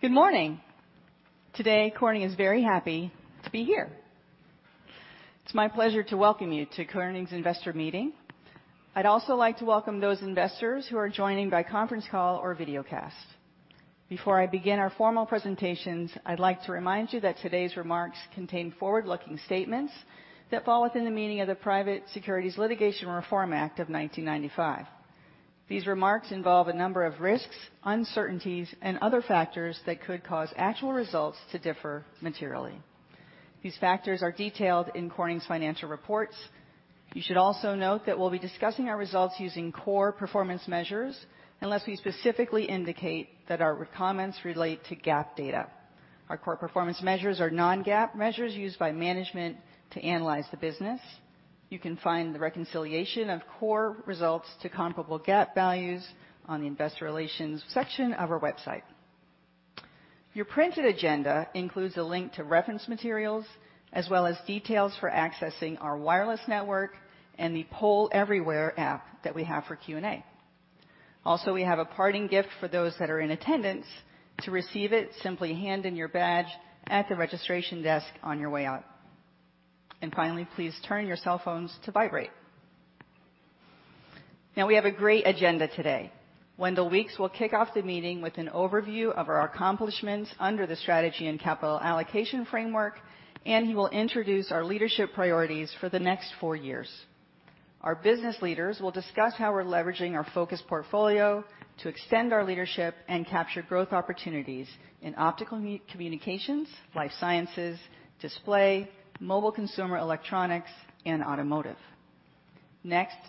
Good morning. Today, Corning is very happy to be here. It's my pleasure to welcome you to Corning's investor meeting. I'd also like to welcome those investors who are joining by conference call or videocast. Before I begin our formal presentations, I'd like to remind you that today's remarks contain forward-looking statements that fall within the meaning of the Private Securities Litigation Reform Act of 1995. These remarks involve a number of risks, uncertainties, and other factors that could cause actual results to differ materially. These factors are detailed in Corning's financial reports. You should also note that we'll be discussing our results using core performance measures, unless we specifically indicate that our comments relate to GAAP data. Our core performance measures are non-GAAP measures used by management to analyze the business. You can find the reconciliation of core results to comparable GAAP values on the investor relations section of our website. Your printed agenda includes a link to reference materials, as well as details for accessing our wireless network and the Poll Everywhere app that we have for Q&A. We have a parting gift for those that are in attendance. To receive it, simply hand in your badge at the registration desk on your way out. Finally, please turn your cell phones to vibrate. We have a great agenda today. Wendell Weeks will kick off the meeting with an overview of our accomplishments under the strategy and capital allocation framework, and he will introduce our leadership priorities for the next four years. Our business leaders will discuss how we're leveraging our focused portfolio to extend our leadership and capture growth opportunities in Optical Communications, Life Sciences, Display, mobile consumer electronics, and automotive.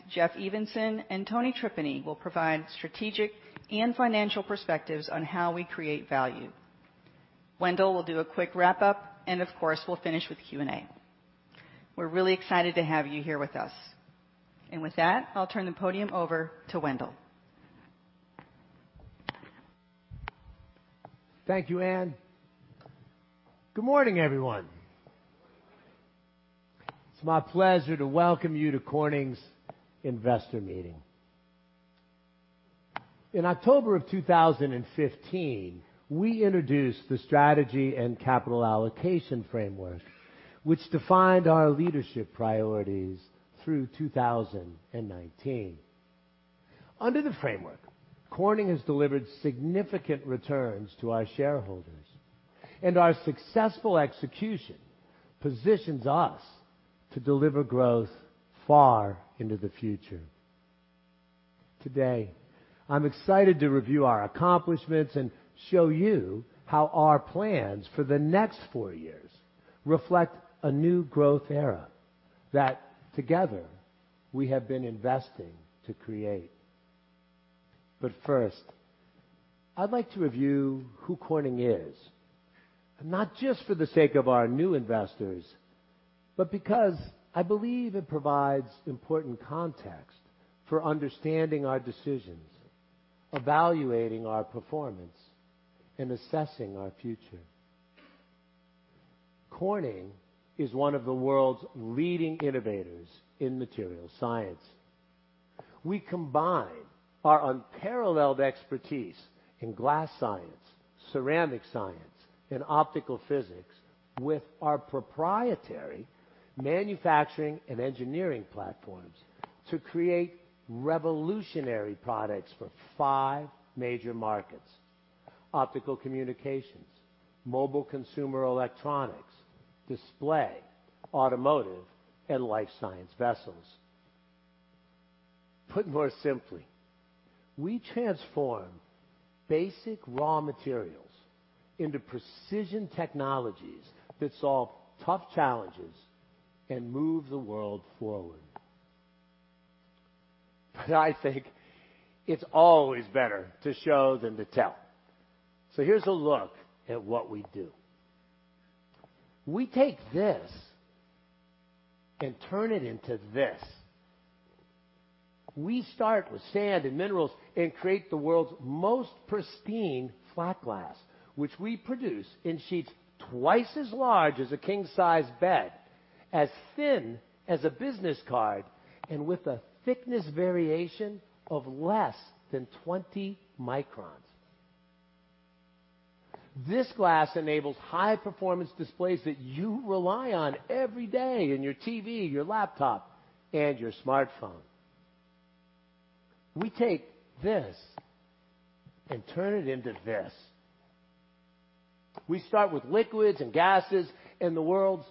Jeff Evenson and Tony Tripeny will provide strategic and financial perspectives on how we create value. Wendell will do a quick wrap-up, of course, we'll finish with Q&A. We're really excited to have you here with us. With that, I'll turn the podium over to Wendell. Thank you, Ann. Good morning, everyone. Good morning. It's my pleasure to welcome you to Corning's investor meeting. In October of 2015, we introduced the strategy and capital allocation framework, which defined our leadership priorities through 2019. Under the framework, Corning has delivered significant returns to our shareholders, and our successful execution positions us to deliver growth far into the future. Today, I'm excited to review our accomplishments and show you how our plans for the next four years reflect a new growth era that together we have been investing to create. First, I'd like to review who Corning is, not just for the sake of our new investors, but because I believe it provides important context for understanding our decisions, evaluating our performance, and assessing our future. Corning is one of the world's leading innovators in material science. We combine our unparalleled expertise in glass science, ceramic science, and optical physics with our proprietary manufacturing and engineering platforms to create revolutionary products for five major markets, Optical Communications, mobile consumer electronics, Display, Automotive, and Life Sciences. Put more simply, we transform basic raw materials into precision technologies that solve tough challenges and move the world forward. I think it's always better to show than to tell. Here's a look at what we do. We take this and turn it into this. We start with sand and minerals and create the world's most pristine flat glass, which we produce in sheets twice as large as a king-size bed, as thin as a business card, and with a thickness variation of less than 20 microns. This glass enables high-performance displays that you rely on every day in your TV, your laptop, and your smartphone. We take this and turn it into this. We start with liquids and gases, the world's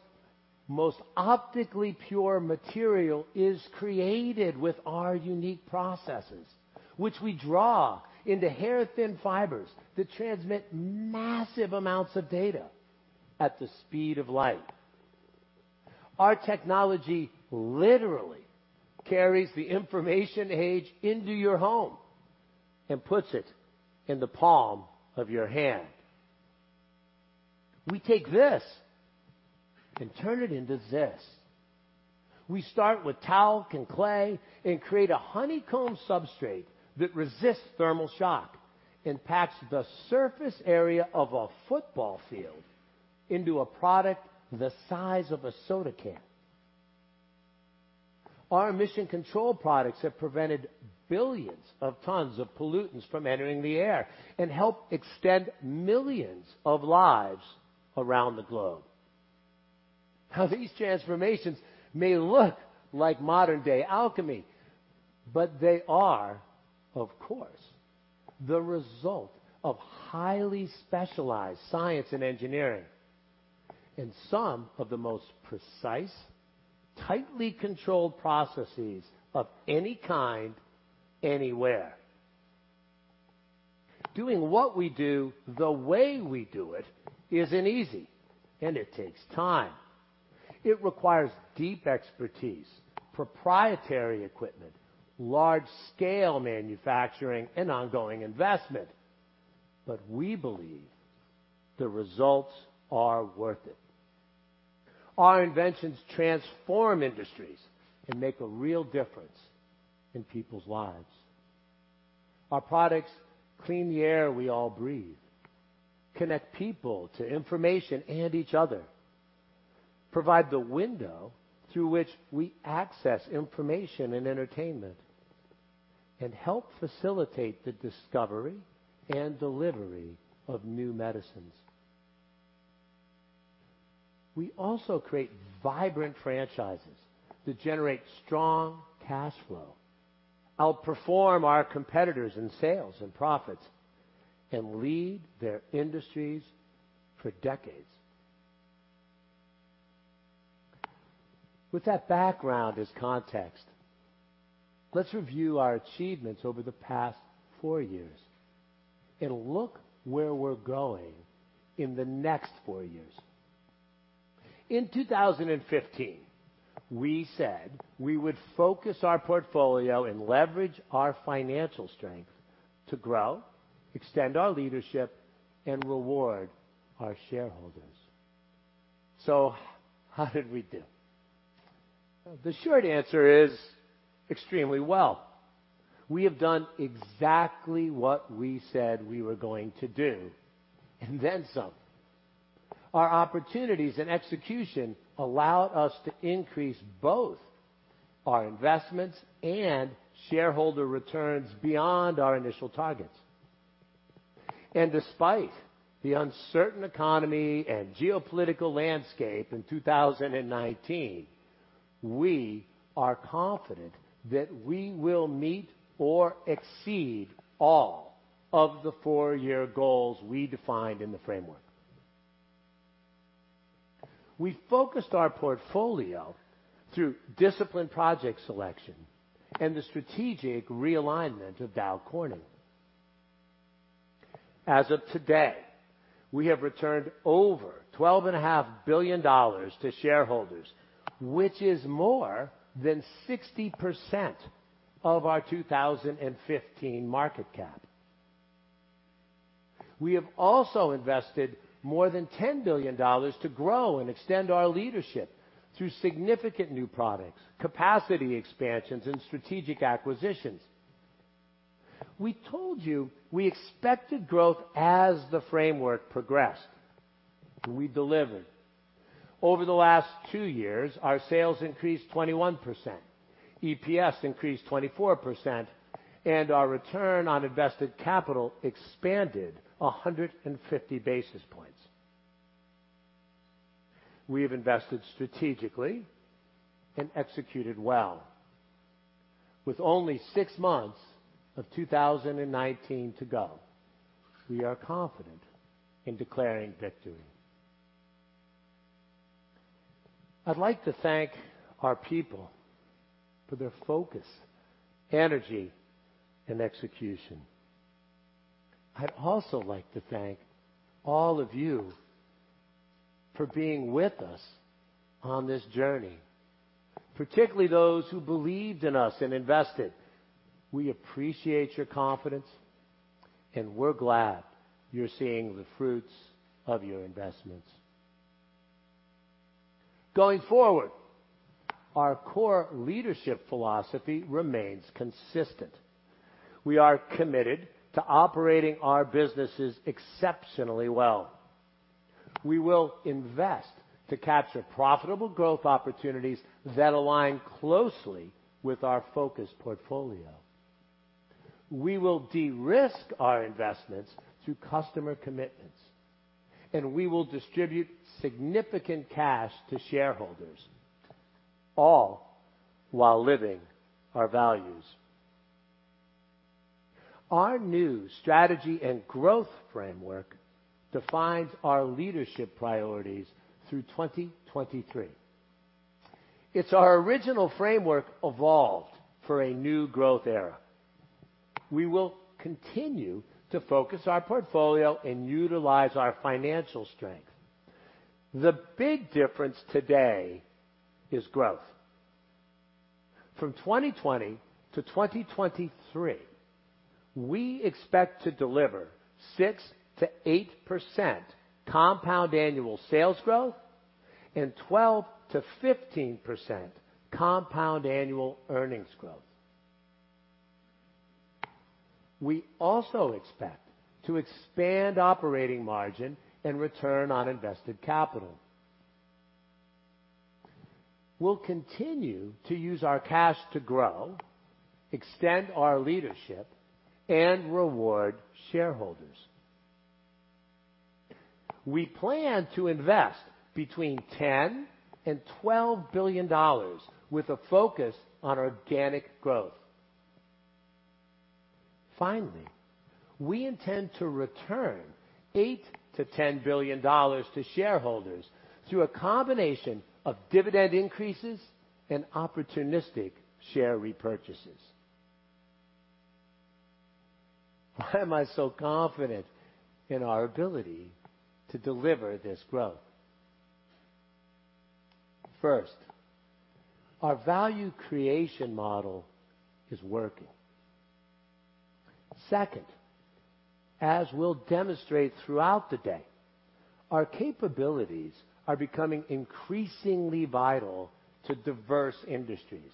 most optically pure material is created with our unique processes, which we draw into hair-thin fibers that transmit massive amounts of data at the speed of light. Our technology literally carries the information age into your home and puts it in the palm of your hand. We take this and turn it into this. We start with talc and clay and create a honeycomb substrate that resists thermal shock and packs the surface area of a football field into a product the size of a soda can. Our emission control products have prevented billions of tons of pollutants from entering the air and helped extend millions of lives around the globe. Now, these transformations may look like modern-day alchemy, but they are, of course, the result of highly specialized science and engineering, and some of the most precise, tightly controlled processes of any kind, anywhere. Doing what we do the way we do it isn't easy, and it takes time. It requires deep expertise, proprietary equipment, large-scale manufacturing, and ongoing investment. We believe the results are worth it. Our inventions transform industries and make a real difference in people's lives. Our products clean the air we all breathe, connect people to information and each other, provide the window through which we access information and entertainment, and help facilitate the discovery and delivery of new medicines. We also create vibrant franchises that generate strong cash flow, outperform our competitors in sales and profits, and lead their industries for decades. With that background as context, let's review our achievements over the past four years and look where we're going in the next four years. In 2015, we said we would focus our portfolio and leverage our financial strength to grow, extend our leadership, and reward our shareholders. How did we do? The short answer is extremely well. We have done exactly what we said we were going to do and then some. Our opportunities and execution allowed us to increase both our investments and shareholder returns beyond our initial targets. Despite the uncertain economy and geopolitical landscape in 2019, we are confident that we will meet or exceed all of the four-year goals we defined in the framework. We focused our portfolio through disciplined project selection and the strategic realignment of Dow Corning. As of today, we have returned over $12.5 billion to shareholders, which is more than 60% of our 2015 market cap. We have also invested more than $10 billion to grow and extend our leadership through significant new products, capacity expansions, and strategic acquisitions. We told you we expected growth as the framework progressed. We delivered. Over the last two years, our sales increased 21%, EPS increased 24%, and our return on invested capital expanded 150 basis points. We have invested strategically and executed well. With only six months of 2019 to go, we are confident in declaring victory. I'd like to thank our people for their focus, energy, and execution. I'd also like to thank all of you for being with us on this journey, particularly those who believed in us and invested. We appreciate your confidence, and we're glad you're seeing the fruits of your investments. Going forward, our core leadership philosophy remains consistent. We are committed to operating our businesses exceptionally well. We will invest to capture profitable growth opportunities that align closely with our focused portfolio. We will de-risk our investments through customer commitments, and we will distribute significant cash to shareholders, all while living our values. Our new strategy and growth framework defines our leadership priorities through 2023. It's our original framework evolved for a new growth era. We will continue to focus our portfolio and utilize our financial strength. The big difference today is growth. From 2020 to 2023, we expect to deliver 6%-8% compound annual sales growth and 12%-15% compound annual earnings growth. We also expect to expand operating margin and return on invested capital. We'll continue to use our cash to grow, extend our leadership, and reward shareholders. We plan to invest between $10 and $12 billion with a focus on organic growth. Finally, we intend to return eight to $10 billion to shareholders through a combination of dividend increases and opportunistic share repurchases. Why am I so confident in our ability to deliver this growth? First, our value creation model is working. Second, as we'll demonstrate throughout the day, our capabilities are becoming increasingly vital to diverse industries.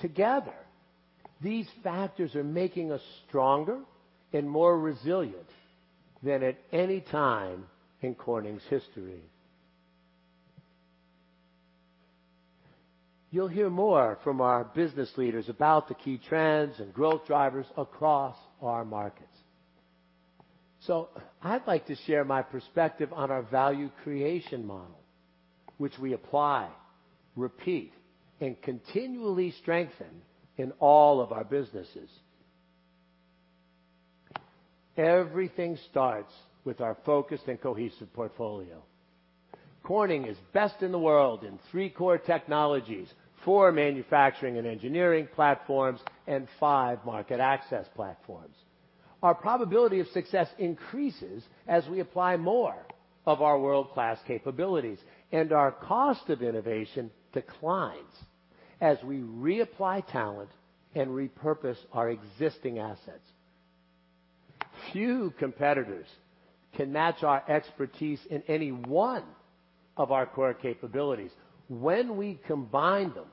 Together, these factors are making us stronger and more resilient than at any time in Corning's history. You'll hear more from our business leaders about the key trends and growth drivers across our markets. I'd like to share my perspective on our value creation model, which we apply, repeat, and continually strengthen in all of our businesses. Everything starts with our focused and cohesive portfolio. Corning is best in the world in three core technologies, four manufacturing and engineering platforms, and five market access platforms. Our probability of success increases as we apply more of our world-class capabilities, and our cost of innovation declines as we reapply talent and repurpose our existing assets. Few competitors can match our expertise in any one of our core capabilities. When we combine them,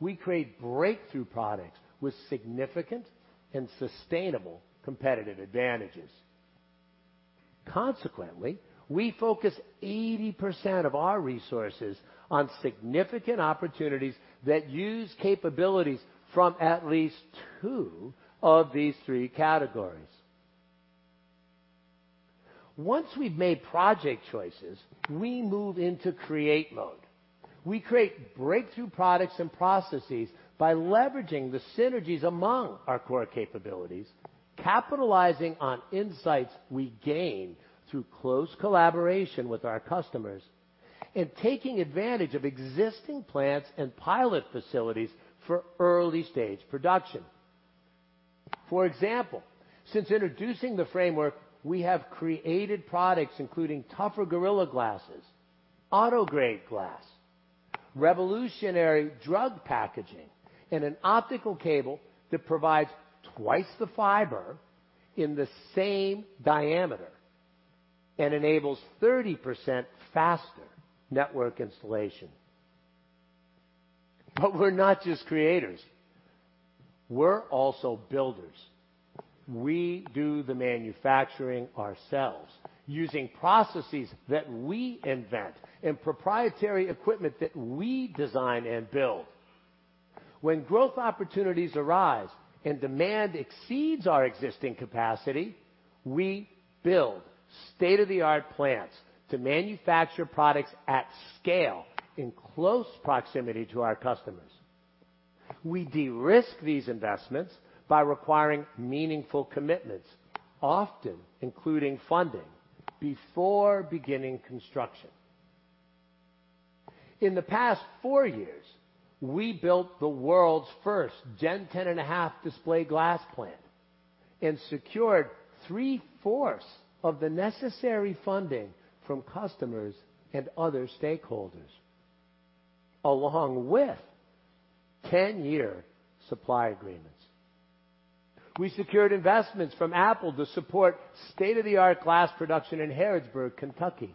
we create breakthrough products with significant and sustainable competitive advantages. Consequently, we focus 80% of our resources on significant opportunities that use capabilities from at least two of these three categories. Once we've made project choices, we move into create mode. We create breakthrough products and processes by leveraging the synergies among our core capabilities, capitalizing on insights we gain through close collaboration with our customers, and taking advantage of existing plants and pilot facilities for early-stage production. For example, since introducing the framework, we have created products including tougher Gorilla Glasses, AutoGrade glass, revolutionary drug packaging, and an optical cable that provides twice the fiber in the same diameter and enables 30% faster network installation. We're not just creators. We're also builders. We do the manufacturing ourselves using processes that we invent and proprietary equipment that we design and build. When growth opportunities arise and demand exceeds our existing capacity, we build state-of-the-art plants to manufacture products at scale in close proximity to our customers. We de-risk these investments by requiring meaningful commitments, often including funding before beginning construction. In the past four years, we built the world's first gen 10.5 display glass plant and secured three-fourths of the necessary funding from customers and other stakeholders, along with 10-year supply agreements. We secured investments from Apple to support state-of-the-art glass production in Harrodsburg, Kentucky.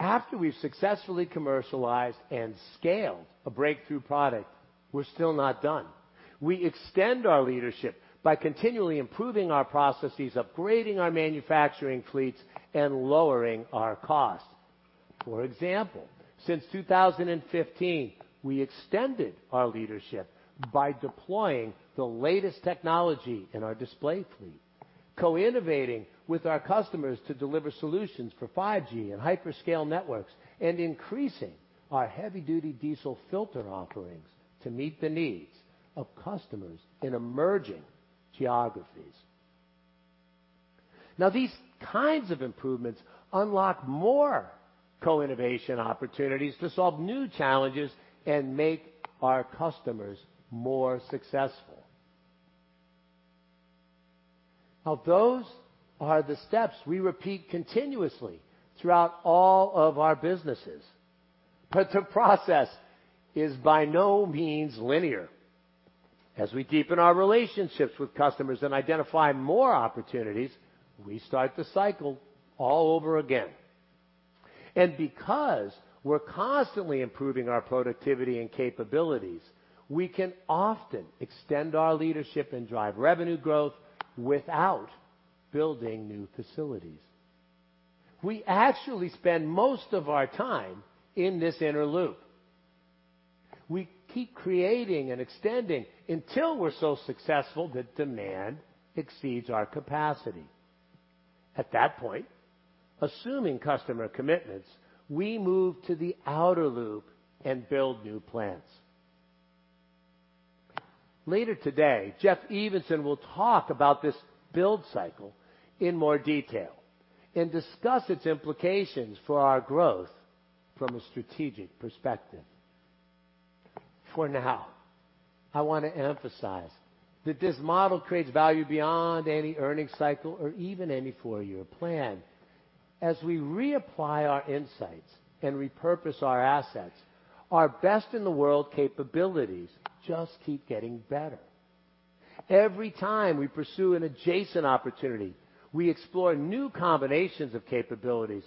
After we've successfully commercialized and scaled a breakthrough product, we're still not done. We extend our leadership by continually improving our processes, upgrading our manufacturing fleets, and lowering our costs. For example, since 2015, we extended our leadership by deploying the latest technology in our display fleet, co-innovating with our customers to deliver solutions for 5G and hyperscale networks, and increasing our heavy-duty diesel filter offerings to meet the needs of customers in emerging geographies. These kinds of improvements unlock more co-innovation opportunities to solve new challenges and make our customers more successful. Those are the steps we repeat continuously throughout all of our businesses, but the process is by no means linear. As we deepen our relationships with customers and identify more opportunities, we start the cycle all over again. Because we're constantly improving our productivity and capabilities, we can often extend our leadership and drive revenue growth without building new facilities. We actually spend most of our time in this inner loop. We keep creating and extending until we're so successful that demand exceeds our capacity. At that point, assuming customer commitments, we move to the outer loop and build new plants. Later today, Jeff Evenson will talk about this build cycle in more detail and discuss its implications for our growth from a strategic perspective. For now, I want to emphasize that this model creates value beyond any earnings cycle or even any four-year plan. As we reapply our insights and repurpose our assets, our best-in-the-world capabilities just keep getting better. Every time we pursue an adjacent opportunity, we explore new combinations of capabilities,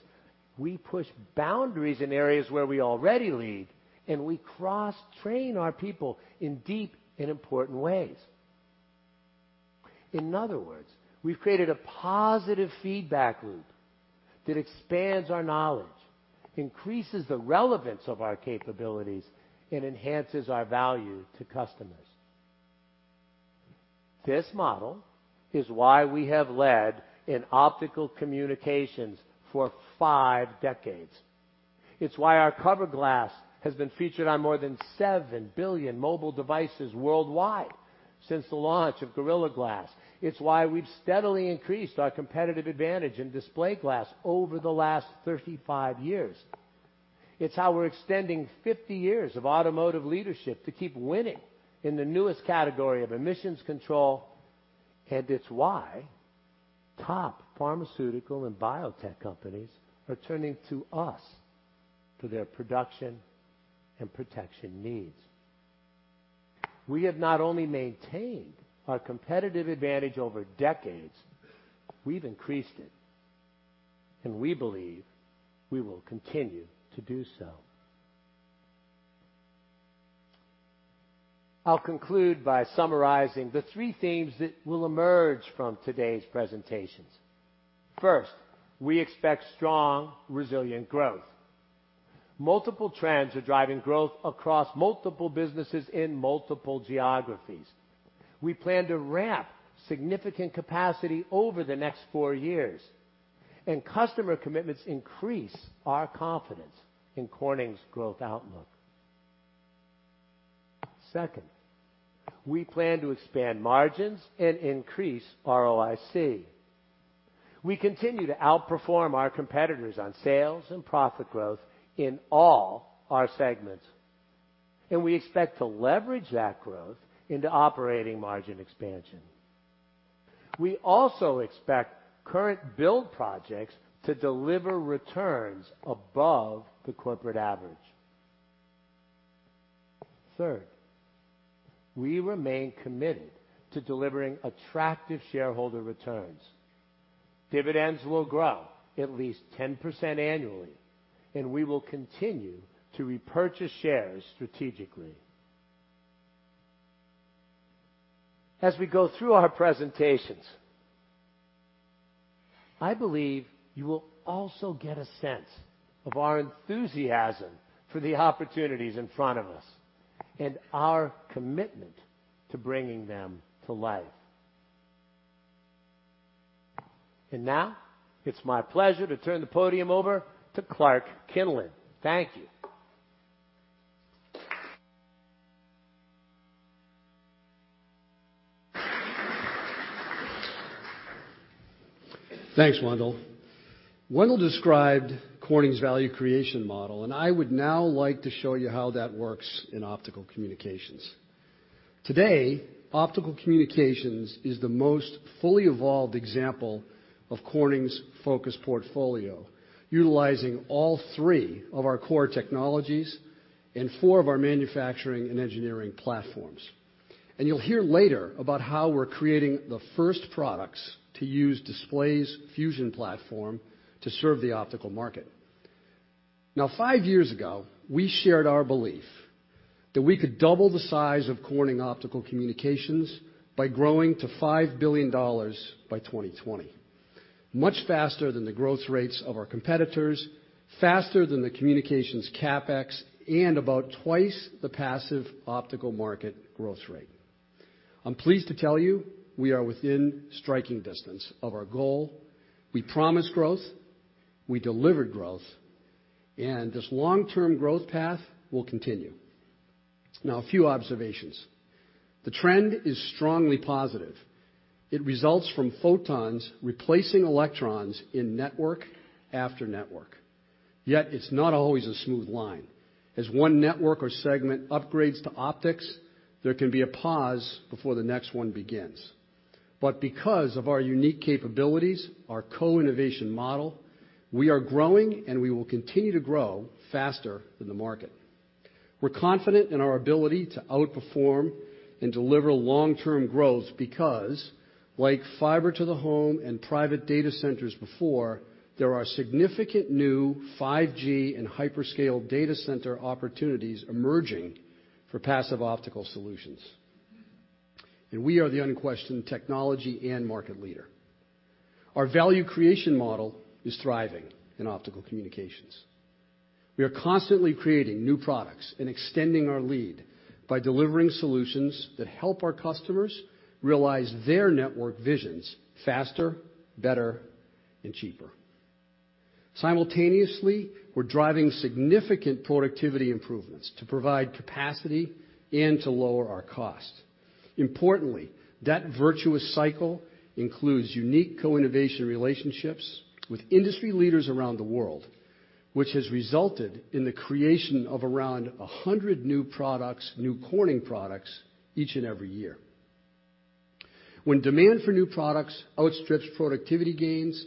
we push boundaries in areas where we already lead, and we cross-train our people in deep and important ways. In other words, we've created a positive feedback loop that expands our knowledge, increases the relevance of our capabilities, and enhances our value to customers. This model is why we have led in optical communications for five decades. It's why our cover glass has been featured on more than seven billion mobile devices worldwide since the launch of Gorilla Glass. It's why we've steadily increased our competitive advantage in display glass over the last 35 years. It's how we're extending 50 years of automotive leadership to keep winning in the newest category of emissions control. It's why top pharmaceutical and biotech companies are turning to us for their production and protection needs. We have not only maintained our competitive advantage over decades, we've increased it. We believe we will continue to do so. I'll conclude by summarizing the three themes that will emerge from today's presentations. First, we expect strong, resilient growth. Multiple trends are driving growth across multiple businesses in multiple geographies. We plan to ramp significant capacity over the next four years. Customer commitments increase our confidence in Corning's growth outlook. Second, we plan to expand margins and increase ROIC. We continue to outperform our competitors on sales and profit growth in all our segments. We expect to leverage that growth into operating margin expansion. We also expect current build projects to deliver returns above the corporate average. Third, we remain committed to delivering attractive shareholder returns. Dividends will grow at least 10% annually. We will continue to repurchase shares strategically. As we go through our presentations, I believe you will also get a sense of our enthusiasm for the opportunities in front of us and our commitment to bringing them to life. Now, it's my pleasure to turn the podium over to Clark Kinlin. Thank you. Thanks, Wendell. Wendell described Corning's value creation model. I would now like to show you how that works in optical communications. Today, Corning Optical Communications is the most fully evolved example of Corning's focused portfolio, utilizing all three of our core technologies and four of our manufacturing and engineering platforms. You'll hear later about how we're creating the first products to use Display's Fusion platform to serve the optical market. 5 years ago, we shared our belief that we could double the size of Corning Optical Communications by growing to $5 billion by 2020, much faster than the growth rates of our competitors, faster than the communications CapEx, and about twice the passive optical market growth rate. I'm pleased to tell you we are within striking distance of our goal. We promised growth, we delivered growth. This long-term growth path will continue. A few observations. The trend is strongly positive. It results from photons replacing electrons in network after network. Yet, it's not always a smooth line. As one network or segment upgrades to optics, there can be a pause before the next one begins. Because of our unique capabilities, our co-innovation model, we are growing, and we will continue to grow faster than the market. We're confident in our ability to outperform and deliver long-term growth because, like fiber to the home and private data centers before, there are significant new 5G and hyperscale data center opportunities emerging for passive optical solutions. We are the unquestioned technology and market leader. Our value creation model is thriving in optical communications. We are constantly creating new products and extending our lead by delivering solutions that help our customers realize their network visions faster, better, and cheaper. Simultaneously, we're driving significant productivity improvements to provide capacity and to lower our cost. Importantly, that virtuous cycle includes unique co-innovation relationships with industry leaders around the world, which has resulted in the creation of around 100 new products, new Corning products, each and every year. When demand for new products outstrips productivity gains,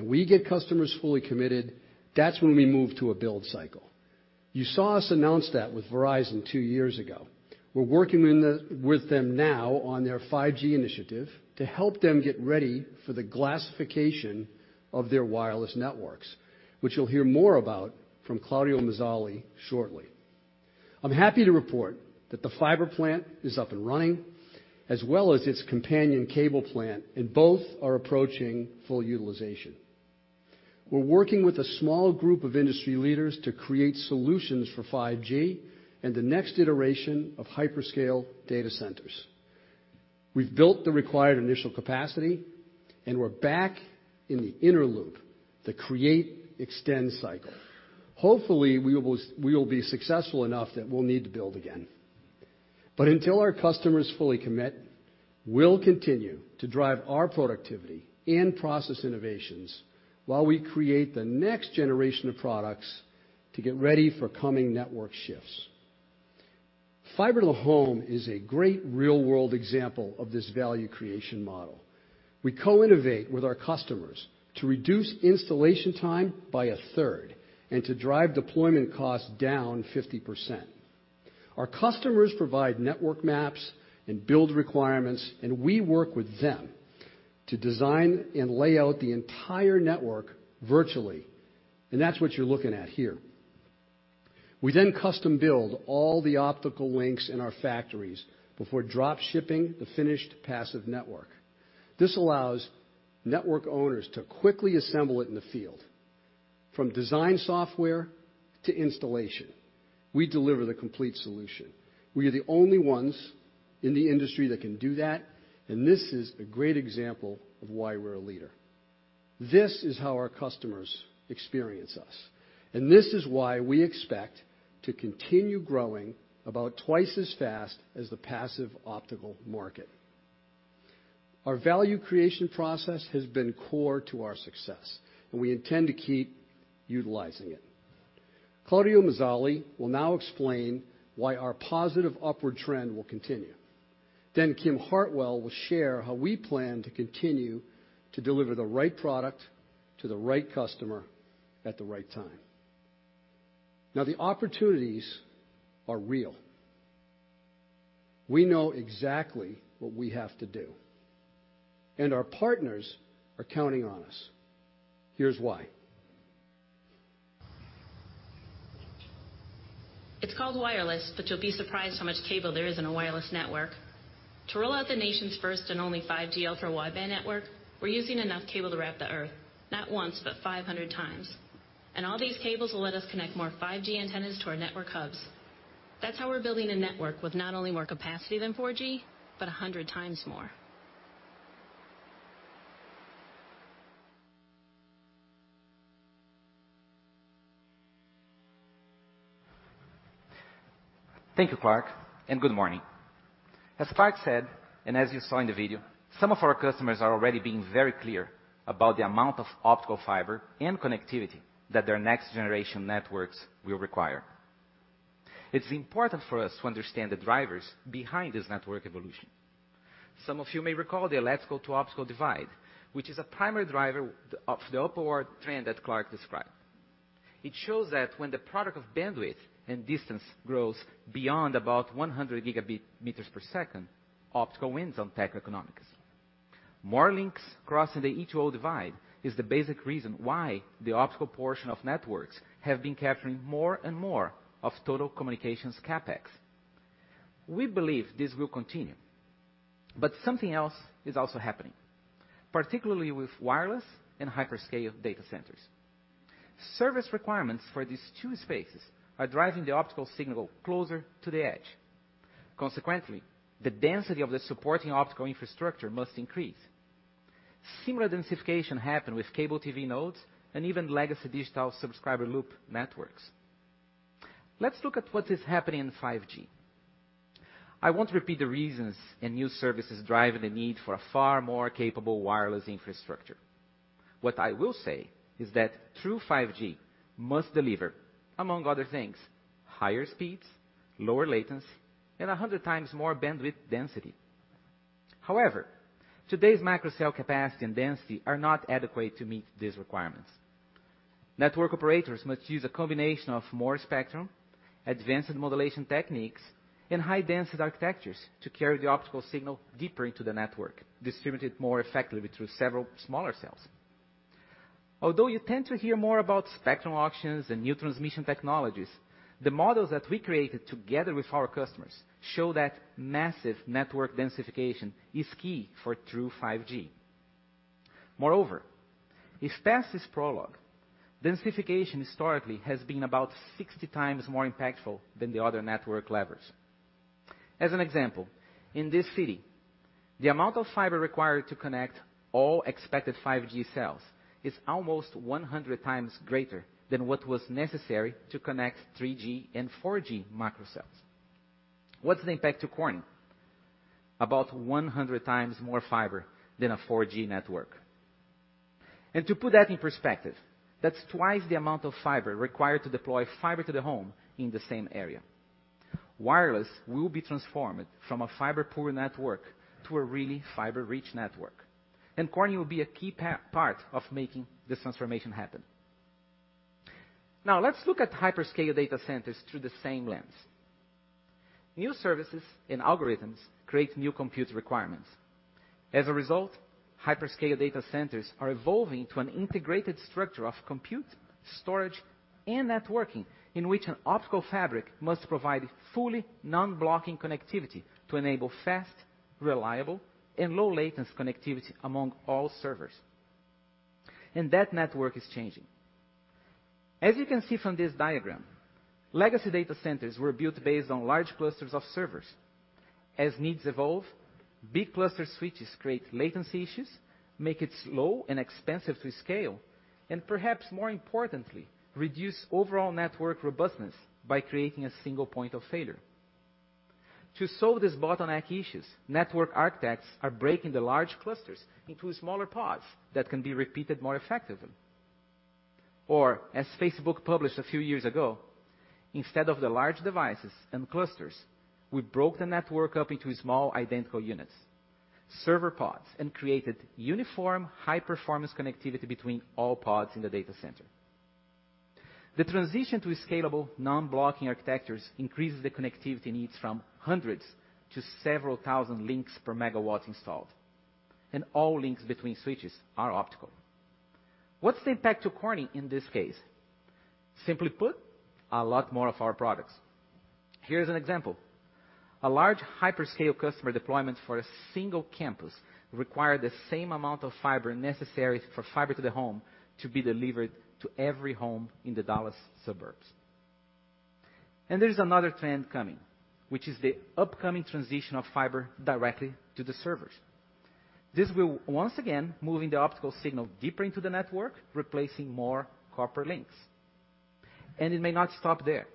we get customers fully committed, that's when we move to a build cycle. You saw us announce that with Verizon 2 years ago. We're working with them now on their 5G initiative to help them get ready for the glassification of their wireless networks, which you'll hear more about from Claudio Mazzali shortly. I'm happy to report that the fiber plant is up and running, as well as its companion cable plant. Both are approaching full utilization. We're working with a small group of industry leaders to create solutions for 5G and the next iteration of hyperscale data centers. We've built the required initial capacity. We're back in the inner loop, the create-extend cycle. Hopefully, we will be successful enough that we'll need to build again. Until our customers fully commit, we'll continue to drive our productivity and process innovations while we create the next generation of products to get ready for coming network shifts. Fiber to the home is a great real-world example of this value creation model. We co-innovate with our customers to reduce installation time by a third and to drive deployment costs down 50%. Our customers provide network maps and build requirements. We work with them to design and lay out the entire network virtually, and that's what you're looking at here. We then custom build all the optical links in our factories before drop shipping the finished passive network. This allows network owners to quickly assemble it in the field. From design software to installation, we deliver the complete solution. We are the only ones in the industry that can do that, and this is a great example of why we're a leader. This is how our customers experience us, and this is why we expect to continue growing about twice as fast as the passive optical market. Our value creation process has been core to our success, and we intend to keep utilizing it. Claudio Mazzali will now explain why our positive upward trend will continue. Kim Hartwell will share how we plan to continue to deliver the right product to the right customer at the right time. The opportunities are real. We know exactly what we have to do, and our partners are counting on us. Here's why. It's called wireless, but you'll be surprised how much cable there is in a wireless network. To roll out the nation's first and only 5G ultra wideband network, we're using enough cable to wrap the Earth, not once, but 500 times. All these cables will let us connect more 5G antennas to our network hubs. That's how we're building a network with not only more capacity than 4G, but 100 times more. Thank you, Clark, and good morning. As Clark said, and as you saw in the video, some of our customers are already being very clear about the amount of optical fiber and connectivity that their next generation networks will require. It's important for us to understand the drivers behind this network evolution. Some of you may recall the electrical-to-optical divide, which is a primary driver of the upward trend that Clark described. It shows that when the product of bandwidth and distance grows beyond about 100 gigabit meters per second, optical wins on tech economics. More links crossing the E/O divide is the basic reason why the optical portion of networks have been capturing more and more of total communications CapEx. Something else is also happening, particularly with wireless and hyperscale data centers. Service requirements for these two spaces are driving the optical signal closer to the edge. Consequently, the density of the supporting optical infrastructure must increase. Similar densification happened with cable TV nodes and even legacy Digital Subscriber Loop networks. Let's look at what is happening in 5G. I won't repeat the reasons and new services driving the need for a far more capable wireless infrastructure. What I will say is that true 5G must deliver, among other things, higher speeds, lower latency, and 100 times more bandwidth density. However, today's micro cell capacity and density are not adequate to meet these requirements. Network operators must use a combination of more spectrum, advanced modulation techniques, and high-density architectures to carry the optical signal deeper into the network, distributed more effectively through several smaller cells. Although you tend to hear more about spectrum auctions and new transmission technologies, the models that we created together with our customers show that massive network densification is key for true 5G. Moreover, if past is prologue, densification historically has been about 60 times more impactful than the other network levers. As an example, in this city, the amount of fiber required to connect all expected 5G cells is almost 100 times greater than what was necessary to connect 3G and 4G micro cells. What's the impact to Corning? About 100 times more fiber than a 4G network. To put that in perspective, that's twice the amount of fiber required to deploy fiber to the home in the same area. Wireless will be transformed from a fiber-poor network to a really fiber-rich network, and Corning will be a key part of making this transformation happen. Let's look at hyperscale data centers through the same lens. New services and algorithms create new compute requirements. As a result, hyperscale data centers are evolving to an integrated structure of compute, storage, and networking in which an optical fabric must provide fully non-blocking connectivity to enable fast, reliable, and low-latency connectivity among all servers. That network is changing. As you can see from this diagram, legacy data centers were built based on large clusters of servers. As needs evolve, big cluster switches create latency issues, make it slow and expensive to scale, and perhaps more importantly, reduce overall network robustness by creating a single point of failure. To solve these bottleneck issues, network architects are breaking the large clusters into smaller pods that can be repeated more effectively. As Facebook published a few years ago, instead of the large devices and clusters, we broke the network up into small, identical units, server pods, and created uniform high-performance connectivity between all pods in the data center. The transition to scalable non-blocking architectures increases the connectivity needs from hundreds to several thousand links per megawatt installed, and all links between switches are optical. What's the impact to Corning in this case? Simply put, a lot more of our products. Here's an example. A large hyperscale customer deployment for a single campus require the same amount of fiber necessary for fiber to the home to be delivered to every home in the Dallas suburbs. There is another trend coming, which is the upcoming transition of fiber directly to the servers. This will once again move the optical signal deeper into the network, replacing more copper links. It may not stop there.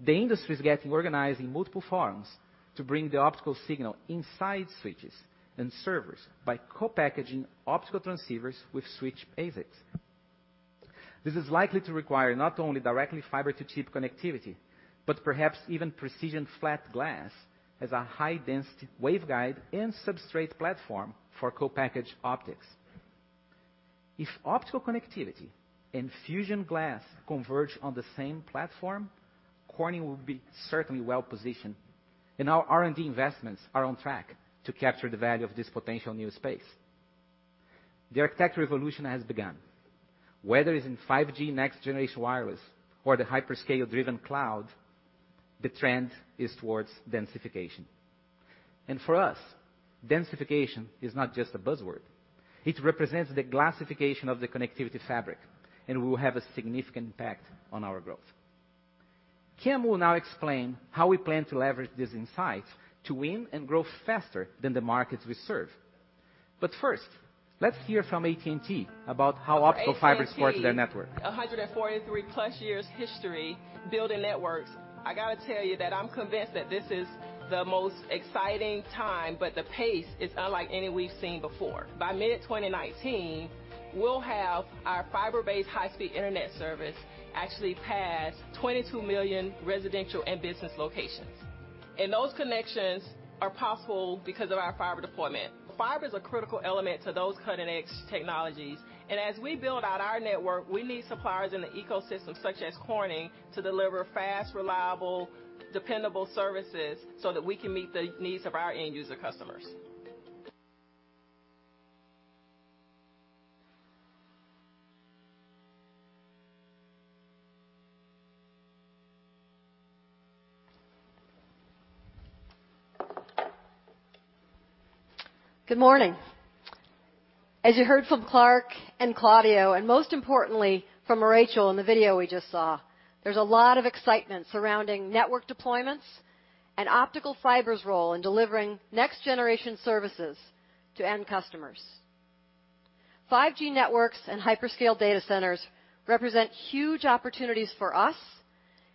The industry is getting organized in multiple forums to bring the optical signal inside switches and servers by co-packaging optical transceivers with switch ASICs. This is likely to require not only directly fiber to chip connectivity, but perhaps even precision flat glass as a high-density waveguide and substrate platform for Co-Packaged Optics. If optical connectivity and Fusion glass converge on the same platform, Corning will be certainly well positioned, and our R&D investments are on track to capture the value of this potential new space. The architect revolution has begun. Whether it's in 5G next-generation wireless or the hyperscale-driven cloud, the trend is towards densification. For us, densification is not just a buzzword. It represents the glassification of the connectivity fabric and will have a significant impact on our growth. Kim will now explain how we plan to leverage this insight to win and grow faster than the markets we serve. First, let's hear from AT&T about how optical fiber supports their network. AT&T. 143+ years history building networks. I got to tell you that I'm convinced that this is the most exciting time, but the pace is unlike any we've seen before. By mid-2019, we'll have our fiber-based high-speed internet service actually pass 22 million residential and business locations, and those connections are possible because of our fiber deployment. Fiber's a critical element to those cutting-edge technologies, and as we build out our network, we need suppliers in the ecosystem, such as Corning, to deliver fast, reliable, dependable services so that we can meet the needs of our end user customers. Good morning. As you heard from Clark and Claudio, and most importantly from Rachel in the video we just saw, there's a lot of excitement surrounding network deployments and optical fiber's role in delivering next-generation services to end customers. 5G networks and hyperscale data centers represent huge opportunities for us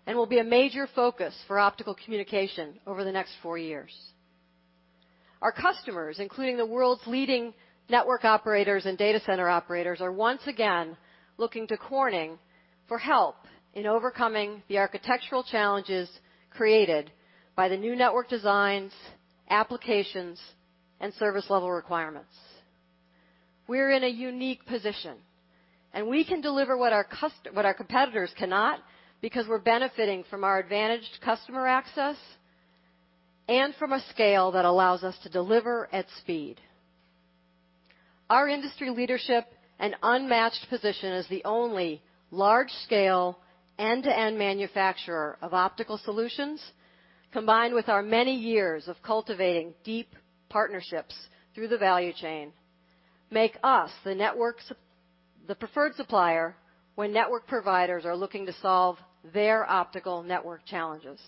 and will be a major focus for optical communication over the next four years. Our customers, including the world's leading network operators and data center operators, are once again looking to Corning for help in overcoming the architectural challenges created by the new network designs, applications, and service level requirements. We're in a unique position, and we can deliver what our competitors cannot because we're benefiting from our advantaged customer access and from a scale that allows us to deliver at speed. Our industry leadership and unmatched position as the only large-scale end-to-end manufacturer of optical solutions, combined with our many years of cultivating deep partnerships through the value chain, make us the preferred supplier when network providers are looking to solve their optical network challenges.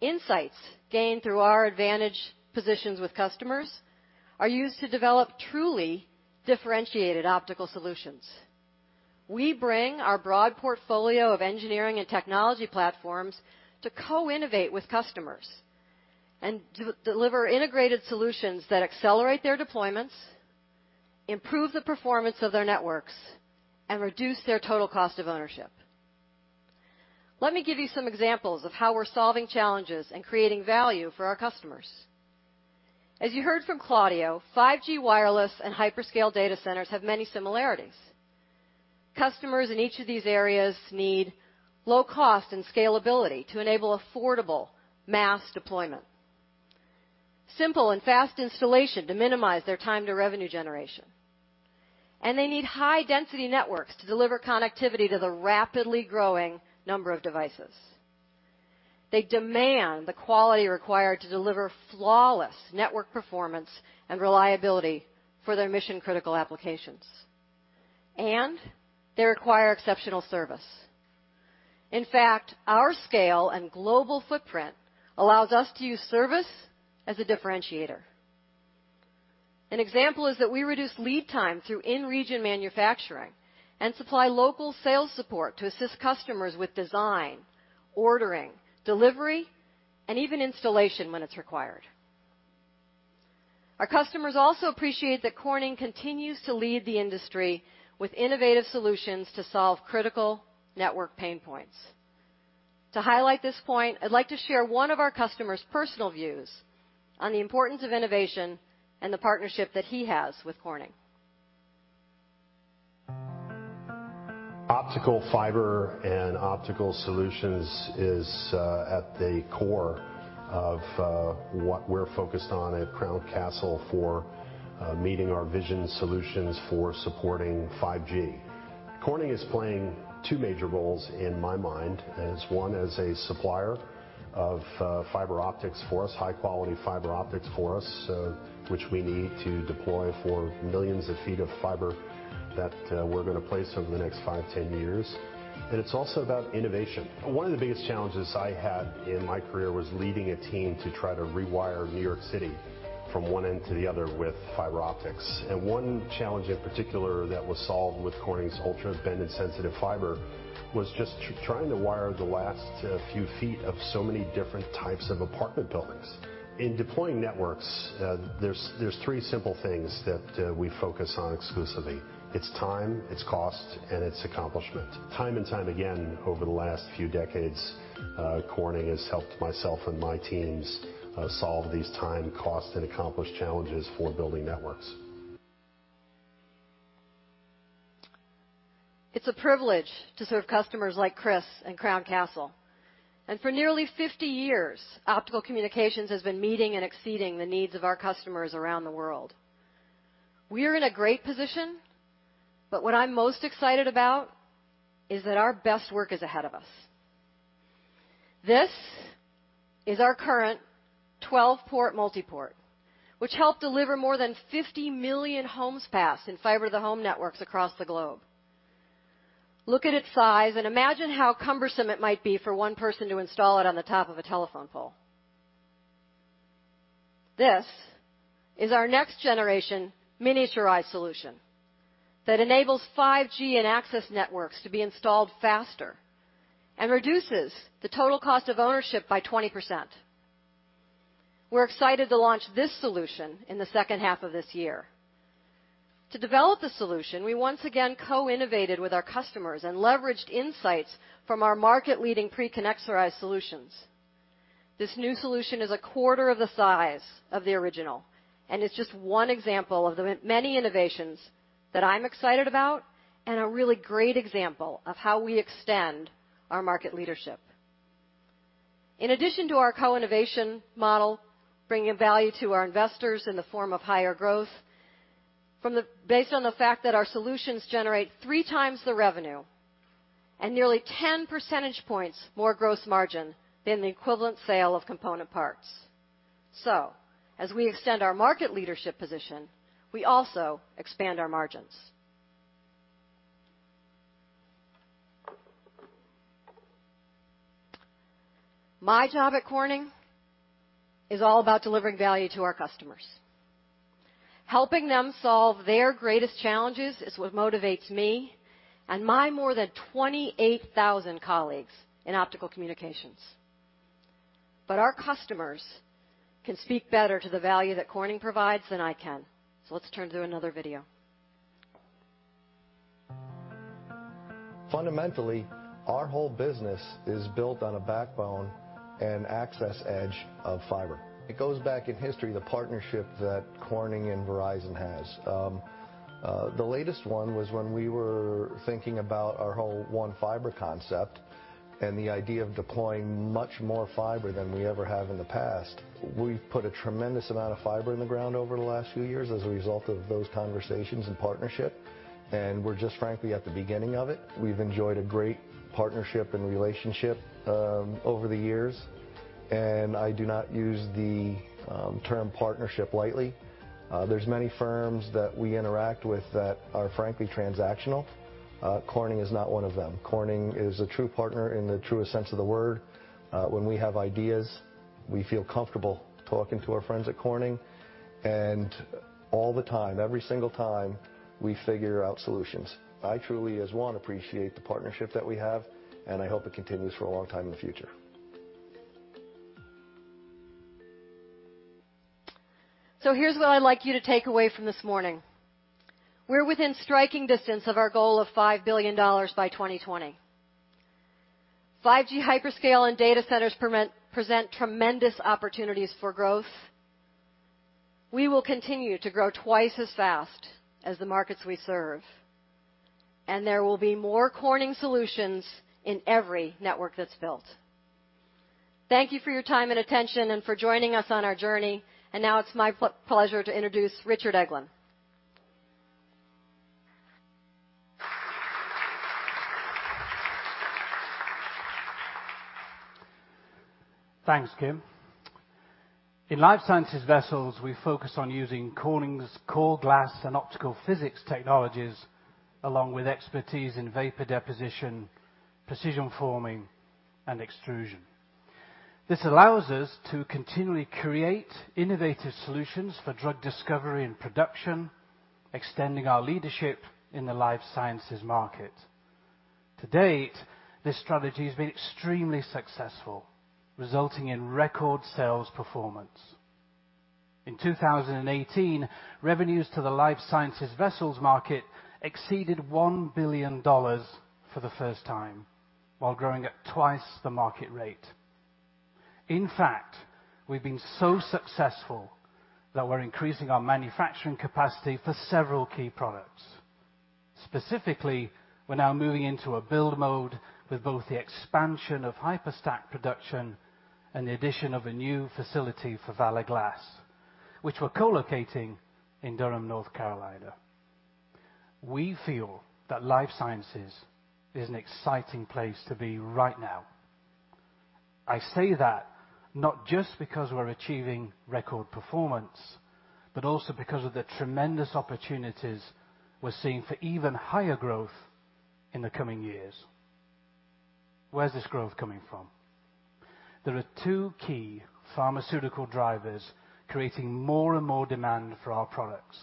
Insights gained through our advantage positions with customers are used to develop truly differentiated optical solutions. We bring our broad portfolio of engineering and technology platforms to co-innovate with customers and deliver integrated solutions that accelerate their deployments, improve the performance of their networks, and reduce their total cost of ownership. Let me give you some examples of how we're solving challenges and creating value for our customers. As you heard from Claudio, 5G wireless and hyperscale data centers have many similarities. Customers in each of these areas need low cost and scalability to enable affordable mass deployment, simple and fast installation to minimize their time to revenue generation, and they need high density networks to deliver connectivity to the rapidly growing number of devices. They demand the quality required to deliver flawless network performance and reliability for their mission-critical applications. They require exceptional service. In fact, our scale and global footprint allows us to use service as a differentiator. An example is that we reduce lead time through in-region manufacturing and supply local sales support to assist customers with design, ordering, delivery, and even installation when it's required. Our customers also appreciate that Corning continues to lead the industry with innovative solutions to solve critical network pain points. To highlight this point, I'd like to share one of our customer's personal views on the importance of innovation and the partnership that he has with Corning. Optical fiber and optical solutions is at the core of what we're focused on at Crown Castle for meeting our vision solutions for supporting 5G. Corning is playing two major roles in my mind. As one, as a supplier of fiber optics for us, high quality fiber optics for us, which we need to deploy for millions of feet of fiber that we're going to place over the next five, 10 years. It's also about innovation. One of the biggest challenges I had in my career was leading a team to try to rewire New York City from one end to the other with fiber optics. One challenge in particular that was solved with Corning's ultra bend-insensitive fiber was just trying to wire the last few feet of so many different types of apartment buildings. In deploying networks, there's three simple things that we focus on exclusively. It's time, it's cost, and it's accomplishment. Time and time again, over the last few decades, Corning has helped myself and my teams solve these time, cost, and accomplish challenges for building networks. It's a privilege to serve customers like Chris and Crown Castle. For nearly 50 years, Optical Communications has been meeting and exceeding the needs of our customers around the world. We are in a great position, what I'm most excited about is that our best work is ahead of us. This is our current 12-port multi-port, which helped deliver more than 50 million homes passed in fiber to the home networks across the globe. Look at its size and imagine how cumbersome it might be for one person to install it on the top of a telephone pole. This is our next generation miniaturized solution that enables 5G and access networks to be installed faster and reduces the total cost of ownership by 20%. We're excited to launch this solution in the second half of this year. To develop the solution, we once again co-innovated with our customers and leveraged insights from our market-leading pre-connectorized solutions. This new solution is a quarter of the size of the original, it's just one example of the many innovations that I'm excited about and a really great example of how we extend our market leadership. In addition to our co-innovation model, bringing value to our investors in the form of higher growth, based on the fact that our solutions generate three times the revenue and nearly 10 percentage points more gross margin than the equivalent sale of component parts. As we extend our market leadership position, we also expand our margin. My job at Corning is all about delivering value to our customers. Helping them solve their greatest challenges is what motivates me and my more than 28,000 colleagues in Optical Communications. Our customers can speak better to the value that Corning provides than I can. Let's turn to another video. Fundamentally, our whole business is built on a backbone and access edge of fiber. It goes back in history, the partnership that Corning and Verizon has. The latest one was when we were thinking about our whole one fiber concept and the idea of deploying much more fiber than we ever have in the past. We've put a tremendous amount of fiber in the ground over the last few years as a result of those conversations and partnership, and we're just frankly at the beginning of it. We've enjoyed a great partnership and relationship, over the years, and I do not use the term partnership lightly. There's many firms that we interact with that are frankly transactional. Corning is not one of them. Corning is a true partner in the truest sense of the word. When we have ideas, we feel comfortable talking to our friends at Corning, and all the time, every single time, we figure out solutions. I truly, as one, appreciate the partnership that we have, and I hope it continues for a long time in the future. Here's what I'd like you to take away from this morning. We're within striking distance of our goal of $5 billion by 2020. 5G hyperscale and data centers present tremendous opportunities for growth. We will continue to grow twice as fast as the markets we serve, and there will be more Corning solutions in every network that's built. Thank you for your time and attention and for joining us on our journey. Now it's my pleasure to introduce Richard Eglen. Thanks, Kim. In Life Sciences vessels, we focus on using Corning's core glass and optical physics technologies, along with expertise in vapor deposition, precision forming, and extrusion. This allows us to continually create innovative solutions for drug discovery and production, extending our leadership in the life sciences market. To date, this strategy has been extremely successful, resulting in record sales performance. In 2018, revenues to the life sciences vessels market exceeded $1 billion for the first time, while growing at twice the market rate. In fact, we've been so successful that we're increasing our manufacturing capacity for several key products. Specifically, we're now moving into a build mode with both the expansion of HYPERStack production and the addition of a new facility for Valor Glass, which we're co-locating in Durham, North Carolina. We feel that life sciences is an exciting place to be right now. I say that not just because we're achieving record performance, but also because of the tremendous opportunities we're seeing for even higher growth in the coming years. Where's this growth coming from? There are two key pharmaceutical drivers creating more and more demand for our products.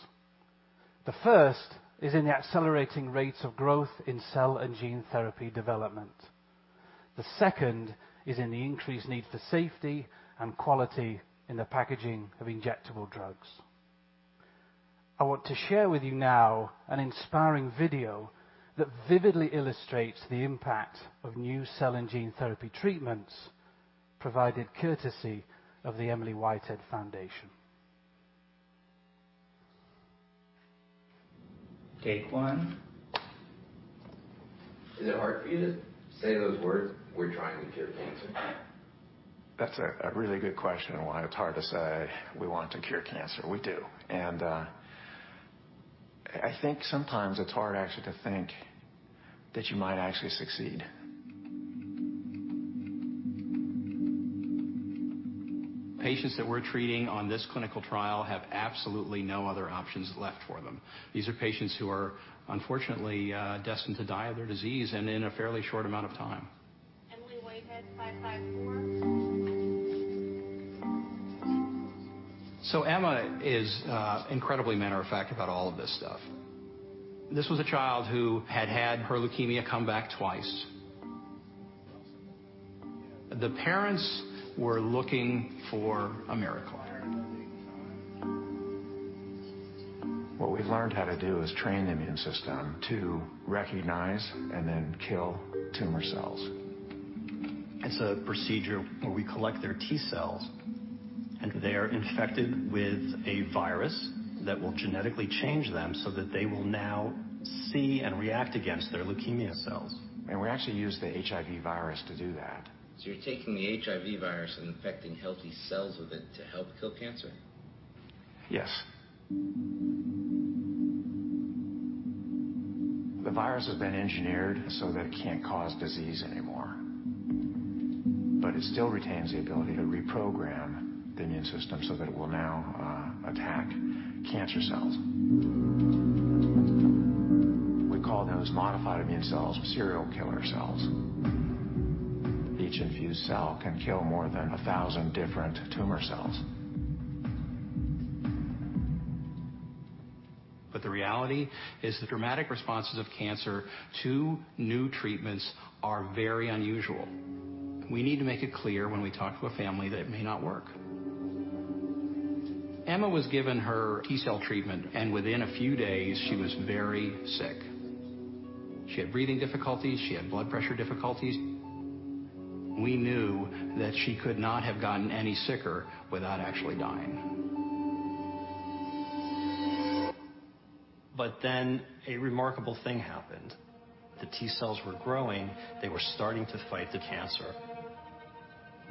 The first is in the accelerating rates of growth in cell and gene therapy development. The second is in the increased need for safety and quality in the packaging of injectable drugs. I want to share with you now an inspiring video that vividly illustrates the impact of new cell and gene therapy treatments, provided courtesy of the Emily Whitehead Foundation. Take one. Is it hard for you to say those words, "We're trying to cure cancer"? That's a really good question, why it's hard to say we want to cure cancer. We do. I think sometimes it's hard actually to think that you might actually succeed. Patients that we're treating on this clinical trial have absolutely no other options left for them. These are patients who are unfortunately destined to die of their disease and in a fairly short amount of time. Emily Whitehead, 554. Emma is incredibly matter of fact about all of this stuff. This was a child who had had her leukemia come back twice. The parents were looking for a miracle. What we've learned how to do is train the immune system to recognize and then kill tumor cells. It's a procedure where we collect their T cells, and they are infected with a virus that will genetically change them so that they will now see and react against their leukemia cells. We actually use the HIV virus to do that. You're taking the HIV virus and infecting healthy cells with it to help kill cancer? Yes. The virus has been engineered so that it can't cause disease anymore, but it still retains the ability to reprogram the immune system so that it will now attack cancer cells. We call those modified immune cells serial killer cells. Each infused cell can kill more than a thousand different tumor cells. The reality is the dramatic responses of cancer to new treatments are very unusual. We need to make it clear when we talk to a family that it may not work. Emma was given her T-cell treatment, and within a few days she was very sick. She had breathing difficulties. She had blood pressure difficulties. We knew that she could not have gotten any sicker without actually dying. A remarkable thing happened. The T cells were growing. They were starting to fight the cancer.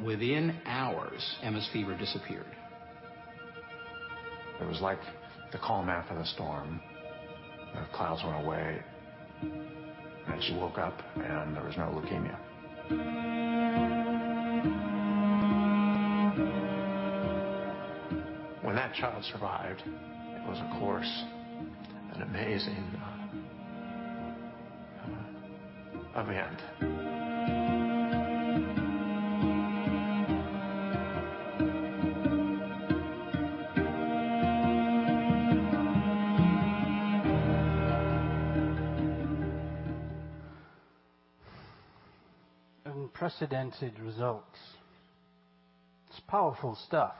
Within hours, Emma's fever disappeared. It was like the calm after the storm. The clouds went away, and she woke up, and there was no leukemia. When that child survived, it was, of course, an amazing event. Unprecedented results. It's powerful stuff.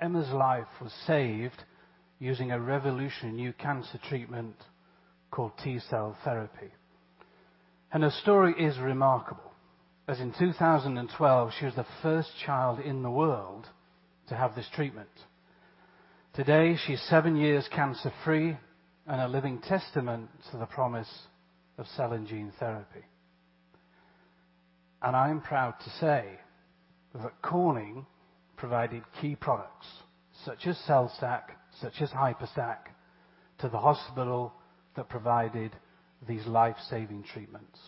Emma's life was saved using a revolutionary new cancer treatment called T-cell therapy. Her story is remarkable, as in 2012, she was the first child in the world to have this treatment. Today, she's seven years cancer-free and a living testament to the promise of cell and gene therapy. I am proud to say that Corning provided key products such as CellSTACK, such as HYPERStack, to the hospital that provided these life-saving treatments.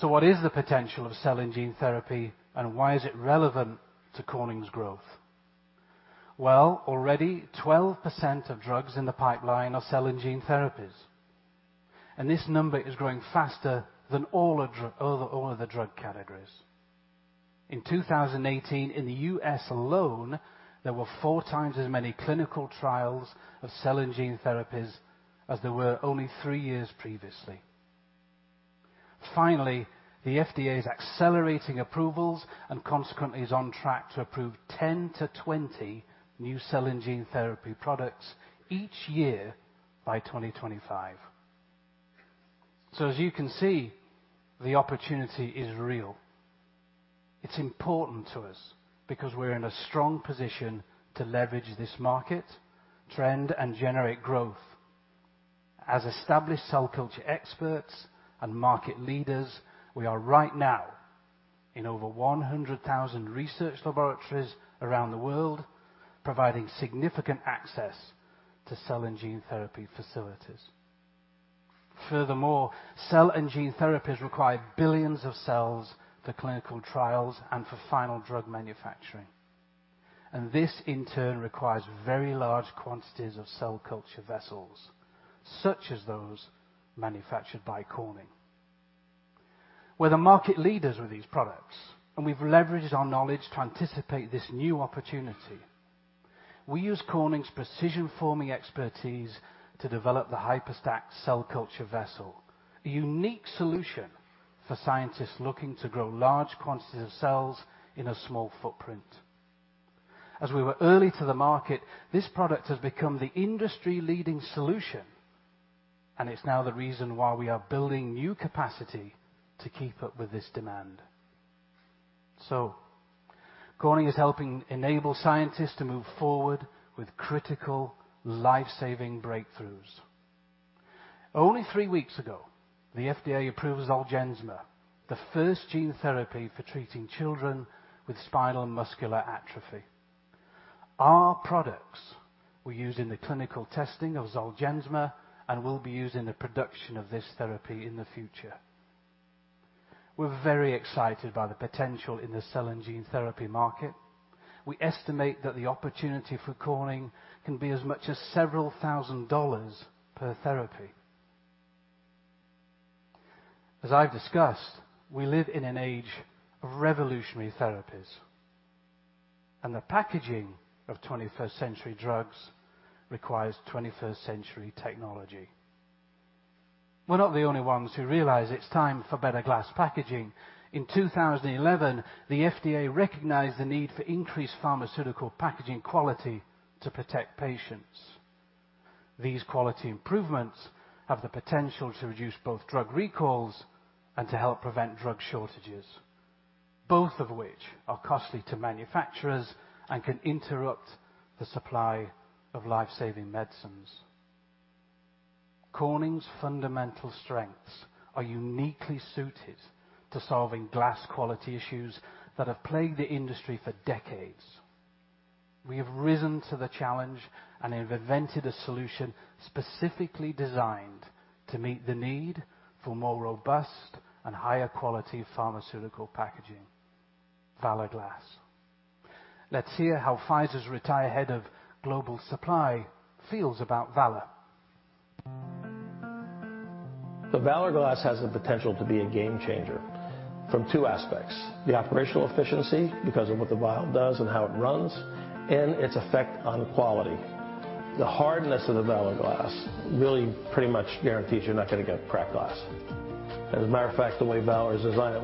What is the potential of cell and gene therapy, and why is it relevant to Corning's growth? Already 12% of drugs in the pipeline are cell and gene therapies, and this number is growing faster than all of the drug categories. In 2018, in the U.S. alone, there were four times as many clinical trials of cell and gene therapies as there were only three years previously. Finally, the FDA is accelerating approvals and consequently is on track to approve 10-20 new cell and gene therapy products each year by 2025. As you can see, the opportunity is real. It's important to us because we're in a strong position to leverage this market trend and generate growth. As established cell culture experts and market leaders, we are right now in over 100,000 research laboratories around the world, providing significant access to cell and gene therapy facilities. Furthermore, cell and gene therapies require billions of cells for clinical trials and for final drug manufacturing. This in turn requires very large quantities of cell culture vessels, such as those manufactured by Corning. We're the market leaders with these products, and we've leveraged our knowledge to anticipate this new opportunity. We use Corning's precision forming expertise to develop the HYPERStack cell culture vessel, a unique solution for scientists looking to grow large quantities of cells in a small footprint. As we were early to the market, this product has become the industry-leading solution, and it's now the reason why we are building new capacity to keep up with this demand. Corning is helping enable scientists to move forward with critical life-saving breakthroughs. Only three weeks ago, the FDA approved ZOLGENSMA, the first gene therapy for treating children with spinal muscular atrophy. Our products were used in the clinical testing of ZOLGENSMA and will be used in the production of this therapy in the future. We're very excited by the potential in the cell and gene therapy market. We estimate that the opportunity for Corning can be as much as several thousand dollars per therapy. As I've discussed, we live in an age of revolutionary therapies, and the packaging of 21st-century drugs requires 21st-century technology. We're not the only ones who realize it's time for better glass packaging. In 2011, the FDA recognized the need for increased pharmaceutical packaging quality to protect patients. These quality improvements have the potential to reduce both drug recalls and to help prevent drug shortages, both of which are costly to manufacturers and can interrupt the supply of life-saving medicines. Corning's fundamental strengths are uniquely suited to solving glass quality issues that have plagued the industry for decades. We have risen to the challenge and have invented a solution specifically designed to meet the need for more robust and higher-quality pharmaceutical packaging, Valor Glass. Let's hear how Pfizer's retired head of global supply feels about Valor. The Valor Glass has the potential to be a game changer from two aspects: the operational efficiency, because of what the vial does and how it runs, and its effect on quality. The hardness of the Valor Glass really pretty much guarantees you're not going to get cracked glass. As a matter of fact, the way Valor is designed,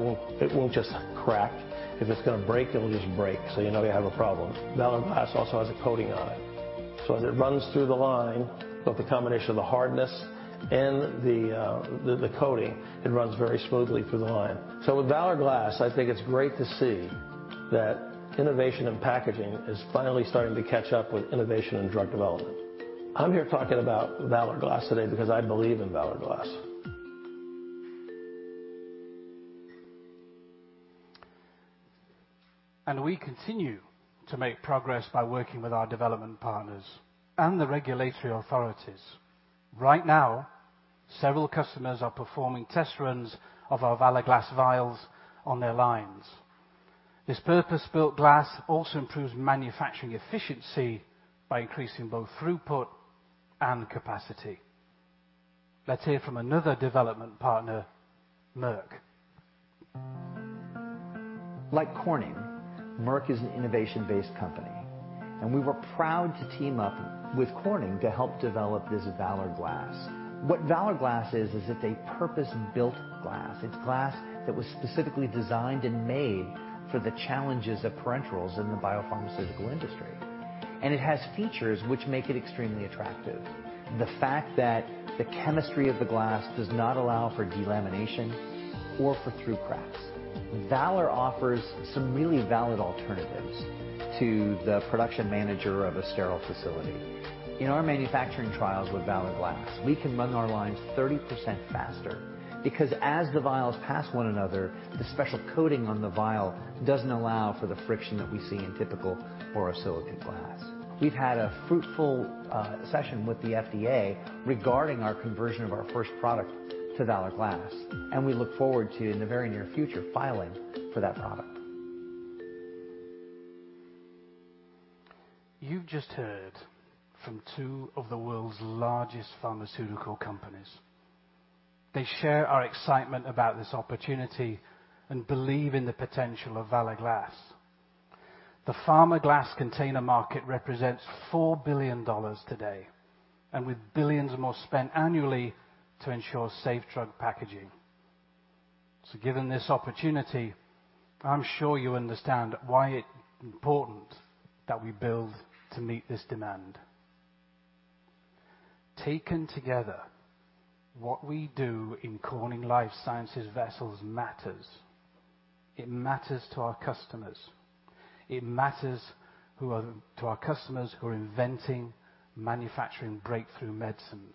it won't just crack. If it's going to break, it will just break, so you know you have a problem. Valor Glass also has a coating on it. As it runs through the line, with the combination of the hardness and the coating, it runs very smoothly through the line. With Valor Glass, I think it's great to see that innovation in packaging is finally starting to catch up with innovation in drug development. I'm here talking about Valor Glass today because I believe in Valor Glass. We continue to make progress by working with our development partners and the regulatory authorities. Right now, several customers are performing test runs of our Valor Glass vials on their lines. This purpose-built glass also improves manufacturing efficiency by increasing both throughput and capacity. Let's hear from another development partner, Merck. Like Corning, Merck is an innovation-based company, and we were proud to team up with Corning to help develop this Valor Glass. What Valor Glass is it's a purpose-built glass. It's glass that was specifically designed and made for the challenges of parenterals in the biopharmaceutical industry, and it has features which make it extremely attractive. The fact that the chemistry of the glass does not allow for delamination or for through-cracks. Valor offers some really valid alternatives to the production manager of a sterile facility. In our manufacturing trials with Valor Glass, we can run our lines 30% faster because as the vials pass one another, the special coating on the vial doesn't allow for the friction that we see in typical borosilicate glass. We've had a fruitful session with the FDA regarding our conversion of our first product to Valor Glass, we look forward to, in the very near future, filing for that product. You've just heard from two of the world's largest pharmaceutical companies. They share our excitement about this opportunity and believe in the potential of Valor Glass. The pharma glass container market represents $4 billion today, and with billions more spent annually to ensure safe drug packaging. Given this opportunity, I'm sure you understand why it's important that we build to meet this demand. Taken together, what we do in Corning Life Sciences Vessels matters. It matters to our customers. It matters to our customers who are inventing manufacturing breakthrough medicines.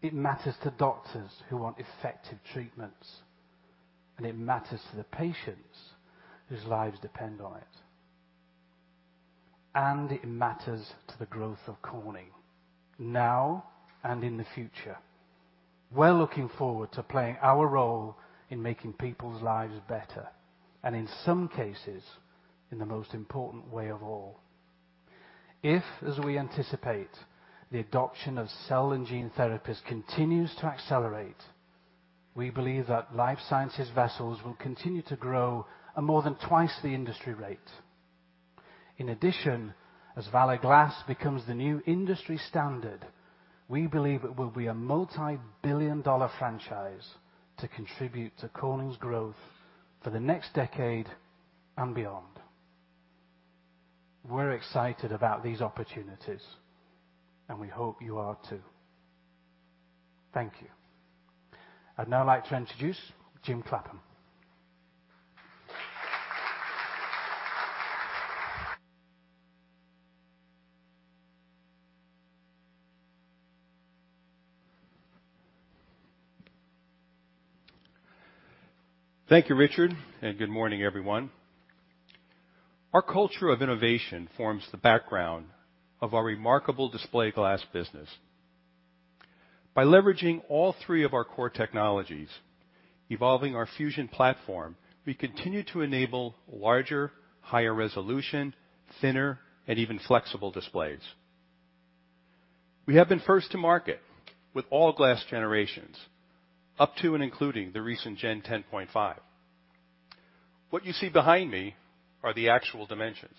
It matters to doctors who want effective treatments, and it matters to the patients whose lives depend on it. It matters to the growth of Corning, now and in the future. We're looking forward to playing our role in making people's lives better, and in some cases, in the most important way of all. If, as we anticipate, the adoption of cell and gene therapies continues to accelerate, we believe that Life Sciences Vessels will continue to grow at more than twice the industry rate. In addition, as Valor Glass becomes the new industry standard, we believe it will be a multibillion-dollar franchise to contribute to Corning's growth for the next decade and beyond. We're excited about these opportunities, and we hope you are, too. Thank you. I'd now like to introduce Jim Clappin. Thank you, Richard, good morning, everyone. Our culture of innovation forms the background of our remarkable display glass business. By leveraging all three of our core technologies, evolving our Fusion platform, we continue to enable larger, higher resolution, thinner, and even flexible displays. We have been first to market with all glass generations up to and including the recent Gen 10.5. What you see behind me are the actual dimensions.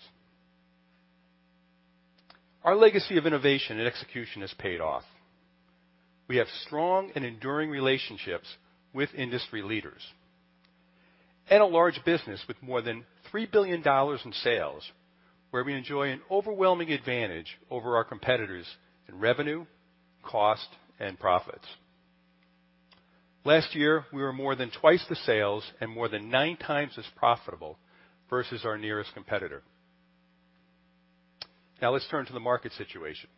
Our legacy of innovation and execution has paid off. We have strong and enduring relationships with industry leaders and a large business with more than $3 billion in sales, where we enjoy an overwhelming advantage over our competitors in revenue, cost, and profits. Last year, we were more than twice the sales and more than nine times as profitable versus our nearest competitor. Now let's turn to the market situation.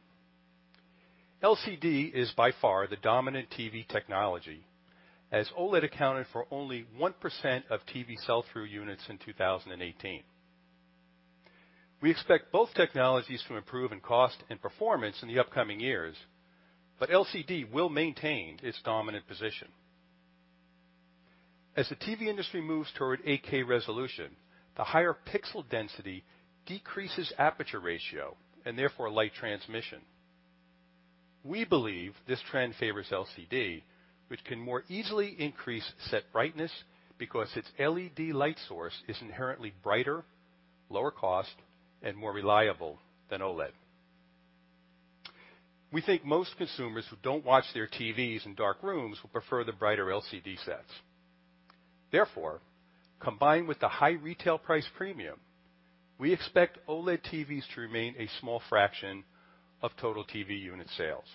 LCD is by far the dominant TV technology, as OLED accounted for only 1% of TV sell-through units in 2018. We expect both technologies to improve in cost and performance in the upcoming years, but LCD will maintain its dominant position. As the TV industry moves toward 8K resolution, the higher pixel density decreases aperture ratio, and therefore light transmission. We believe this trend favors LCD, which can more easily increase set brightness because its LED light source is inherently brighter, lower cost, and more reliable than OLED. We think most consumers who don't watch their TVs in dark rooms will prefer the brighter LCD sets. Therefore, combined with the high retail price premium, we expect OLED TVs to remain a small fraction of total TV unit sales.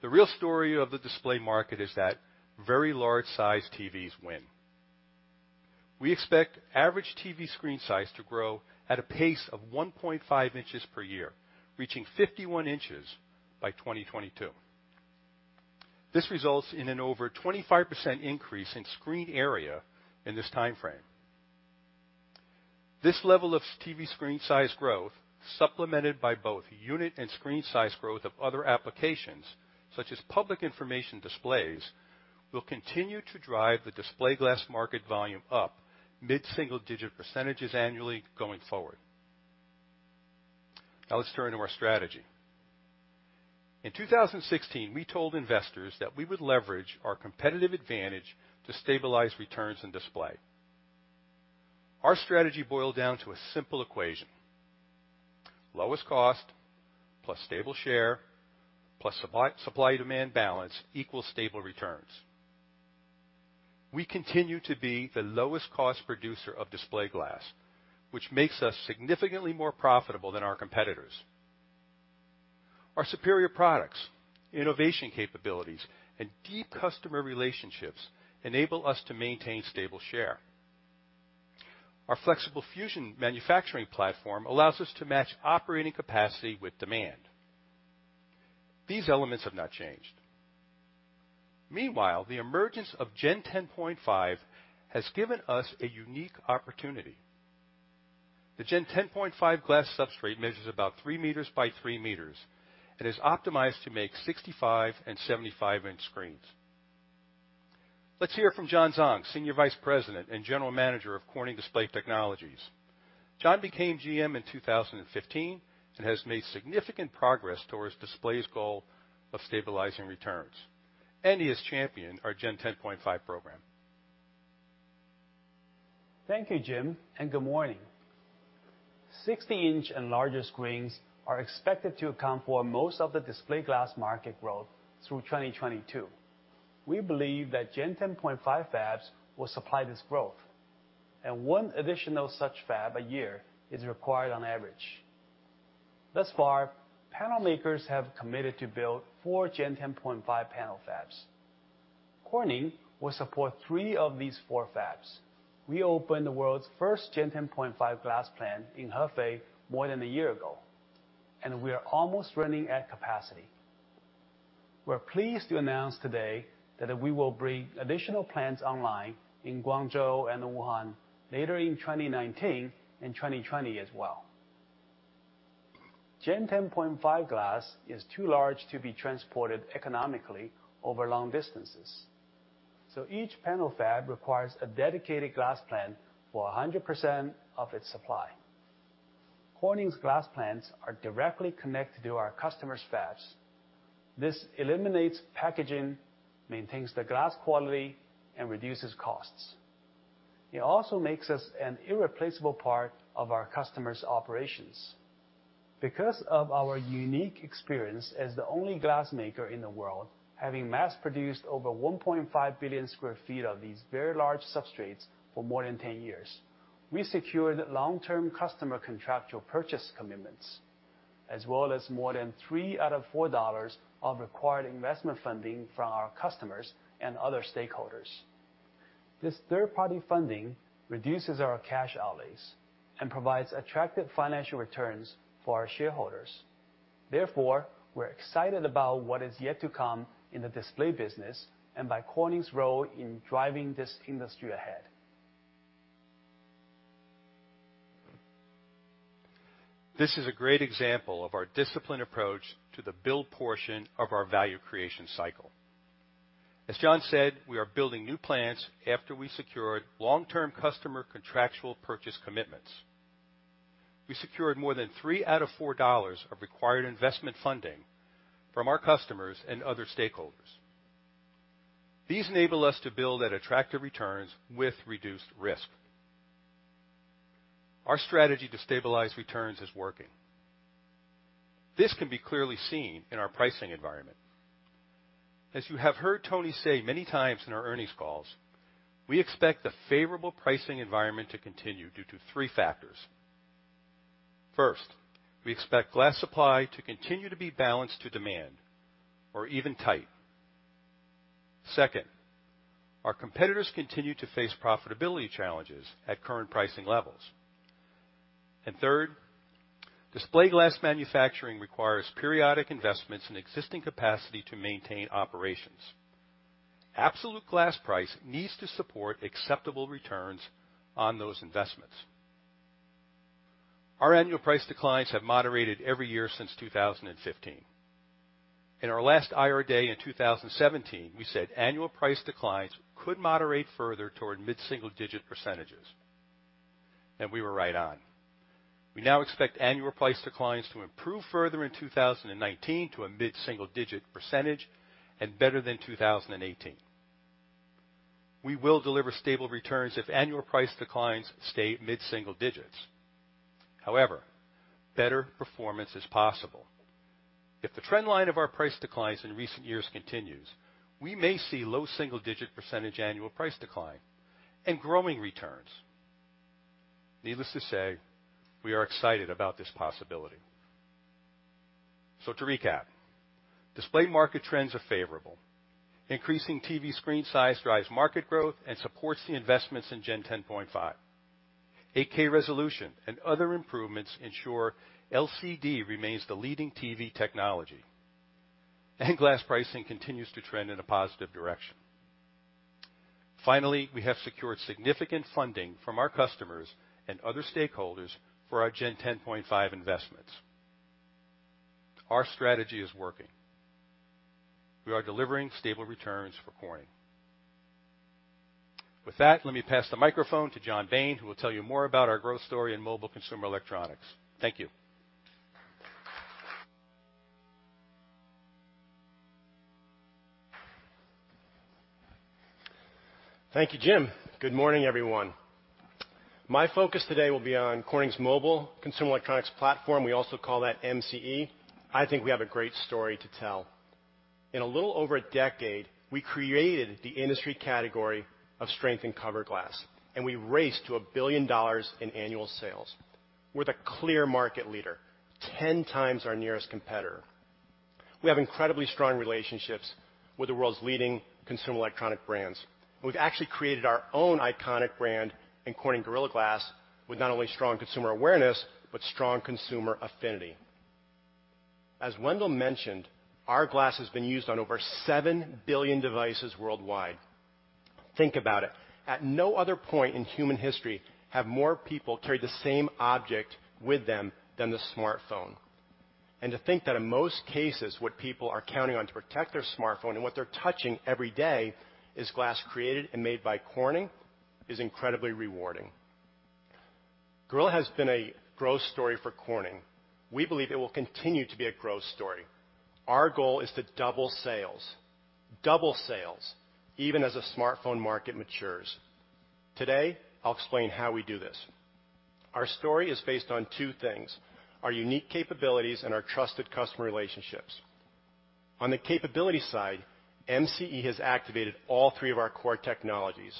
The real story of the display market is that very large size TVs win. We expect average TV screen size to grow at a pace of 1.5 inches per year, reaching 51 inches by 2022. This results in an over 25% increase in screen area in this timeframe. This level of TV screen size growth, supplemented by both unit and screen size growth of other applications such as public information displays, will continue to drive the display glass market volume up mid-single-digit percentages annually going forward. Now let's turn to our strategy. In 2016, we told investors that we would leverage our competitive advantage to stabilize returns in display. Our strategy boiled down to a simple equation. Lowest cost plus stable share, plus supply-demand balance equals stable returns. We continue to be the lowest cost producer of display glass, which makes us significantly more profitable than our competitors. Our superior products, innovation capabilities, and deep customer relationships enable us to maintain stable share. Our flexible Fusion manufacturing platform allows us to match operating capacity with demand. These elements have not changed. Meanwhile, the emergence of Gen 10.5 has given us a unique opportunity. The Gen 10.5 glass substrate measures about 3 meters by 3 meters and is optimized to make 65 and 75-inch screens. Let's hear from John Zhang, Senior Vice President and General Manager of Corning Display Technologies. John became GM in 2015 and has made significant progress towards display's goal of stabilizing returns, and he has championed our Gen 10.5 program. Thank you, Jim, and good morning. 60-inch and larger screens are expected to account for most of the display glass market growth through 2022. We believe that Gen 10.5 fabs will supply this growth, and one additional such fab a year is required on average. Thus far, panel makers have committed to build four Gen 10.5 panel fabs. Corning will support three of these four fabs. We opened the world's first Gen 10.5 glass plant in Hefei more than a year ago, and we are almost running at capacity. We're pleased to announce today that we will bring additional plants online in Guangzhou and Wuhan later in 2019 and 2020 as well. Gen 10.5 glass is too large to be transported economically over long distances, so each panel fab requires a dedicated glass plant for 100% of its supply. Corning's glass plants are directly connected to our customers' fabs. This eliminates packaging, maintains the glass quality, and reduces costs. It also makes us an irreplaceable part of our customers' operations. Because of our unique experience as the only glass maker in the world having mass-produced over 1.5 billion square feet of these very large substrates for more than 10 years, we secured long-term customer contractual purchase commitments, as well as more than three out of four dollars of required investment funding from our customers and other stakeholders. This third-party funding reduces our cash outlays and provides attractive financial returns for our shareholders. We're excited about what is yet to come in the display business and by Corning's role in driving this industry ahead. This is a great example of our disciplined approach to the build portion of our value creation cycle. As John said, we are building new plants after we secured long-term customer contractual purchase commitments. We secured more than three out of four dollars of required investment funding from our customers and other stakeholders. These enable us to build at attractive returns with reduced risk. Our strategy to stabilize returns is working. This can be clearly seen in our pricing environment. As you have heard Tony say many times in our earnings calls, we expect the favorable pricing environment to continue due to three factors. First, we expect glass supply to continue to be balanced to demand or even tight. Second, our competitors continue to face profitability challenges at current pricing levels. Third, display glass manufacturing requires periodic investments in existing capacity to maintain operations. Absolute glass price needs to support acceptable returns on those investments. Our annual price declines have moderated every year since 2015. In our last IR day in 2017, we said annual price declines could moderate further toward mid-single digit %, and we were right on. We now expect annual price declines to improve further in 2019 to a mid-single digit % and better than 2018. We will deliver stable returns if annual price declines stay mid-single digits. Better performance is possible. If the trend line of our price declines in recent years continues, we may see low single-digit % annual price decline and growing returns. Needless to say, we are excited about this possibility. To recap, display market trends are favorable. Increasing TV screen size drives market growth and supports the investments in Gen 10.5. 8K resolution and other improvements ensure LCD remains the leading TV technology. Glass pricing continues to trend in a positive direction. Finally, we have secured significant funding from our customers and other stakeholders for our Gen 10.5 investments. Our strategy is working. We are delivering stable returns for Corning. With that, let me pass the microphone to John Bayne, who will tell you more about our growth story in mobile consumer electronics. Thank you. Thank you, Jim. Good morning, everyone. My focus today will be on Corning's mobile consumer electronics platform, we also call that MCE. I think we have a great story to tell. In a little over a decade, we created the industry category of strength in cover glass, and we raced to $1 billion in annual sales. We're the clear market leader, 10 times our nearest competitor. We have incredibly strong relationships with the world's leading consumer electronic brands. We've actually created our own iconic brand in Corning Gorilla Glass with not only strong consumer awareness, but strong consumer affinity. As Wendell mentioned, our glass has been used on over 7 billion devices worldwide. Think about it. At no other point in human history have more people carried the same object with them than the smartphone. To think that in most cases, what people are counting on to protect their smartphone and what they're touching every day is glass created and made by Corning, is incredibly rewarding. Gorilla has been a growth story for Corning. We believe it will continue to be a growth story. Our goal is to double sales. Double sales, even as the smartphone market matures. Today, I'll explain how we do this. Our story is based on two things, our unique capabilities and our trusted customer relationships. On the capability side, MCE has activated all three of our core technologies.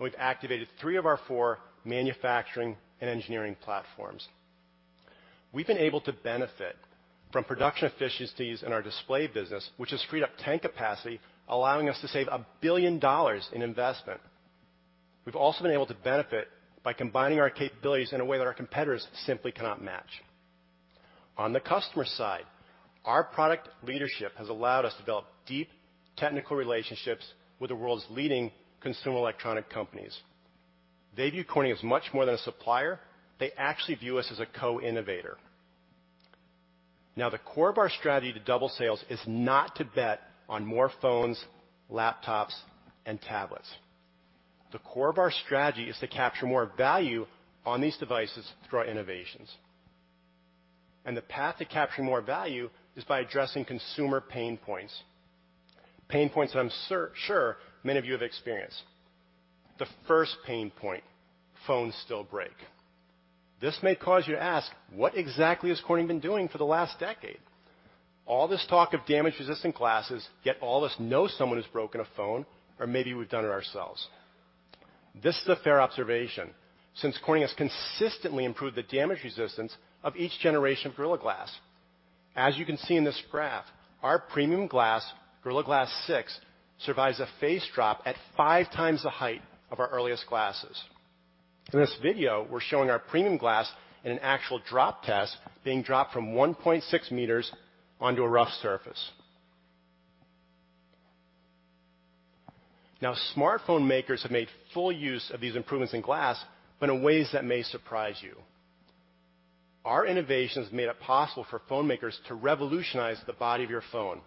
We've activated three of our four manufacturing and engineering platforms. We've been able to benefit from production efficiencies in our display business, which has freed up tank capacity, allowing us to save $1 billion in investment. We've also been able to benefit by combining our capabilities in a way that our competitors simply cannot match. On the customer side, our product leadership has allowed us to develop deep technical relationships with the world's leading consumer electronic companies. They view Corning as much more than a supplier. They actually view us as a co-innovator. Now the core of our strategy to double sales is not to bet on more phones, laptops, and tablets. The core of our strategy is to capture more value on these devices through our innovations. The path to capturing more value is by addressing consumer pain points, pain points that I'm sure many of you have experienced. The first pain point, phones still break. This may cause you to ask, what exactly has Corning been doing for the last decade? All this talk of damage-resistant glasses, yet all of us know someone who's broken a phone or maybe we've done it ourselves. This is a fair observation since Corning has consistently improved the damage resistance of each generation of Gorilla Glass. As you can see in this graph, our premium glass, Gorilla Glass 6, survives a face drop at five times the height of our earliest glasses. In this video, we're showing our premium glass in an actual drop test being dropped from 1.6 meters onto a rough surface. Now, smartphone makers have made full use of these improvements in glass, but in ways that may surprise you. Our innovations made it possible for phone makers to revolutionize the body of your phone.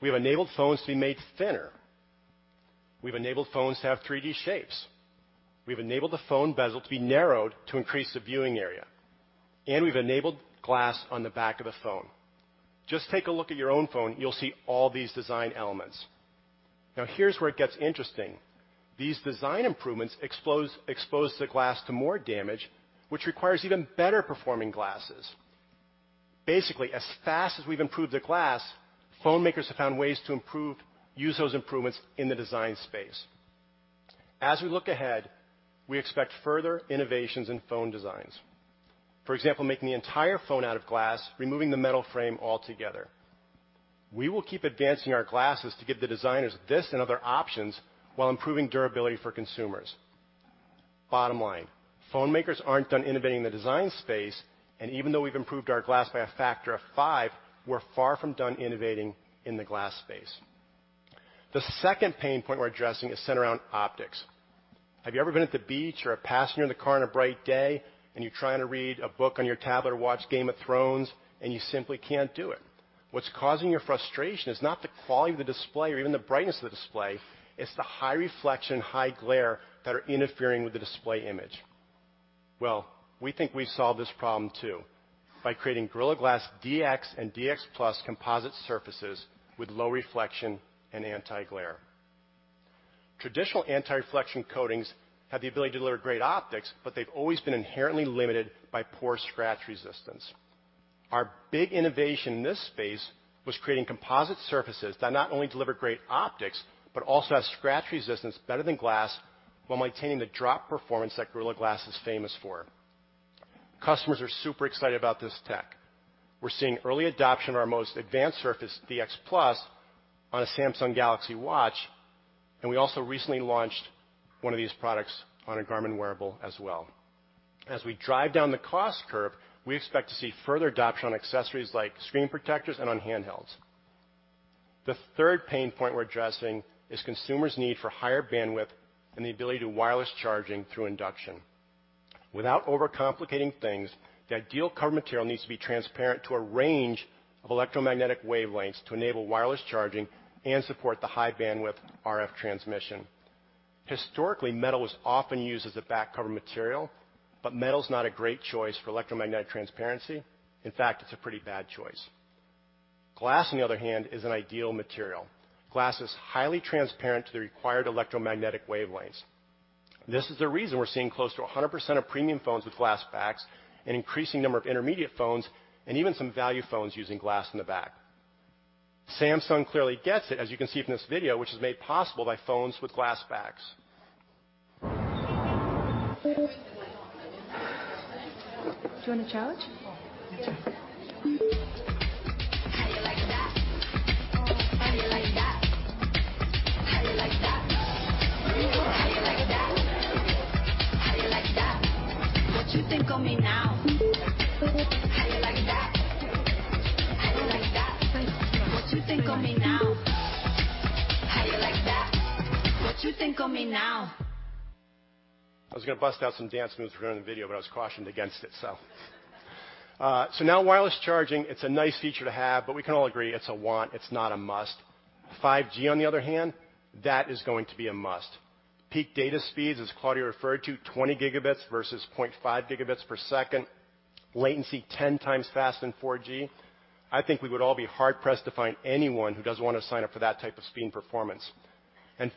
We have enabled phones to be made thinner. We've enabled phones to have 3D shapes. We've enabled the phone bezel to be narrowed to increase the viewing area, and we've enabled glass on the back of the phone. Just take a look at your own phone, you'll see all these design elements. Here's where it gets interesting. These design improvements expose the glass to more damage, which requires even better-performing glasses. Basically, as fast as we've improved the glass, phone makers have found ways to use those improvements in the design space. As we look ahead, we expect further innovations in phone designs. For example, making the entire phone out of glass, removing the metal frame altogether. We will keep advancing our glasses to give the designers this and other options while improving durability for consumers. Bottom line, phone makers aren't done innovating the design space, and even though we've improved our glass by a factor of five, we're far from done innovating in the glass space. The second pain point we're addressing is centered around optics. Have you ever been at the beach or a passenger in the car on a bright day, and you're trying to read a book on your tablet or watch "Game of Thrones," and you simply can't do it? What's causing your frustration is not the quality of the display or even the brightness of the display, it's the high reflection, high glare that are interfering with the display image. Well, we think we've solved this problem too, by creating Gorilla Glass DX and DX+ composite surfaces with low reflection and anti-glare. Traditional anti-reflection coatings have the ability to deliver great optics, but they've always been inherently limited by poor scratch resistance. Our big innovation in this space was creating composite surfaces that not only deliver great optics, but also have scratch resistance better than glass, while maintaining the drop performance that Gorilla Glass is famous for. Customers are super excited about this tech. We're seeing early adoption of our most advanced surface, DX+, on a Samsung Galaxy Watch, and we also recently launched one of these products on a Garmin wearable as well. As we drive down the cost curve, we expect to see further adoption on accessories like screen protectors and on handhelds. The third pain point we're addressing is consumers' need for higher bandwidth and the ability to do wireless charging through induction. Without overcomplicating things, the ideal cover material needs to be transparent to a range of electromagnetic wavelengths to enable wireless charging and support the high bandwidth RF transmission. Historically, metal was often used as a back cover material, but metal is not a great choice for electromagnetic transparency. In fact, it's a pretty bad choice. Glass, on the other hand, is an ideal material. Glass is highly transparent to the required electromagnetic wavelengths. This is the reason we're seeing close to 100% of premium phones with glass backs, an increasing number of intermediate phones, and even some value phones using glass in the back. Samsung clearly gets it, as you can see from this video, which was made possible by phones with glass backs. Do you want to charge? Yeah. Thank you. Thank you. Bye. Now wireless charging, it's a nice feature to have, but we can all agree it's a want, it's not a must. 5G on the other hand, that is going to be a must. Peak data speeds, as Claudio referred to, 20 gigabits versus 0.5 gigabits per second. Latency 10 times faster than 4G. I think we would all be hard-pressed to find anyone who doesn't want to sign up for that type of speed and performance.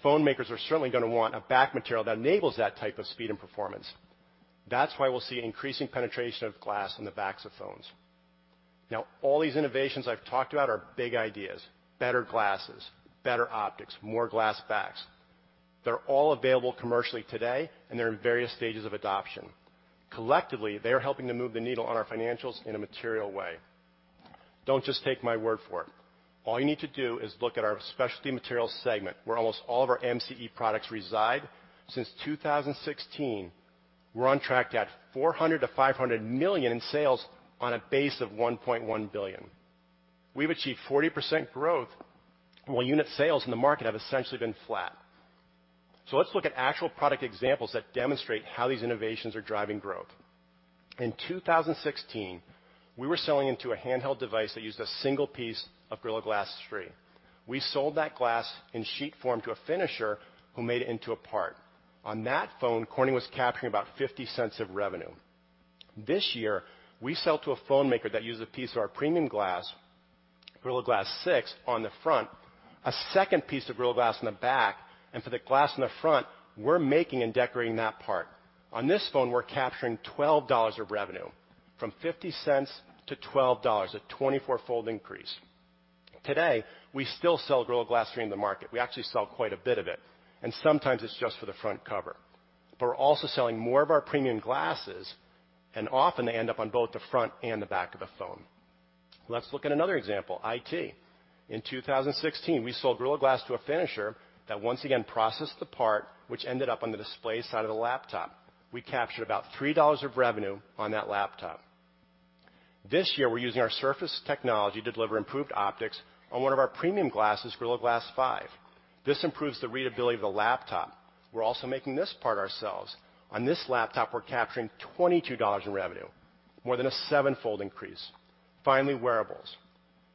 Phone makers are certainly going to want a back material that enables that type of speed and performance. That's why we'll see increasing penetration of glass in the backs of phones. All these innovations I've talked about are big ideas, better glasses, better optics, more glass backs. They're all available commercially today, and they're in various stages of adoption. Collectively, they are helping to move the needle on our financials in a material way. Don't just take my word for it. All you need to do is look at our Specialty Materials segment, where almost all of our MCE products reside. Since 2016, we're on track to add $400 million-$500 million in sales on a base of $1.1 billion. We've achieved 40% growth, while unit sales in the market have essentially been flat. Let's look at actual product examples that demonstrate how these innovations are driving growth. In 2016, we were selling into a handheld device that used a single piece of Corning Gorilla Glass 3. We sold that glass in sheet form to a finisher who made it into a part. On that phone, Corning was capturing about $0.50 of revenue. This year, we sell to a phone maker that uses a piece of our premium glass, Corning Gorilla Glass 6, on the front, a second piece of Corning Gorilla Glass in the back, and for the glass in the front, we're making and decorating that part. On this phone, we're capturing $12 of revenue. From $0.50 to $12, a 24-fold increase. Today, we still sell Corning Gorilla Glass 3 in the market. We actually sell quite a bit of it, and sometimes it's just for the front cover. We're also selling more of our premium glasses, and often they end up on both the front and the back of the phone. Let's look at another example, IT. In 2016, we sold Corning Gorilla Glass to a finisher that once again processed the part, which ended up on the display side of the laptop. We captured about $3 of revenue on that laptop. This year, we're using our surface technology to deliver improved optics on one of our premium glasses, Corning Gorilla Glass 5. This improves the readability of the laptop. We're also making this part ourselves. On this laptop, we're capturing $22 in revenue, more than a seven-fold increase. Finally, wearables.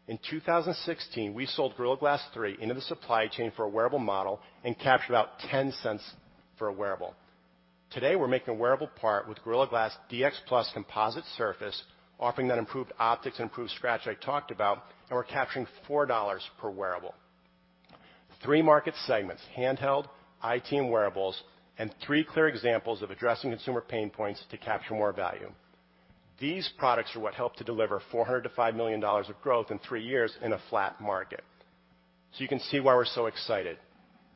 In 2016, we sold Corning Gorilla Glass 3 into the supply chain for a wearable model and captured about $0.10 for a wearable. Today, we're making a wearable part with Corning Gorilla Glass DX+ composite surface, offering that improved optics and improved scratch I talked about, and we're capturing $4 per wearable. Three market segments, handheld, IT, and wearables, and three clear examples of addressing consumer pain points to capture more value. These products are what help to deliver $400 million to $5 million of growth in three years in a flat market. You can see why we're so excited.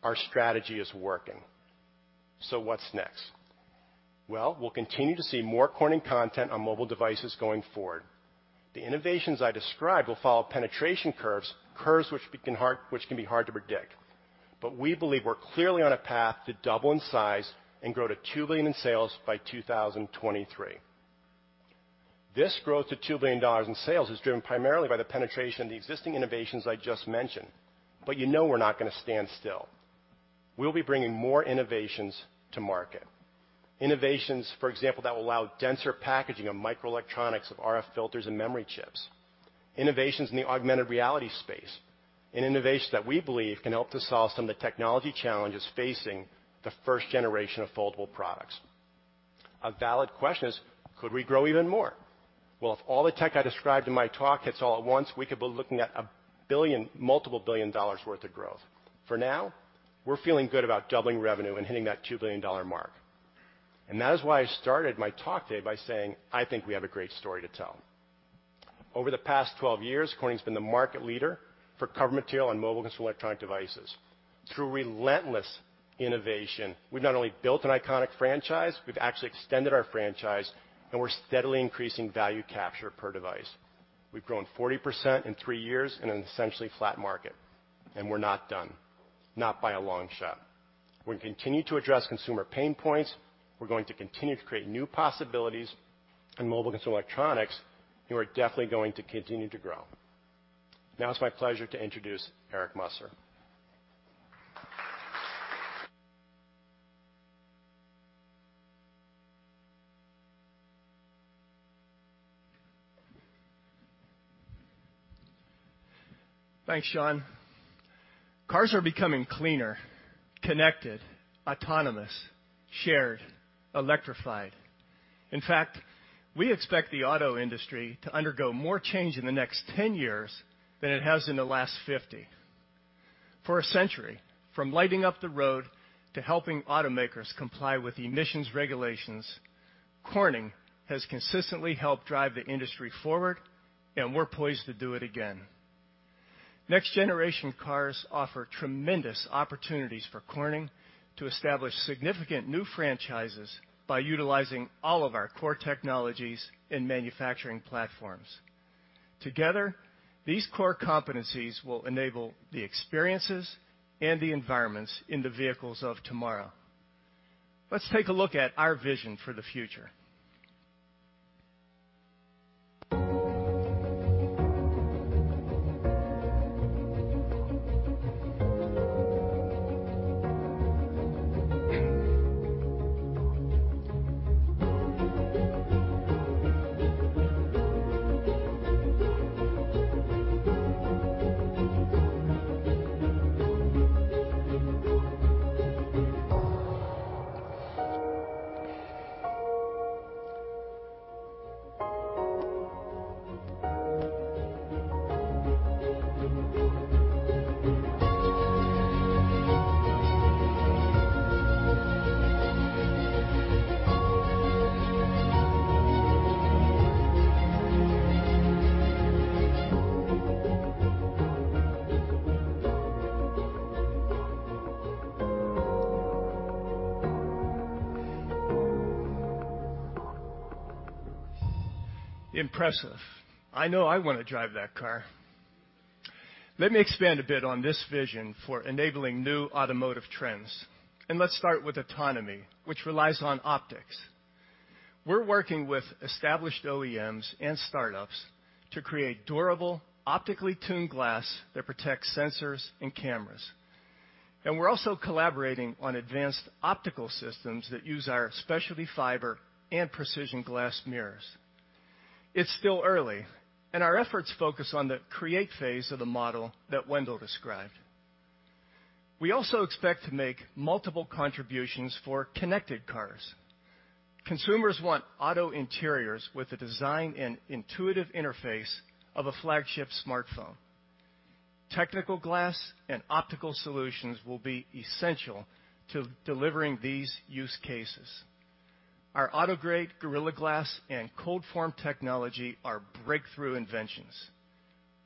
Our strategy is working. What's next? We'll continue to see more Corning content on mobile devices going forward. The innovations I described will follow penetration curves which can be hard to predict. We believe we're clearly on a path to double in size and grow to $2 billion in sales by 2023. This growth to $2 billion in sales is driven primarily by the penetration of the existing innovations I just mentioned. You know we're not going to stand still. We'll be bringing more innovations to market. Innovations, for example, that will allow denser packaging of microelectronics with RF filters and memory chips, innovations in the augmented reality space, and innovations that we believe can help to solve some of the technology challenges facing the first generation of foldable products. A valid question is, could we grow even more? Well, if all the tech I described in my talk hits all at once, we could be looking at multiple billion dollars worth of growth. For now, we're feeling good about doubling revenue and hitting that $2 billion mark. That is why I started my talk today by saying I think we have a great story to tell. Over the past 12 years, Corning's been the market leader for cover material on mobile consumer electronic devices. Through relentless innovation, we've not only built an iconic franchise, we've actually extended our franchise, and we're steadily increasing value capture per device. We've grown 40% in three years in an essentially flat market, and we're not done. Not by a long shot. We're going to continue to address consumer pain points, we're going to continue to create new possibilities in mobile consumer electronics, and we're definitely going to continue to grow. Now it's my pleasure to introduce Eric Musser. Thanks, John. Cars are becoming cleaner, connected, autonomous, shared, electrified. In fact, we expect the auto industry to undergo more change in the next 10 years than it has in the last 50. For a century, from lighting up the road to helping automakers comply with emissions regulations, Corning has consistently helped drive the industry forward, and we're poised to do it again. Next-generation cars offer tremendous opportunities for Corning to establish significant new franchises by utilizing all of our core technologies and manufacturing platforms. Together, these core competencies will enable the experiences and the environments in the vehicles of tomorrow. Let's take a look at our vision for the future. Impressive. I know I want to drive that car. Let me expand a bit on this vision for enabling new automotive trends, and let's start with autonomy, which relies on optics. We're working with established OEMs and startups to create durable, optically tuned glass that protects sensors and cameras. We're also collaborating on advanced optical systems that use our specialty fiber and precision glass mirrors. It's still early, and our efforts focus on the create phase of the model that Wendell described. We also expect to make multiple contributions for connected cars. Consumers want auto interiors with the design and intuitive interface of a flagship smartphone. Technical glass and optical solutions will be essential to delivering these use cases. Our AutoGrade Corning Gorilla Glass and ColdForm technology are breakthrough inventions.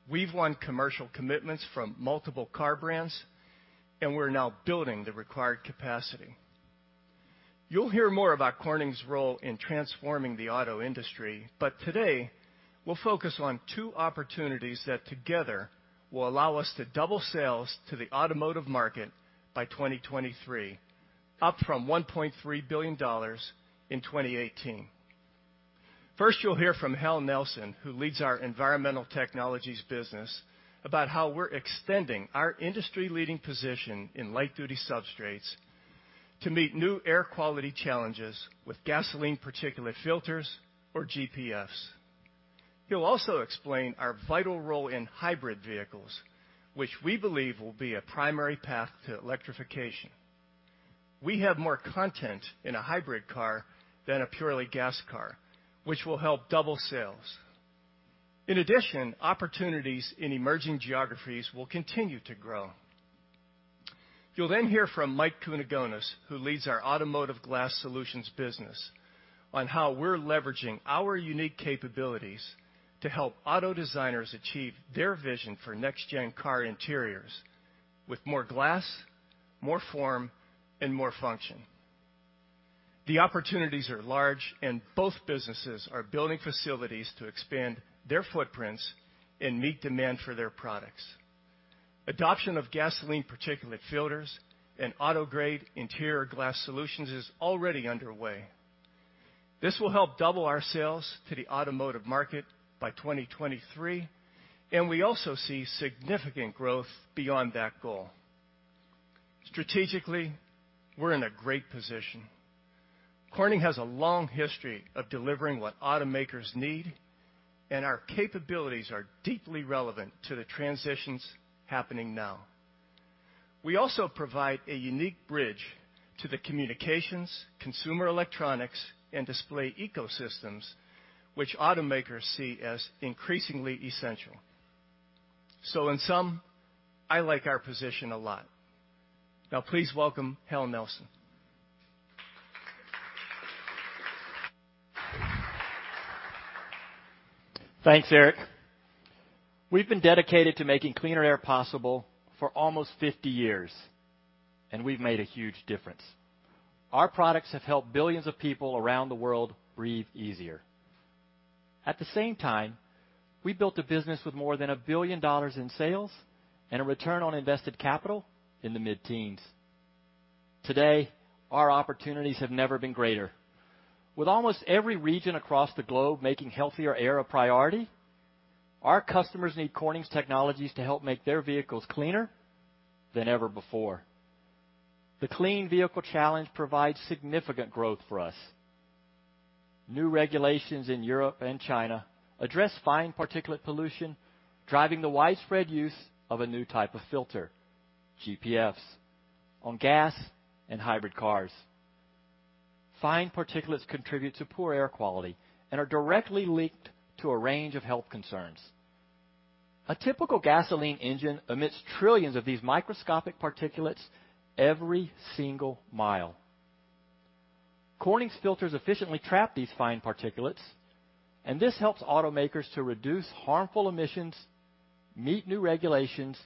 We've won commercial commitments from multiple car brands, and we're now building the required capacity. You'll hear more about Corning's role in transforming the auto industry, today, we'll focus on two opportunities that together will allow us to double sales to the automotive market by 2023, up from $1.3 billion in 2018. First, you'll hear from Hal Nelson, who leads our Environmental Technologies business, about how we're extending our industry-leading position in light-duty substrates to meet new air quality challenges with gasoline particulate filters, or GPFs. He'll also explain our vital role in hybrid vehicles, which we believe will be a primary path to electrification. We have more content in a hybrid car than a purely gas car, which will help double sales. In addition, opportunities in emerging geographies will continue to grow. You'll hear from Mike Kunigonis, who leads our Automotive Glass Solutions business, on how we're leveraging our unique capabilities to help auto designers achieve their vision for next-gen car interiors with more glass, more form, and more function. The opportunities are large, both businesses are building facilities to expand their footprints and meet demand for their products. Adoption of gasoline particulate filters and auto-grade interior glass solutions is already underway. This will help double our sales to the automotive market by 2023, we also see significant growth beyond that goal. Strategically, we're in a great position. Corning has a long history of delivering what automakers need, our capabilities are deeply relevant to the transitions happening now. We also provide a unique bridge to the communications, consumer electronics, and display ecosystems which automakers see as increasingly essential. In sum, I like our position a lot. Please welcome Hal Nelson. Thanks, Eric. We've been dedicated to making cleaner air possible for almost 50 years, we've made a huge difference. Our products have helped billions of people around the world breathe easier. At the same time, we built a business with more than $1 billion in sales and a return on invested capital in the mid-teens. Today, our opportunities have never been greater. With almost every region across the globe making healthier air a priority, our customers need Corning's technologies to help make their vehicles cleaner than ever before. The clean vehicle challenge provides significant growth for us. New regulations in Europe and China address fine particulate pollution, driving the widespread use of a new type of filter, GPFs, on gas and hybrid cars. Fine particulates contribute to poor air quality and are directly linked to a range of health concerns. A typical gasoline engine emits trillions of these microscopic particulates every single mile. Corning's filters efficiently trap these fine particulates. This helps automakers to reduce harmful emissions, meet new regulations,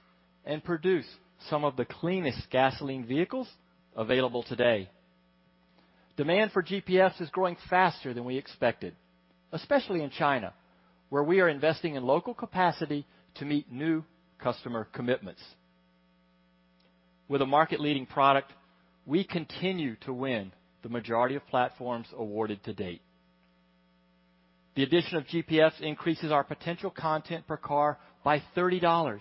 and produce some of the cleanest gasoline vehicles available today. Demand for GPFs is growing faster than we expected, especially in China, where we are investing in local capacity to meet new customer commitments. With a market-leading product, we continue to win the majority of platforms awarded to date. The addition of GPFs increases our potential content per car by $30,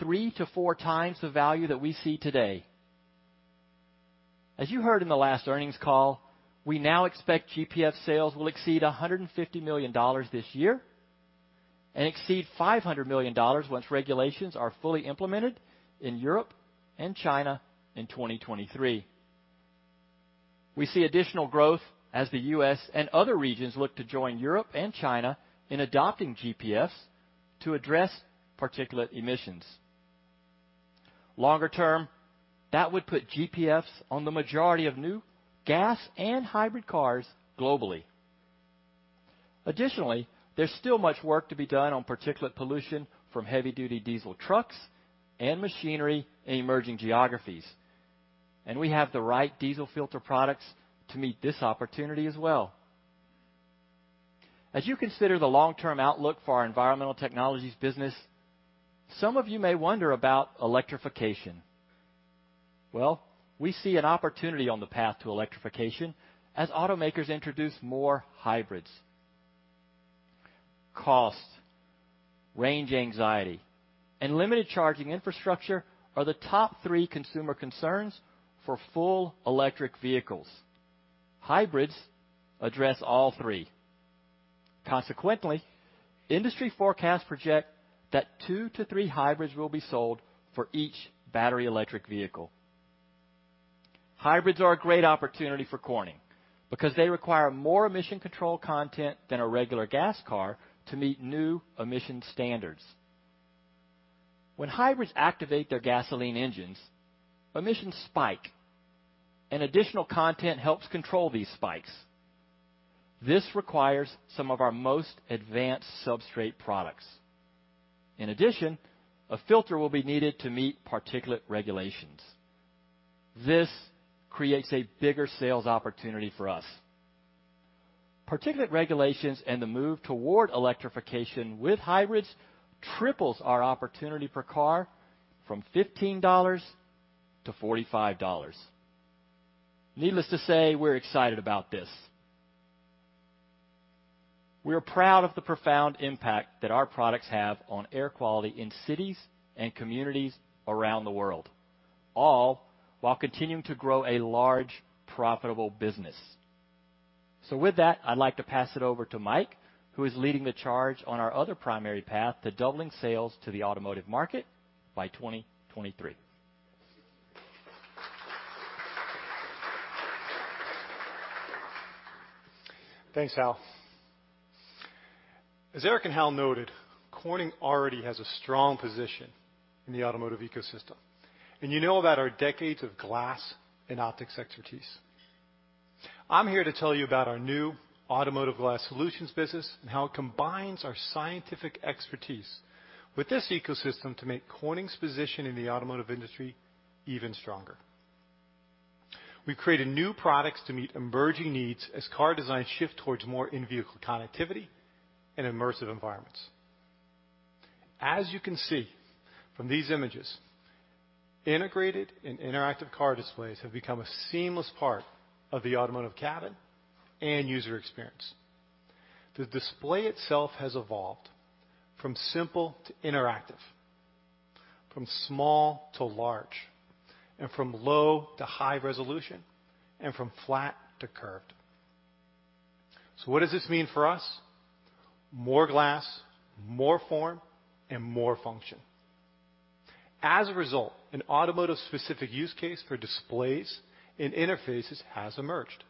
three to four times the value that we see today. As you heard in the last earnings call, we now expect GPF sales will exceed $150 million this year and exceed $500 million once regulations are fully implemented in Europe and China in 2023. We see additional growth as the U.S. and other regions look to join Europe and China in adopting GPFs to address particulate emissions. Longer term, that would put GPFs on the majority of new gas and hybrid cars globally. Additionally, there is still much work to be done on particulate pollution from heavy-duty diesel trucks and machinery in emerging geographies. We have the right diesel filter products to meet this opportunity as well. As you consider the long-term outlook for our Corning Environmental Technologies business, some of you may wonder about electrification. We see an opportunity on the path to electrification as automakers introduce more hybrids. Cost, range anxiety, and limited charging infrastructure are the top three consumer concerns for full electric vehicles. Hybrids address all three. Consequently, industry forecasts project that two to three hybrids will be sold for each battery electric vehicle. Hybrids are a great opportunity for Corning because they require more emission control content than a regular gas car to meet new emissions standards. When hybrids activate their gasoline engines, emissions spike. Additional content helps control these spikes. This requires some of our most advanced substrate products. In addition, a filter will be needed to meet particulate regulations. This creates a bigger sales opportunity for us. Particulate regulations and the move toward electrification with hybrids triples our opportunity per car from $15 to $45. Needless to say, we're excited about this. We are proud of the profound impact that our products have on air quality in cities and communities around the world, all while continuing to grow a large, profitable business. With that, I'd like to pass it over to Mike, who is leading the charge on our other primary path to doubling sales to the automotive market by 2023. Thanks, Hal. As Eric and Hal noted, Corning already has a strong position in the automotive ecosystem, and you know about our decades of glass and optics expertise. I am here to tell you about our new Automotive Glass Solutions business and how it combines our scientific expertise with this ecosystem to make Corning's position in the automotive industry even stronger. We've created new products to meet emerging needs as car designs shift towards more in-vehicle connectivity and immersive environments. As you can see from these images, integrated and interactive car displays have become a seamless part of the automotive cabin and user experience. The display itself has evolved from simple to interactive, from small to large, from low to high resolution, and from flat to curved. What does this mean for us? More glass, more form, and more function. An automotive specific use case for displays and interfaces has emerged.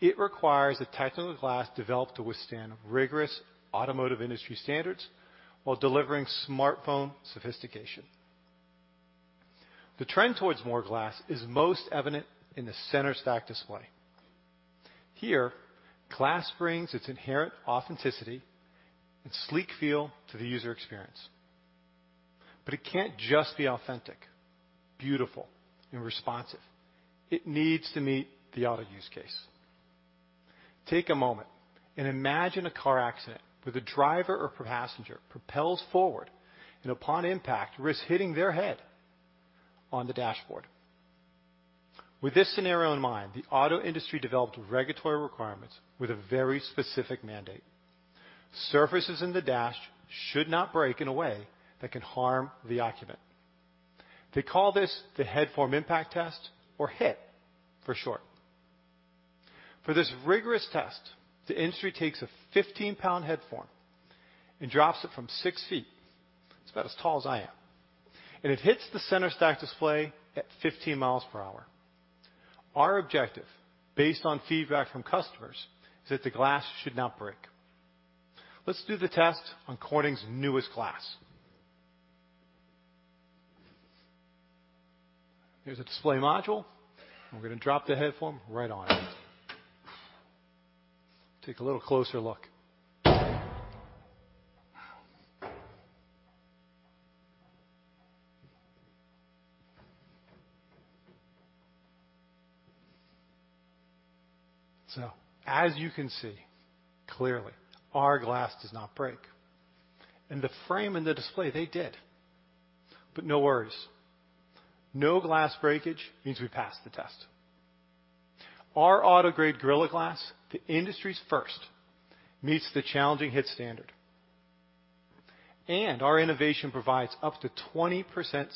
It requires a type of glass developed to withstand rigorous automotive industry standards while delivering smartphone sophistication. The trend towards more glass is most evident in the center stack display. Here, glass brings its inherent authenticity and sleek feel to the user experience. It can't just be authentic, beautiful, and responsive. It needs to meet the auto use case. Take a moment and imagine a car accident where the driver or passenger propels forward, and upon impact, risks hitting their head on the dashboard. With this scenario in mind, the auto industry developed regulatory requirements with a very specific mandate. Surfaces in the dash should not break in a way that can harm the occupant. They call this the Headform Impact Test, or HIT for short. For this rigorous test, the industry takes a 15-pound headform and drops it from six feet. It's about as tall as I am, and it hits the center stack display at 15 miles per hour. Our objective, based on feedback from customers, is that the glass should not break. Let's do the test on Corning's newest glass. Here's a display module, and we're going to drop the headform right on. Take a little closer look. As you can see, clearly, our glass does not break. The frame and the display, they did. No worries. No glass breakage means we passed the test. Our AutoGrade Gorilla Glass, the industry's first, meets the challenging HIT standard, and our innovation provides up to 20%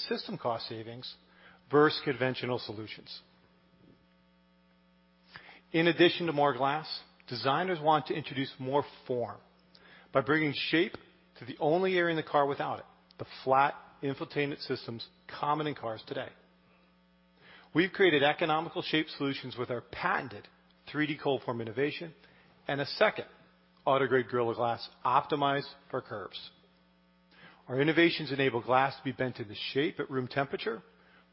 system cost savings versus conventional solutions. In addition to more glass, designers want to introduce more form by bringing shape to the only area in the car without it, the flat infotainment systems common in cars today. We've created economical shape solutions with our patented 3D ColdForm innovation and a second AutoGrade Gorilla Glass optimized for curves. Our innovations enable glass to be bent to the shape at room temperature,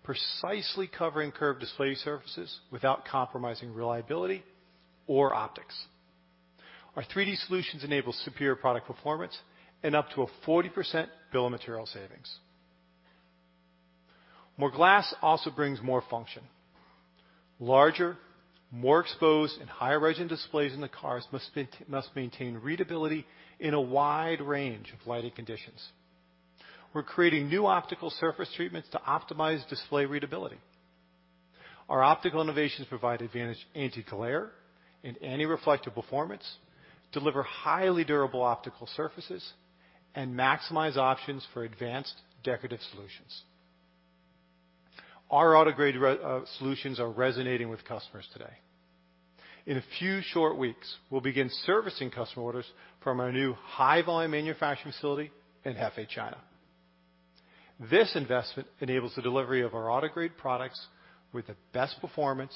precisely covering curved display surfaces without compromising reliability or optics. Our 3D solutions enable superior product performance and up to a 40% bill of material savings. More glass also brings more function. Larger, more exposed, and higher-resolution displays in the cars must maintain readability in a wide range of lighting conditions. We're creating new optical surface treatments to optimize display readability. Our optical innovations provide advantage anti-glare and anti-reflective performance, deliver highly durable optical surfaces, and maximize options for advanced decorative solutions. Our AutoGrade solutions are resonating with customers today. In a few short weeks, we'll begin servicing customer orders from our new high-volume manufacturing facility in Hefei, China. This investment enables the delivery of our AutoGrade products with the best performance,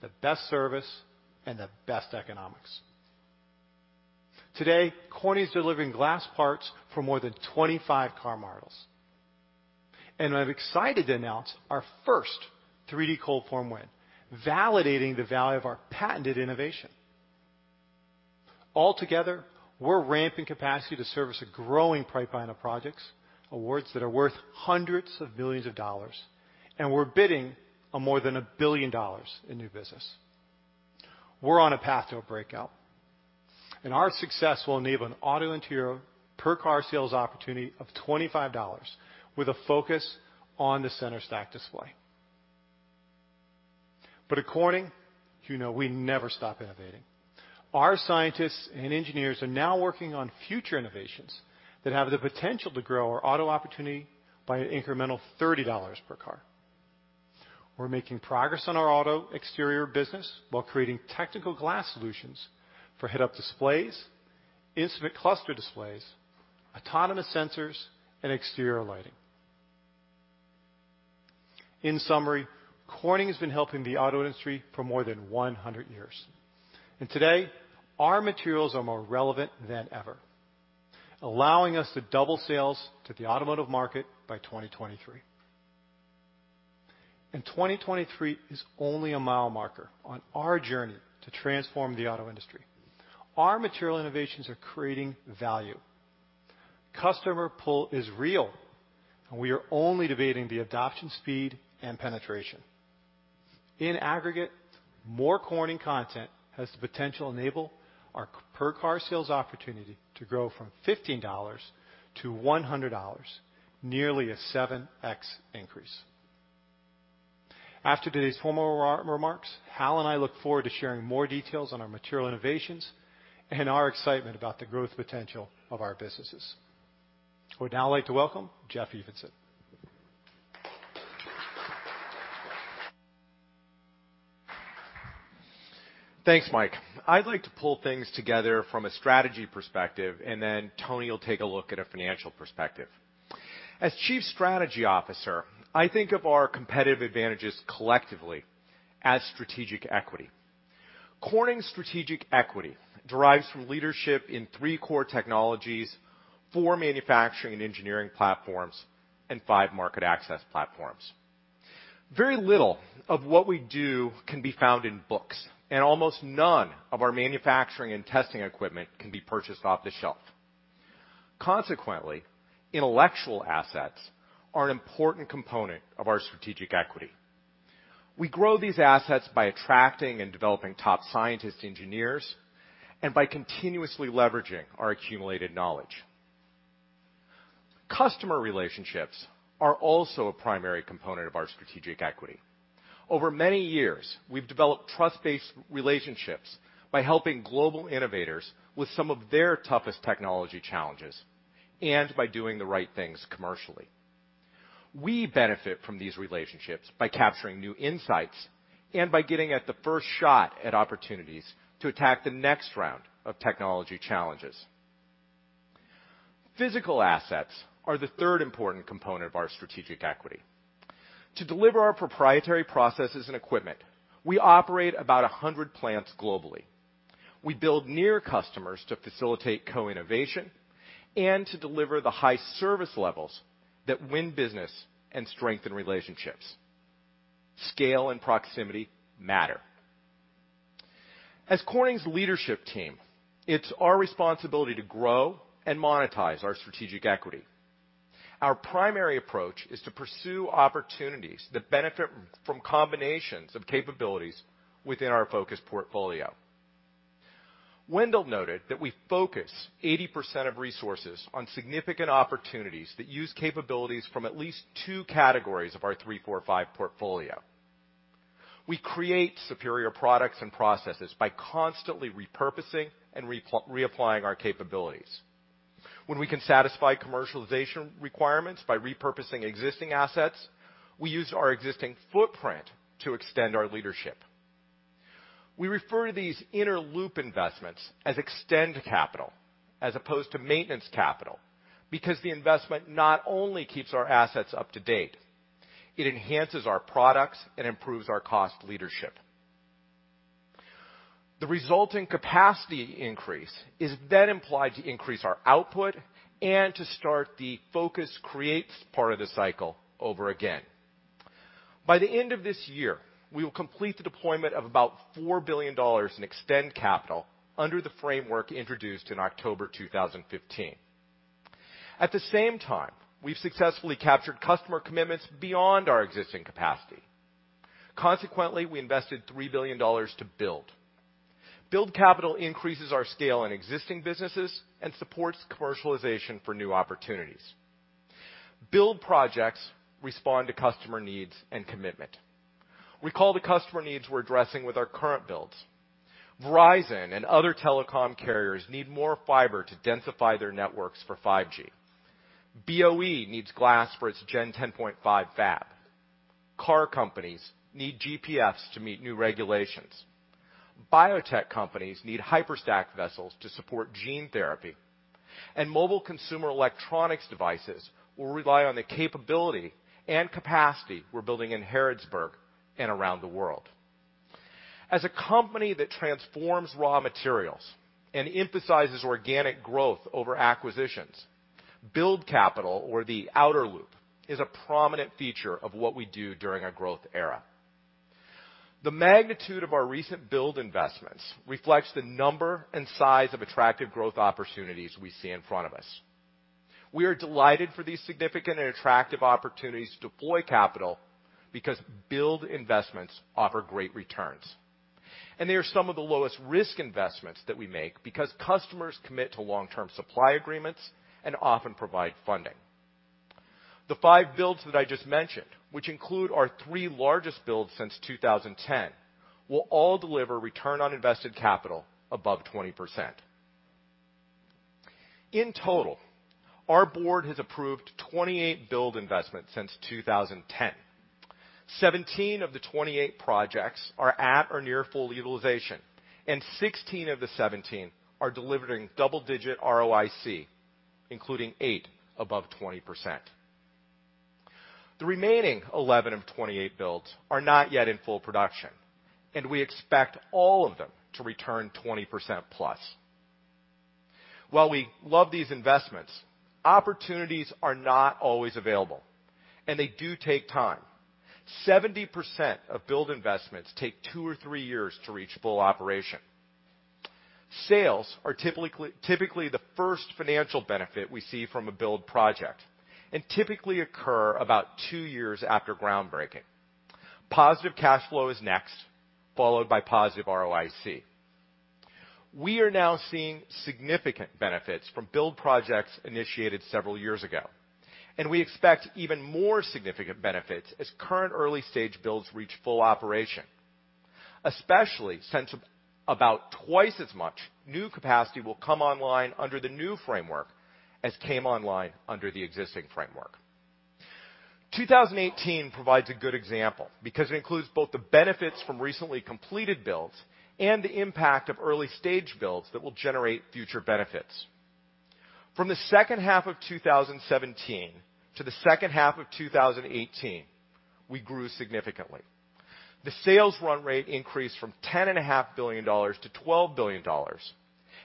the best service, and the best economics. Today, Corning is delivering glass parts for more than 25 car models. I'm excited to announce our first 3D ColdForm win, validating the value of our patented innovation. Altogether, we're ramping capacity to service a growing pipeline of projects, awards that are worth hundreds of millions of dollars, and we're bidding on more than $1 billion in new business. We're on a path to a breakout, our success will enable an auto interior per-car sales opportunity of $25, with a focus on the center stack display. At Corning, you know we never stop innovating. Our scientists and engineers are now working on future innovations that have the potential to grow our auto opportunity by an incremental $30 per car. We're making progress on our auto exterior business while creating technical glass solutions for head-up displays, instrument cluster displays, autonomous sensors, and exterior lighting. In summary, Corning has been helping the auto industry for more than 100 years, today, our materials are more relevant than ever, allowing us to double sales to the automotive market by 2023. 2023 is only a mile marker on our journey to transform the auto industry. Our material innovations are creating value. Customer pull is real, and we are only debating the adoption speed and penetration. In aggregate, more Corning content has the potential to enable our per-car sales opportunity to grow from $15 to $100, nearly a 7X increase. After today's formal remarks, Hal and I look forward to sharing more details on our material innovations and our excitement about the growth potential of our businesses. I would now like to welcome Jeff Evenson. Thanks, Mike. I'd like to pull things together from a strategy perspective, then Tony will take a look at a financial perspective. As Chief Strategy Officer, I think of our competitive advantages collectively as strategic equity. Corning strategic equity derives from leadership in three core technologies, four manufacturing and engineering platforms, and five market access platforms. Very little of what we do can be found in books, almost none of our manufacturing and testing equipment can be purchased off the shelf. Consequently, intellectual assets are an important component of our strategic equity. We grow these assets by attracting and developing top scientist engineers and by continuously leveraging our accumulated knowledge. Customer relationships are also a primary component of our strategic equity. Over many years, we've developed trust-based relationships by helping global innovators with some of their toughest technology challenges and by doing the right things commercially. We benefit from these relationships by capturing new insights and by getting at the first shot at opportunities to attack the next round of technology challenges. Physical assets are the third important component of our strategic equity. To deliver our proprietary processes and equipment, we operate about 100 plants globally. We build near customers to facilitate co-innovation and to deliver the high service levels that win business and strengthen relationships. Scale and proximity matter. As Corning's leadership team, it's our responsibility to grow and monetize our strategic equity. Our primary approach is to pursue opportunities that benefit from combinations of capabilities within our focus portfolio. Wendell noted that we focus 80% of resources on significant opportunities that use capabilities from at least two categories of our three, four, five portfolio. We create superior products and processes by constantly repurposing and reapplying our capabilities. When we can satisfy commercialization requirements by repurposing existing assets, we use our existing footprint to extend our leadership. We refer to these inner loop investments as extend capital, as opposed to maintenance capital, because the investment not only keeps our assets up to date, it enhances our products and improves our cost leadership. The resulting capacity increase is then implied to increase our output and to start the focus create part of the cycle over again. By the end of this year, we will complete the deployment of about $4 billion in extend capital under the framework introduced in October 2015. At the same time, we've successfully captured customer commitments beyond our existing capacity. Consequently, we invested $3 billion to build. Build capital increases our scale in existing businesses and supports commercialization for new opportunities. Build projects respond to customer needs and commitment. We call the customer needs we're addressing with our current builds. Verizon and other telecom carriers need more fiber to densify their networks for 5G. BOE needs glass for its Gen 10.5 fab. Car companies need GPFs to meet new regulations. Biotech companies need HYPERStack vessels to support gene therapy, and mobile consumer electronics devices will rely on the capability and capacity we're building in Harrodsburg and around the world. As a company that transforms raw materials and emphasizes organic growth over acquisitions, build capital or the outer loop, is a prominent feature of what we do during our growth era. The magnitude of our recent build investments reflects the number and size of attractive growth opportunities we see in front of us. We are delighted for these significant and attractive opportunities to deploy capital because build investments offer great returns. They are some of the lowest risk investments that we make because customers commit to long-term supply agreements and often provide funding. The five builds that I just mentioned, which include our three largest builds since 2010, will all deliver return on invested capital above 20%. In total, our board has approved 28 build investments since 2010. 17 of the 28 projects are at or near full utilization, and 16 of the 17 are delivering double-digit ROIC, including eight above 20%. The remaining 11 of 28 builds are not yet in full production, and we expect all of them to return 20% plus. While we love these investments, opportunities are not always available, and they do take time. 70% of build investments take two or three years to reach full operation. Sales are typically the first financial benefit we see from a build project, and typically occur about two years after groundbreaking. Positive cash flow is next, followed by positive ROIC. We are now seeing significant benefits from build projects initiated several years ago, and we expect even more significant benefits as current early-stage builds reach full operation. Especially since about twice as much new capacity will come online under the new framework as came online under the existing framework. 2018 provides a good example, because it includes both the benefits from recently completed builds and the impact of early-stage builds that will generate future benefits. From the second half of 2017 to the second half of 2018, we grew significantly. The sales run rate increased from $10.5 billion to $12 billion,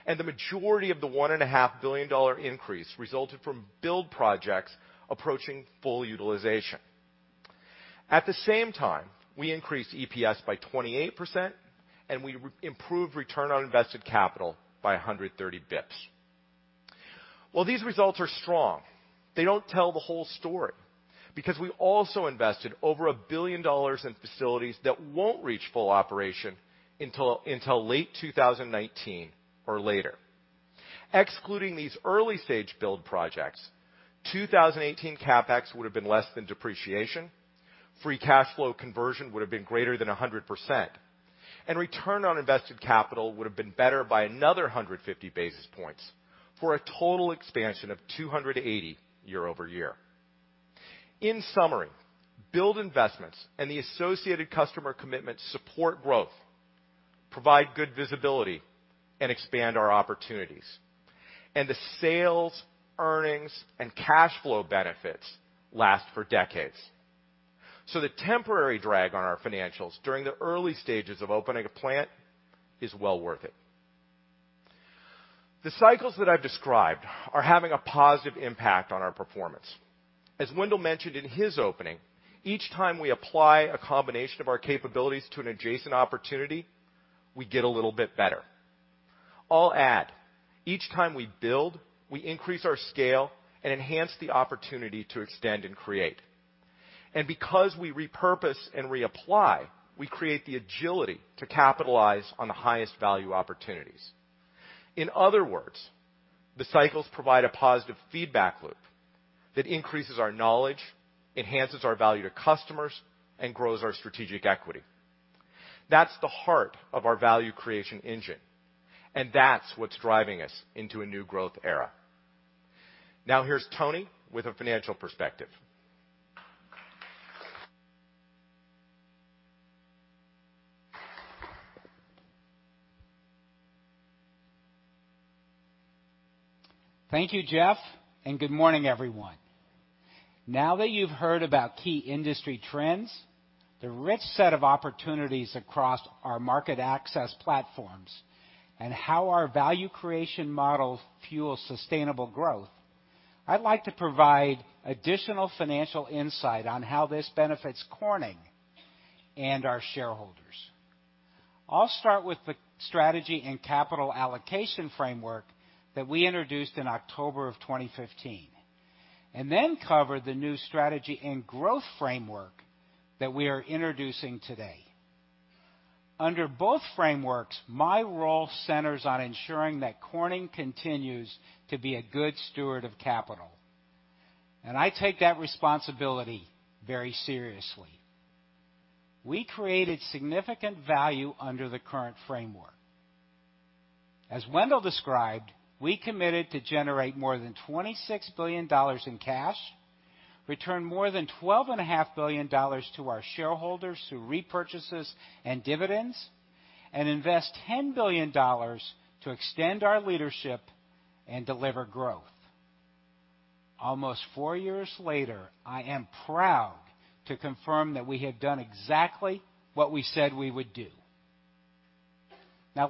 and the majority of the $1.5 billion increase resulted from build projects approaching full utilization. At the same time, we increased EPS by 28%, and we improved return on invested capital by 130 basis points. While these results are strong, they don't tell the whole story, because we also invested over $1 billion in facilities that won't reach full operation until late 2019 or later. Excluding these early-stage build projects, 2018 CapEx would've been less than depreciation, free cash flow conversion would've been greater than 100%, and return on invested capital would've been better by another 150 basis points, for a total expansion of 280 year-over-year. In summary, build investments and the associated customer commitments support growth, provide good visibility, and expand our opportunities. The sales, earnings, and cash flow benefits last for decades. The temporary drag on our financials during the early stages of opening a plant is well worth it. The cycles that I've described are having a positive impact on our performance. As Wendell mentioned in his opening, each time we apply a combination of our capabilities to an adjacent opportunity, we get a little bit better. I'll add, each time we build, we increase our scale and enhance the opportunity to extend and create. Because we repurpose and reapply, we create the agility to capitalize on the highest value opportunities. In other words, the cycles provide a positive feedback loop that increases our knowledge, enhances our value to customers, and grows our strategic equity. That's the heart of our value creation engine, and that's what's driving us into a new growth era. Here's Tony with a financial perspective. Thank you, Jeff. Good morning, everyone. Now that you've heard about key industry trends, the rich set of opportunities across our market access platforms, and how our value creation model fuels sustainable growth, I'd like to provide additional financial insight on how this benefits Corning and our shareholders. I'll start with the strategy and capital allocation framework that we introduced in October of 2015. Then cover the new strategy and growth framework that we are introducing today. Under both frameworks, my role centers on ensuring that Corning continues to be a good steward of capital. I take that responsibility very seriously. We created significant value under the current framework. As Wendell described, we committed to generate more than $26 billion in cash, return more than $12.5 billion to our shareholders through repurchases and dividends. Invest $10 billion to extend our leadership and deliver growth. Almost four years later, I am proud to confirm that we have done exactly what we said we would do.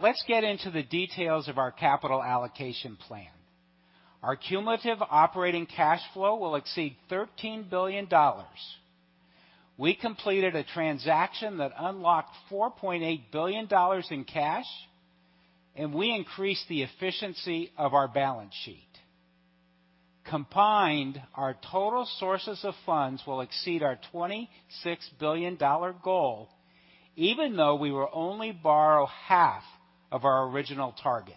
Let's get into the details of our capital allocation plan. Our cumulative operating cash flow will exceed $13 billion. We completed a transaction that unlocked $4.8 billion in cash, and we increased the efficiency of our balance sheet. Combined, our total sources of funds will exceed our $26 billion goal, even though we will only borrow half of our original target.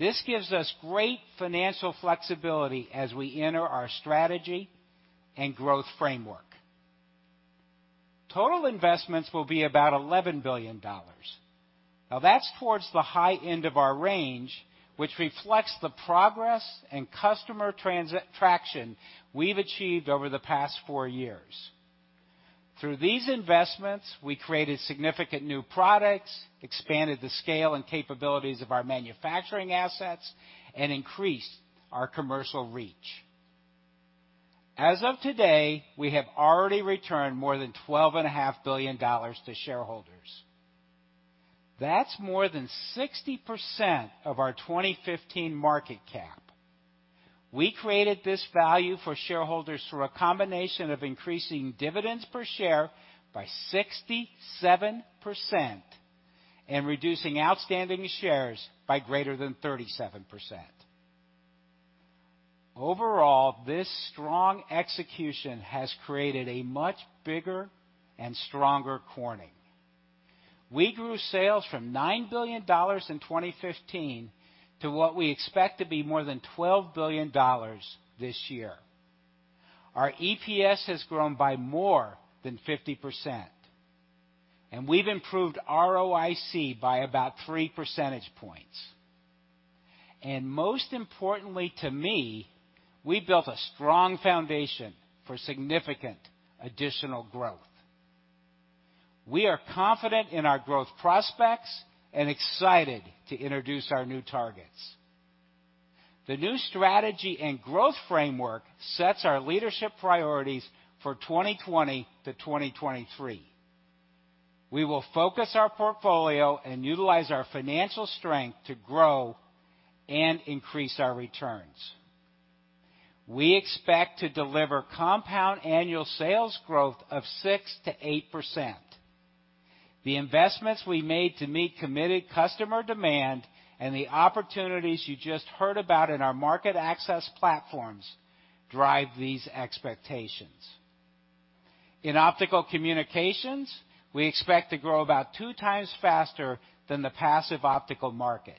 This gives us great financial flexibility as we enter our strategy and growth framework. Total investments will be about $11 billion. That's towards the high end of our range, which reflects the progress and customer traction we've achieved over the past four years. Through these investments, we created significant new products, expanded the scale and capabilities of our manufacturing assets, and increased our commercial reach. As of today, we have already returned more than $12.5 billion to shareholders. That's more than 60% of our 2015 market cap. We created this value for shareholders through a combination of increasing dividends per share by 67% and reducing outstanding shares by greater than 37%. Overall, this strong execution has created a much bigger and stronger Corning. We grew sales from $9 billion in 2015 to what we expect to be more than $12 billion this year. Our EPS has grown by more than 50%, and we've improved ROIC by about three percentage points. Most importantly to me, we built a strong foundation for significant additional growth. We are confident in our growth prospects and excited to introduce our new targets. The new strategy and growth framework sets our leadership priorities for 2020 to 2023. We will focus our portfolio and utilize our financial strength to grow and increase our returns. We expect to deliver compound annual sales growth of 6%-8%. The investments we made to meet committed customer demand and the opportunities you just heard about in our market access platforms drive these expectations. In Optical Communications, we expect to grow about two times faster than the passive optical market.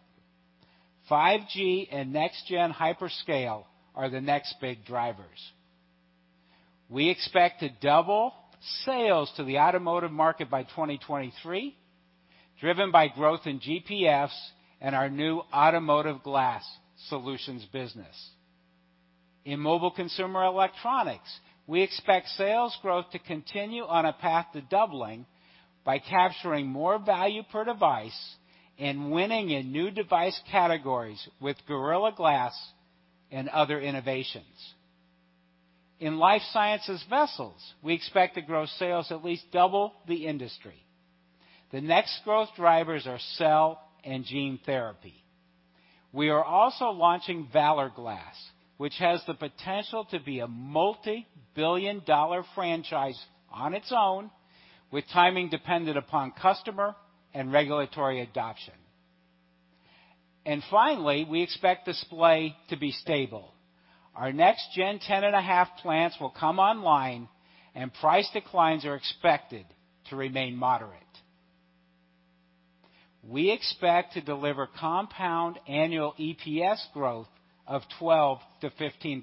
5G and next-gen hyperscale are the next big drivers. We expect to double sales to the automotive market by 2023, driven by growth in GPFs and our new Automotive Glass Solutions business. In mobile consumer electronics, we expect sales growth to continue on a path to doubling by capturing more value per device and winning in new device categories with Corning Gorilla Glass and other innovations. In life sciences vessels, we expect to grow sales at least double the industry. The next growth drivers are cell and gene therapy. We are also launching Valor Glass, which has the potential to be a multi-billion-dollar franchise on its own, with timing dependent upon customer and regulatory adoption. Finally, we expect Display to be stable. Our next Gen 10.5 plants will come online, and price declines are expected to remain moderate. We expect to deliver compound annual EPS growth of 12%-15%.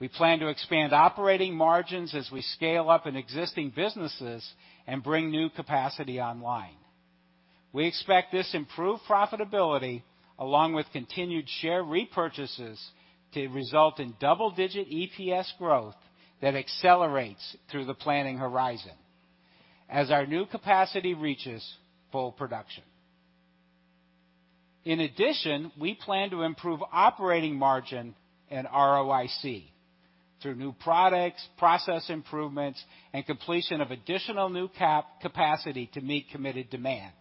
We plan to expand operating margins as we scale up in existing businesses and bring new capacity online. We expect this improved profitability, along with continued share repurchases, to result in double-digit EPS growth that accelerates through the planning horizon as our new capacity reaches full production. In addition, we plan to improve operating margin and ROIC through new products, process improvements, and completion of additional new capacity to meet committed demand.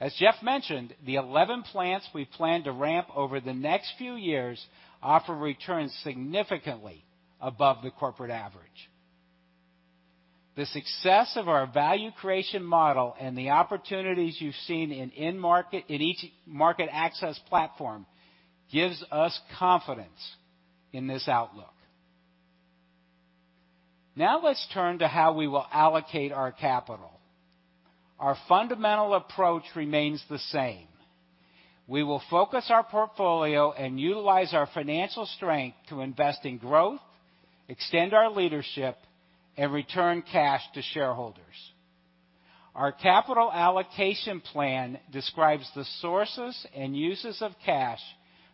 As Jeff mentioned, the 11 plants we plan to ramp over the next few years offer returns significantly above the corporate average. The success of our value creation model and the opportunities you've seen in each market access platform gives us confidence in this outlook. Let's turn to how we will allocate our capital. Our fundamental approach remains the same. We will focus our portfolio and utilize our financial strength to invest in growth, extend our leadership, and return cash to shareholders. Our capital allocation plan describes the sources and uses of cash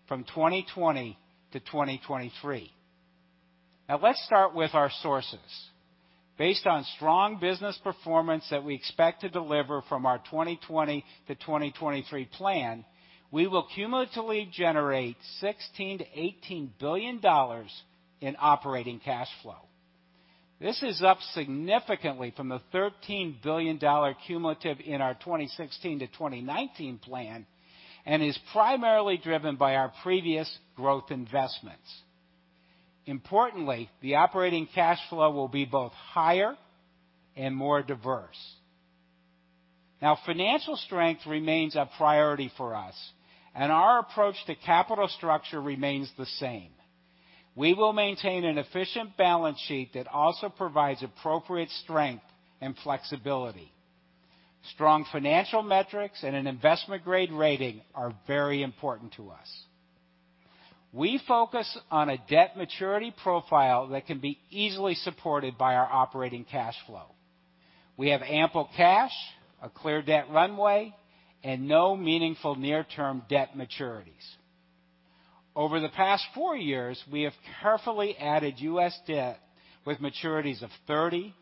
from 2020 to 2023. Let's start with our sources. Based on strong business performance that we expect to deliver from our 2020 to 2023 plan, we will cumulatively generate $16 billion-$18 billion in operating cash flow. This is up significantly from the $13 billion cumulative in our 2016 to 2019 plan and is primarily driven by our previous growth investments. Importantly, the operating cash flow will be both higher and more diverse. Financial strength remains a priority for us, and our approach to capital structure remains the same. We will maintain an efficient balance sheet that also provides appropriate strength and flexibility. Strong financial metrics and an investment-grade rating are very important to us. We focus on a debt maturity profile that can be easily supported by our operating cash flow. We have ample cash, a clear debt runway, and no meaningful near-term debt maturities. Over the past four years, we have carefully added U.S. debt with maturities of 30,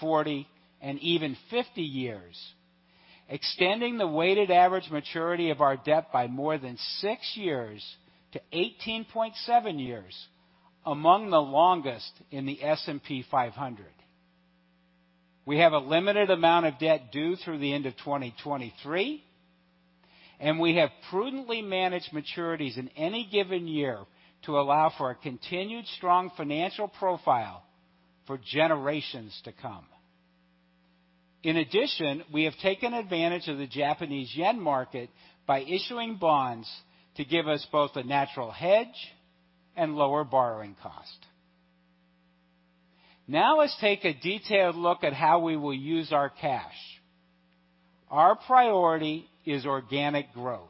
40, and even 50 years, extending the weighted average maturity of our debt by more than six years to 18.7 years. Among the longest in the S&P 500. We have a limited amount of debt due through the end of 2023, and we have prudently managed maturities in any given year to allow for a continued strong financial profile for generations to come. In addition, we have taken advantage of the Japanese yen market by issuing bonds to give us both a natural hedge and lower borrowing cost. Let's take a detailed look at how we will use our cash. Our priority is organic growth.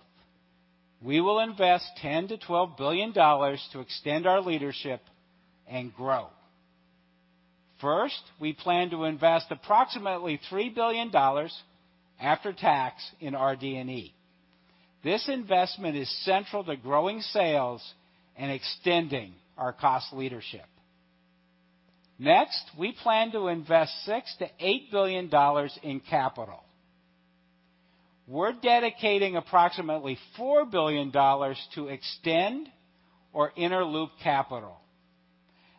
We will invest $10 billion-$12 billion to extend our leadership and grow. First, we plan to invest approximately $3 billion after tax in RD&E. This investment is central to growing sales and extending our cost leadership. We plan to invest $6 billion-$8 billion in capital. We're dedicating approximately $4 billion to extend or inner loop capital.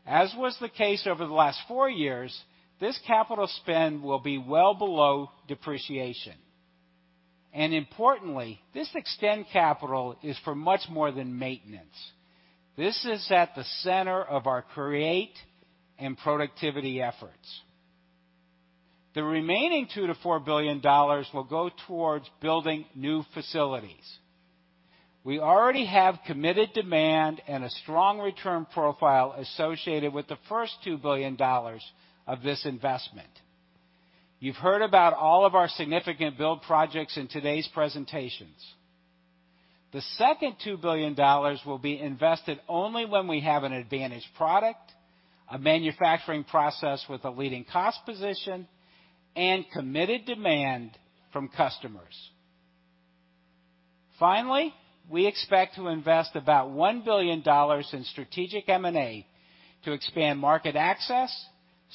As was the case over the last four years, this capital spend will be well below depreciation. Importantly, this extend capital is for much more than maintenance. This is at the center of our create and productivity efforts. The remaining $2 billion-$4 billion will go towards building new facilities. We already have committed demand and a strong return profile associated with the first $2 billion of this investment. You've heard about all of our significant build projects in today's presentations. The second $2 billion will be invested only when we have an advantage product, a manufacturing process with a leading cost position, and committed demand from customers. We expect to invest about $1 billion in strategic M&A to expand market access,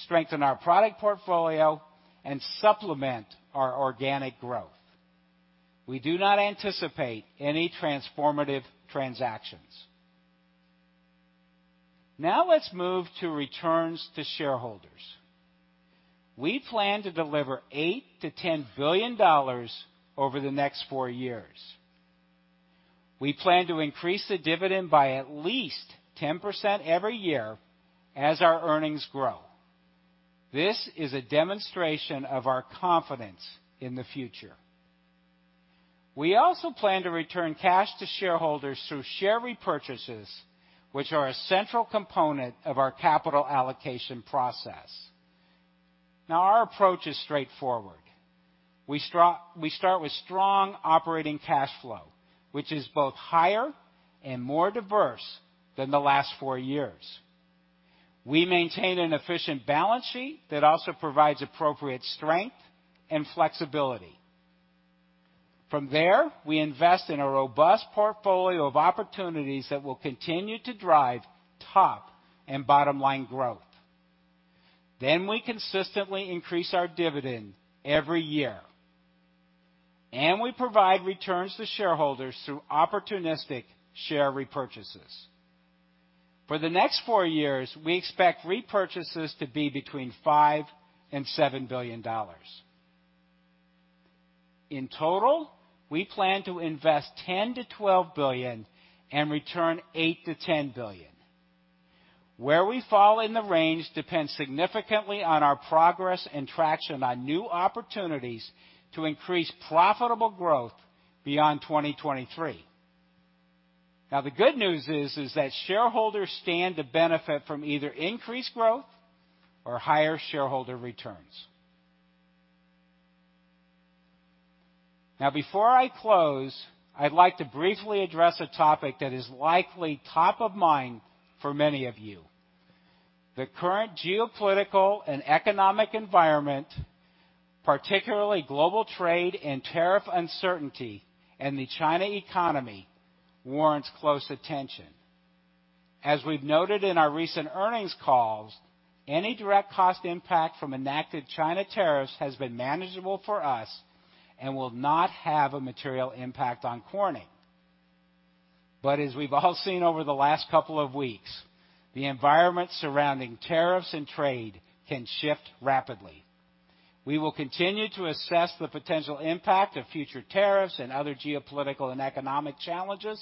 strengthen our product portfolio, and supplement our organic growth. We do not anticipate any transformative transactions. Let's move to returns to shareholders. We plan to deliver $8 billion to $10 billion over the next four years. We plan to increase the dividend by at least 10% every year as our earnings grow. This is a demonstration of our confidence in the future. We also plan to return cash to shareholders through share repurchases, which are a central component of our capital allocation process. Our approach is straightforward. We start with strong operating cash flow, which is both higher and more diverse than the last four years. We maintain an efficient balance sheet that also provides appropriate strength and flexibility. From there, we invest in a robust portfolio of opportunities that will continue to drive top and bottom-line growth. We consistently increase our dividend every year. We provide returns to shareholders through opportunistic share repurchases. For the next four years, we expect repurchases to be between $5 billion and $7 billion. In total, we plan to invest $10 billion to $12 billion and return $8 billion to $10 billion. Where we fall in the range depends significantly on our progress and traction on new opportunities to increase profitable growth beyond 2023. The good news is that shareholders stand to benefit from either increased growth or higher shareholder returns. Before I close, I'd like to briefly address a topic that is likely top of mind for many of you. The current geopolitical and economic environment, particularly global trade and tariff uncertainty in the China economy, warrants close attention. As we've noted in our recent earnings calls, any direct cost impact from enacted China tariffs has been manageable for us and will not have a material impact on Corning. As we've all seen over the last couple of weeks, the environment surrounding tariffs and trade can shift rapidly. We will continue to assess the potential impact of future tariffs and other geopolitical and economic challenges,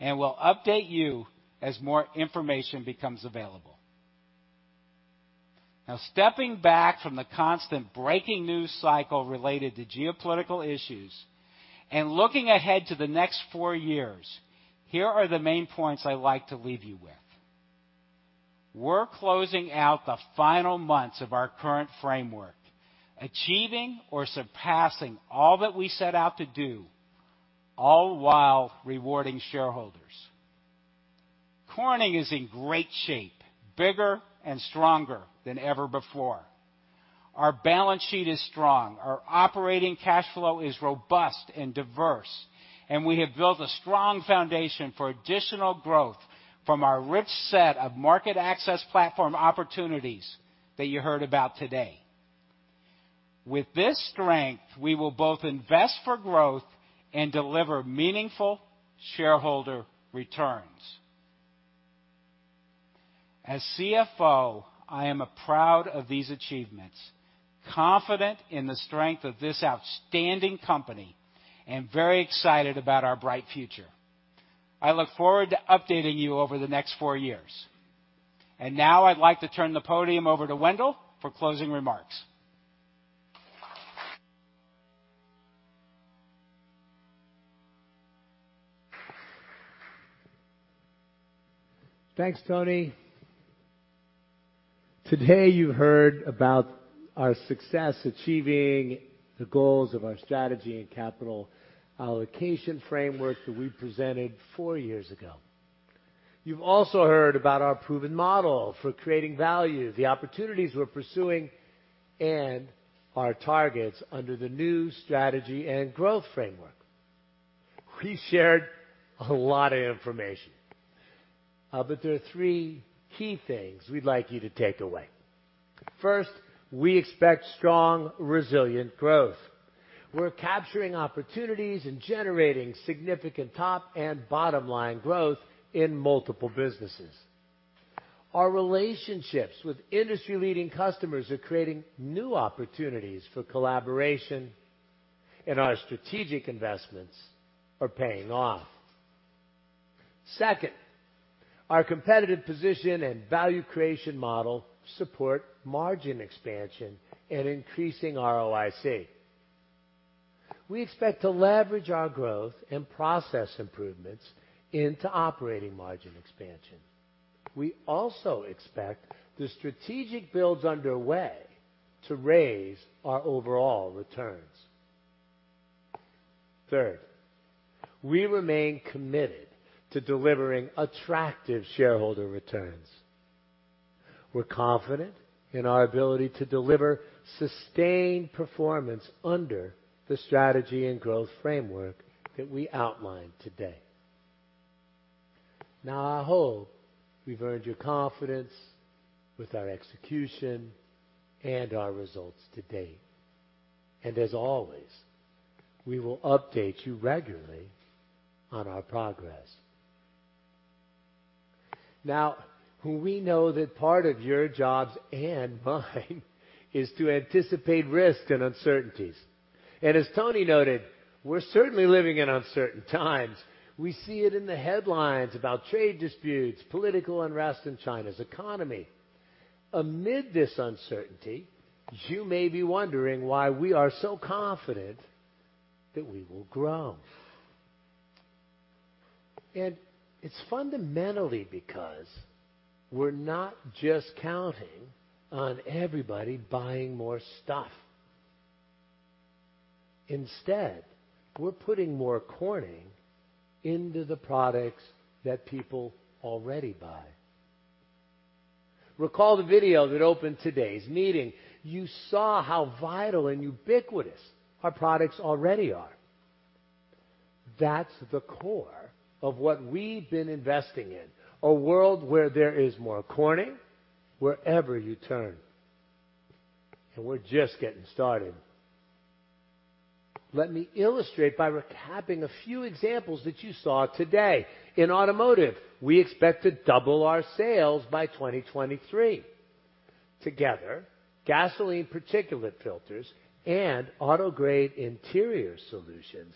and we'll update you as more information becomes available. Stepping back from the constant breaking news cycle related to geopolitical issues and looking ahead to the next four years, here are the main points I'd like to leave you with. We're closing out the final months of our current framework, achieving or surpassing all that we set out to do, all while rewarding shareholders. Corning is in great shape, bigger and stronger than ever before. Our balance sheet is strong. Our operating cash flow is robust and diverse, and we have built a strong foundation for additional growth from our rich set of market access platform opportunities that you heard about today. With this strength, we will both invest for growth and deliver meaningful shareholder returns. As CFO, I am proud of these achievements, confident in the strength of this outstanding company, and very excited about our bright future. I look forward to updating you over the next four years. Now I'd like to turn the podium over to Wendell for closing remarks. Thanks, Tony. Today, you heard about our success achieving the goals of our strategy and capital allocation framework that we presented 4 years ago. You've also heard about our proven model for creating value, the opportunities we're pursuing, and our targets under the new strategy and growth framework. We shared a lot of information, but there are three key things we'd like you to take away. First, we expect strong, resilient growth. We're capturing opportunities and generating significant top and bottom-line growth in multiple businesses. Our relationships with industry-leading customers are creating new opportunities for collaboration, and our strategic investments are paying off. Second, our competitive position and value creation model support margin expansion and increasing ROIC. We expect to leverage our growth and process improvements into operating margin expansion. We also expect the strategic builds underway to raise our overall returns. Third, we remain committed to delivering attractive shareholder returns. We're confident in our ability to deliver sustained performance under the strategy and growth framework that we outlined today. I hope we've earned your confidence with our execution and our results to date. As always, we will update you regularly on our progress. We know that part of your jobs and mine is to anticipate risk and uncertainties. As Tony noted, we're certainly living in uncertain times. We see it in the headlines about trade disputes, political unrest in China's economy. Amid this uncertainty, you may be wondering why we are so confident that we will grow. It's fundamentally because we're not just counting on everybody buying more stuff. Instead, we're putting more Corning into the products that people already buy. Recall the video that opened today's meeting. You saw how vital and ubiquitous our products already are. That's the core of what we've been investing in, a world where there is more Corning wherever you turn, and we're just getting started. Let me illustrate by recapping a few examples that you saw today. In automotive, we expect to double our sales by 2023. Together, Gasoline Particulate Filters and auto-grade interior solutions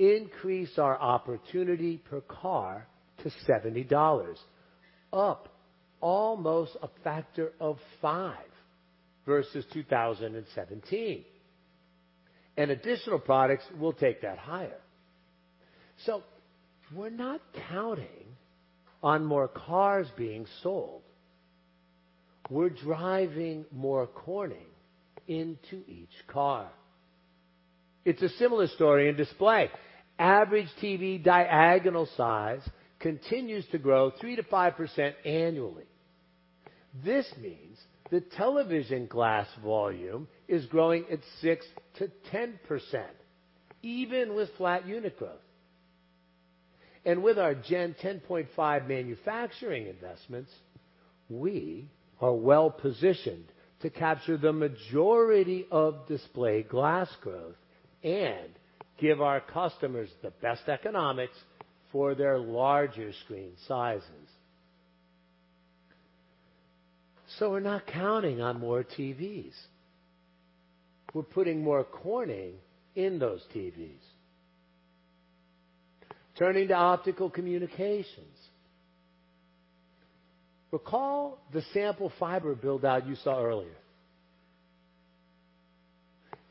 increase our opportunity per car to $70, up almost a factor of five versus 2017. Additional products will take that higher. We're not counting on more cars being sold. We're driving more Corning into each car. It's a similar story in display. Average TV diagonal size continues to grow 3%-5% annually. This means the television glass volume is growing at 6%-10%, even with flat unit growth. With our Gen 10.5 manufacturing investments, we are well-positioned to capture the majority of display glass growth and give our customers the best economics for their larger screen sizes. We're not counting on more TVs. We're putting more Corning in those TVs. Turning to Optical Communications. Recall the sample fiber build-out you saw earlier.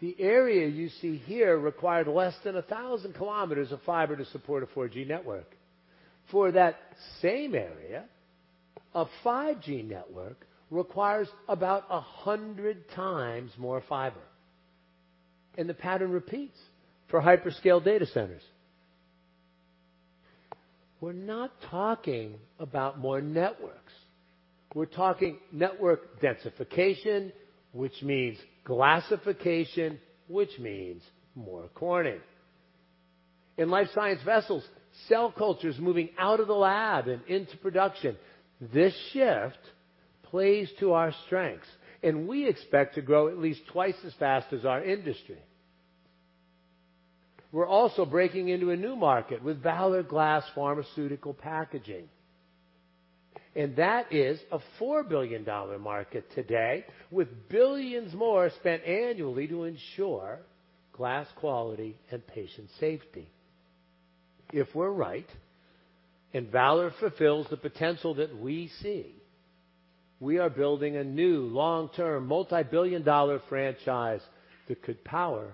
The area you see here required less than 1,000 km of fiber to support a 4G network. For that same area, a 5G network requires about 100 times more fiber, and the pattern repeats for hyperscale data centers. We're not talking about more networks. We're talking network densification, which means glassification, which means more Corning. In life science vessels, cell culture is moving out of the lab and into production. This shift plays to our strengths, and we expect to grow at least twice as fast as our industry. We're also breaking into a new market with Valor Glass pharmaceutical packaging. That is a $4 billion market today, with billions more spent annually to ensure glass quality and patient safety. If we're right, and Valor fulfills the potential that we see, we are building a new long-term, multi-billion-dollar franchise that could power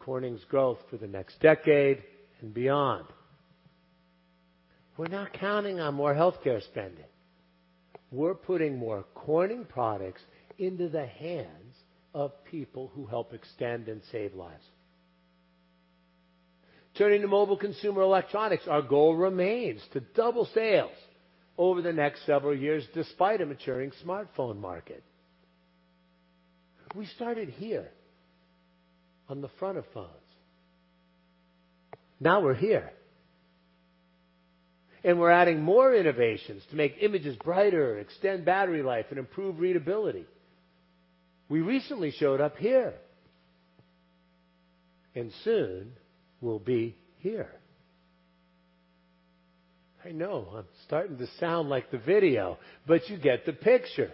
Corning's growth for the next decade and beyond. We're not counting on more healthcare spending. We're putting more Corning products into the hands of people who help extend and save lives. Turning to mobile consumer electronics, our goal remains to double sales over the next several years, despite a maturing smartphone market. We started here on the front of phones. Now we're here, and we're adding more innovations to make images brighter, extend battery life, and improve readability. We recently showed up here, soon we'll be here. I know, I'm starting to sound like the video, but you get the picture.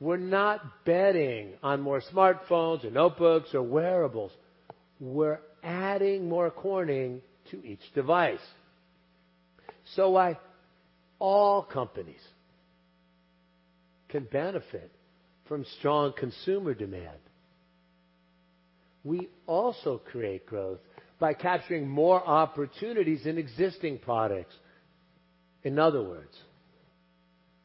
We're not betting on more smartphones or notebooks or wearables. We're adding more Corning to each device. While all companies can benefit from strong consumer demand, we also create growth by capturing more opportunities in existing products. In other words,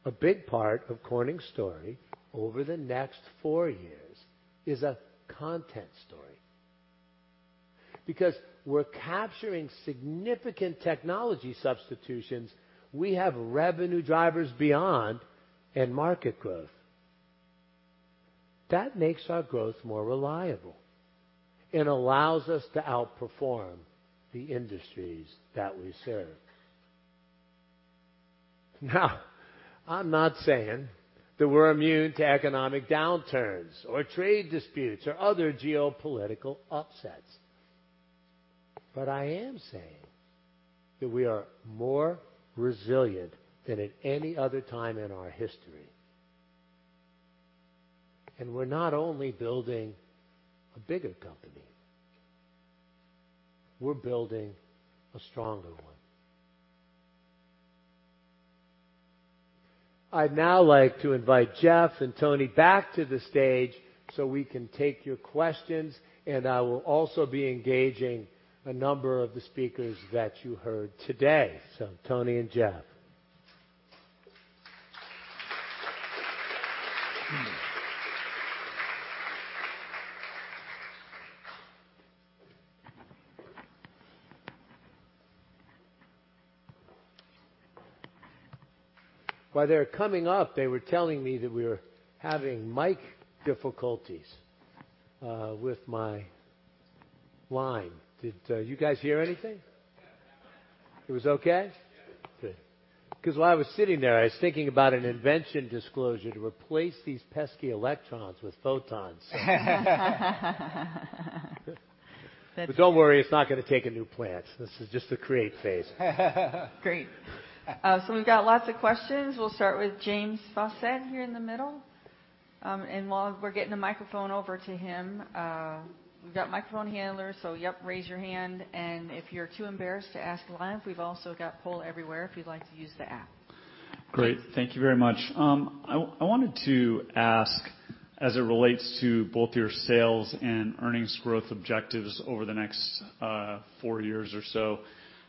a big part of Corning's story over the next four years is a content story. We're capturing significant technology substitutions, we have revenue drivers beyond end market growth. That makes our growth more reliable and allows us to outperform the industries that we serve. I'm not saying that we're immune to economic downturns, or trade disputes, or other geopolitical upsets, but I am saying that we are more resilient than at any other time in our history. We're not only building a bigger company, we're building a stronger one. I'd now like to invite Jeff and Tony back to the stage so we can take your questions, I will also be engaging a number of the speakers that you heard today. Tony and Jeff. While they're coming up, they were telling me that we are having mic difficulties, with my line. Did you guys hear anything? Yeah. It was okay? Yeah. While I was sitting there, I was thinking about an invention disclosure to replace these pesky electrons with photons. Don't worry, it's not going to take a new plant. This is just the create phase. Great. We've got lots of questions. We'll start with James Faucette here in the middle. While we're getting a microphone over to him, we've got microphone handlers, raise your hand, and if you're too embarrassed to ask live, we've also got Poll Everywhere if you'd like to use the app. Great. Thank you very much. I wanted to ask, as it relates to both your sales and earnings growth objectives over the next four years or so,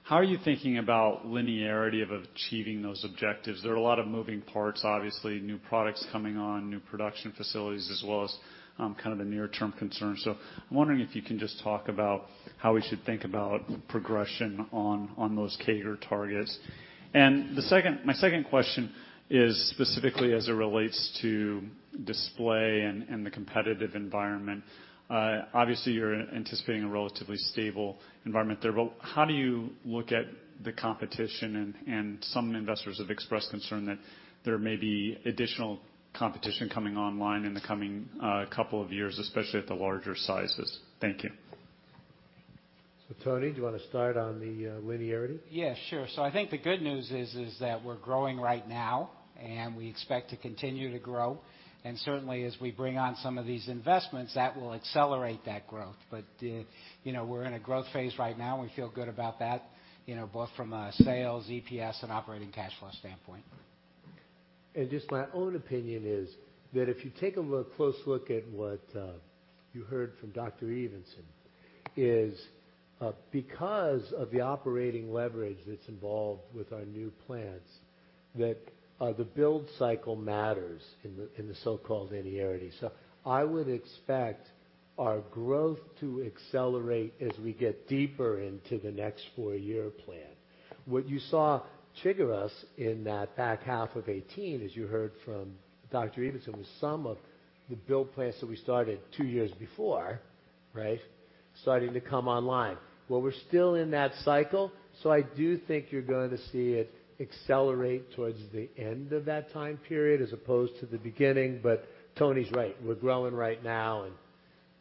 how are you thinking about linearity of achieving those objectives? There are a lot of moving parts, obviously, new products coming on, new production facilities, as well as kind of the near-term concerns. I'm wondering if you can just talk about how we should think about progression on those catered targets. My second question is specifically as it relates to display and the competitive environment. Obviously, you're anticipating a relatively stable environment there, how do you look at the competition? Some investors have expressed concern that there may be additional competition coming online in the coming couple of years, especially at the larger sizes. Thank you. Tony, do you want to start on the linearity? I think the good news is that we're growing right now, and we expect to continue to grow. Certainly, as we bring on some of these investments, that will accelerate that growth. We're in a growth phase right now. We feel good about that, both from a sales, EPS, and operating cash flow standpoint. Just my own opinion is that if you take a close look at what you heard from Dr. Evenson, is because of the operating leverage that's involved with our new plants, that the build cycle matters in the so-called linearity. I would expect our growth to accelerate as we get deeper into the next four-year plan. What you saw trigger us in that back half of 2018, as you heard from Dr. Evenson, was some of the build plans that we started two years before, starting to come online. We're still in that cycle, I do think you're going to see it accelerate towards the end of that time period as opposed to the beginning, Tony's right. We're growing right now,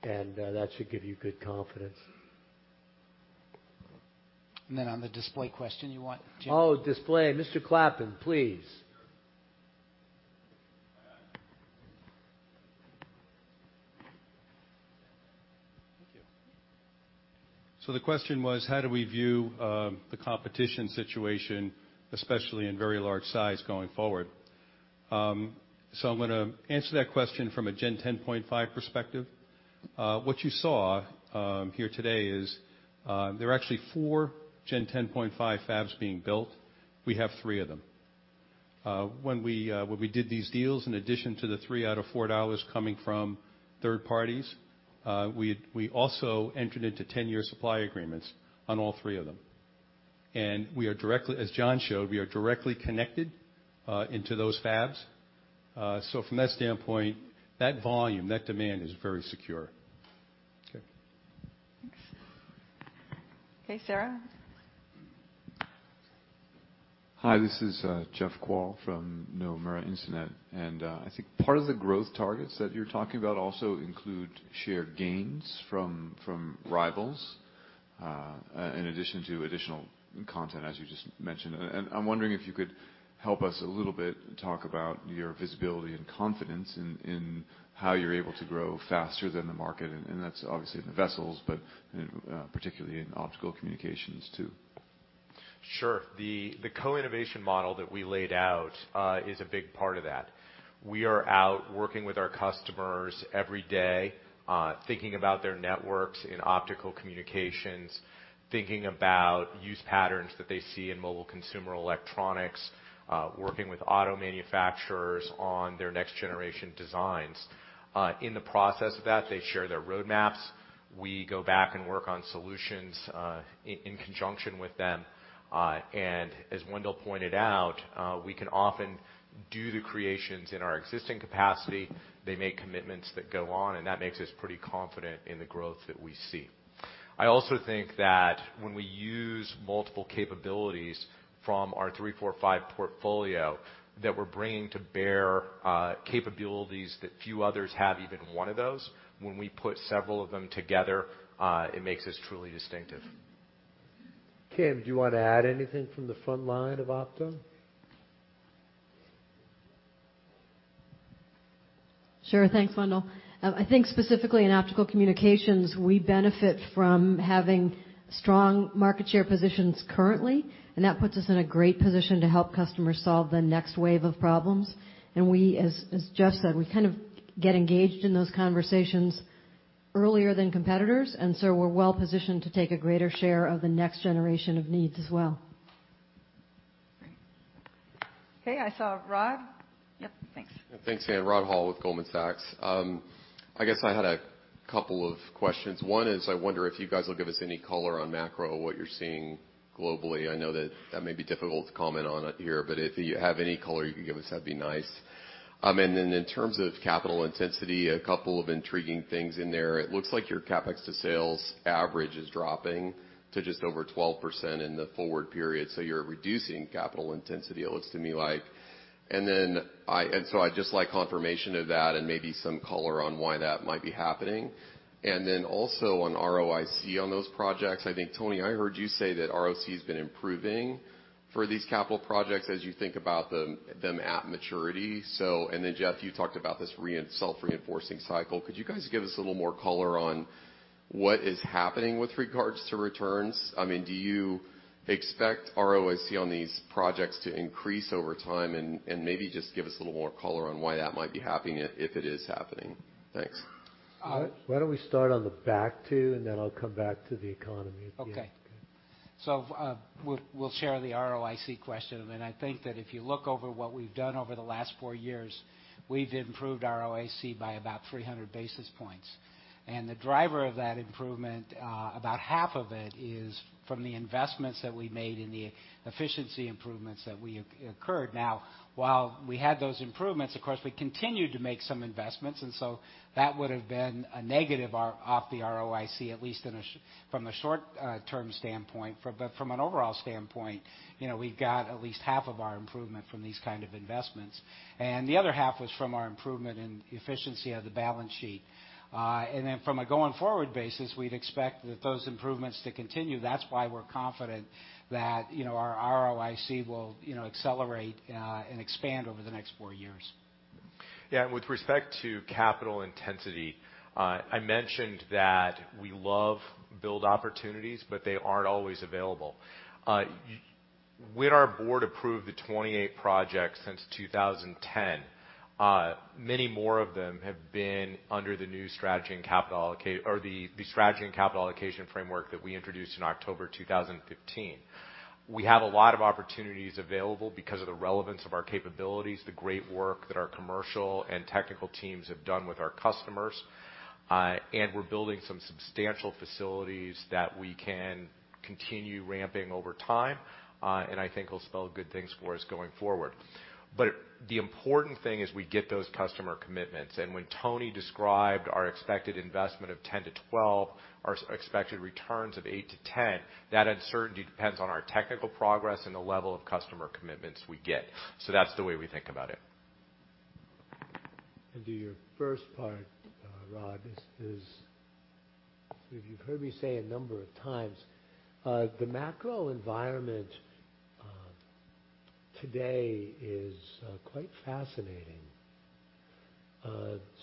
and that should give you good confidence. On the display question, you want Jim? Oh, display. Mr. Clappin, please. Thank you. The question was how do we view the competition situation, especially in very large size going forward? I'm going to answer that question from a Gen 10.5 perspective. What you saw here today is there are actually four Gen 10.5 fabs being built. We have three of them. When we did these deals, in addition to the $3 out of $4 coming from third parties, we also entered into 10-year supply agreements on all three of them. As John showed, we are directly connected into those fabs. From that standpoint, that volume, that demand, is very secure. Okay. Thanks. Okay, Sarah? Hi, this is Jeffrey Kvaal from Nomura Instinet. I think part of the growth targets that you're talking about also include shared gains from rivals, in addition to additional content, as you just mentioned. I'm wondering if you could help us a little bit talk about your visibility and confidence in how you're able to grow faster than the market, and that's obviously in the vessels, but particularly in Optical Communications, too. Sure. The co-innovation model that we laid out is a big part of that. We are out working with our customers every day, thinking about their networks in Optical Communications, thinking about use patterns that they see in mobile consumer electronics, working with auto manufacturers on their next generation designs. In the process of that, they share their roadmaps. We go back and work on solutions in conjunction with them. As Wendell pointed out, we can often do the creations in our existing capacity. They make commitments that go on, and that makes us pretty confident in the growth that we see. I also think that when we use multiple capabilities from our three, four, five portfolio, that we're bringing to bear capabilities that few others have even one of those. When we put several of them together, it makes us truly distinctive. Kim, do you want to add anything from the front line of Optical Communications? Sure. Thanks, Wendell. I think specifically in Optical Communications, we benefit from having strong market share positions currently, and that puts us in a great position to help customers solve the next wave of problems. As Jeff said, we kind of get engaged in those conversations earlier than competitors, so we're well positioned to take a greater share of the next generation of needs as well. Great. Okay, I saw Rod. Yep, thanks. Thanks, Ann. Rod Hall with Goldman Sachs. I guess I had a couple of questions. One is, I wonder if you guys will give us any color on macro, what you're seeing globally. I know that may be difficult to comment on it here, but if you have any color you can give us, that'd be nice. In terms of capital intensity, a couple of intriguing things in there. It looks like your CapEx to sales average is dropping to just over 12% in the forward period, so you're reducing capital intensity, it looks to me like. I'd just like confirmation of that and maybe some color on why that might be happening. Also on ROIC on those projects, I think, Tony, I heard you say that ROIC has been improving for these capital projects as you think about them at maturity. Jeff, you talked about this self-reinforcing cycle. Could you guys give us a little more color on what is happening with regards to returns? Do you expect ROIC on these projects to increase over time? Maybe just give us a little more color on why that might be happening, if it is happening. Thanks. Why don't we start on the back two, and then I'll come back to the economy at the end. Okay. We'll share the ROIC question. I think that if you look over what we've done over the last four years, we've improved ROIC by about 300 basis points. The driver of that improvement, about half of it, is from the investments that we made in the efficiency improvements that we occurred. Now, while we had those improvements, of course, we continued to make some investments, and so that would have been a negative off the ROIC, at least from a short-term standpoint. From an overall standpoint, we got at least half of our improvement from these kind of investments. The other half was from our improvement in efficiency of the balance sheet. From a going forward basis, we'd expect those improvements to continue. That's why we're confident that our ROIC will accelerate and expand over the next four years. Yeah, with respect to capital intensity, I mentioned that we love build opportunities, but they aren't always available. When our board approved the 28 projects since 2010, many more of them have been under the new strategy and capital allocation framework that we introduced in October 2015. We have a lot of opportunities available because of the relevance of our capabilities, the great work that our commercial and technical teams have done with our customers, and we're building some substantial facilities that we can continue ramping over time. I think will spell good things for us going forward. The important thing is we get those customer commitments, and when Tony Tripeny described our expected investment of 10 to 12, our expected returns of 8 to 10, that uncertainty depends on our technical progress and the level of customer commitments we get. That's the way we think about it. To your first part, Rod Hall, you've heard me say a number of times, the macro environment today is quite fascinating.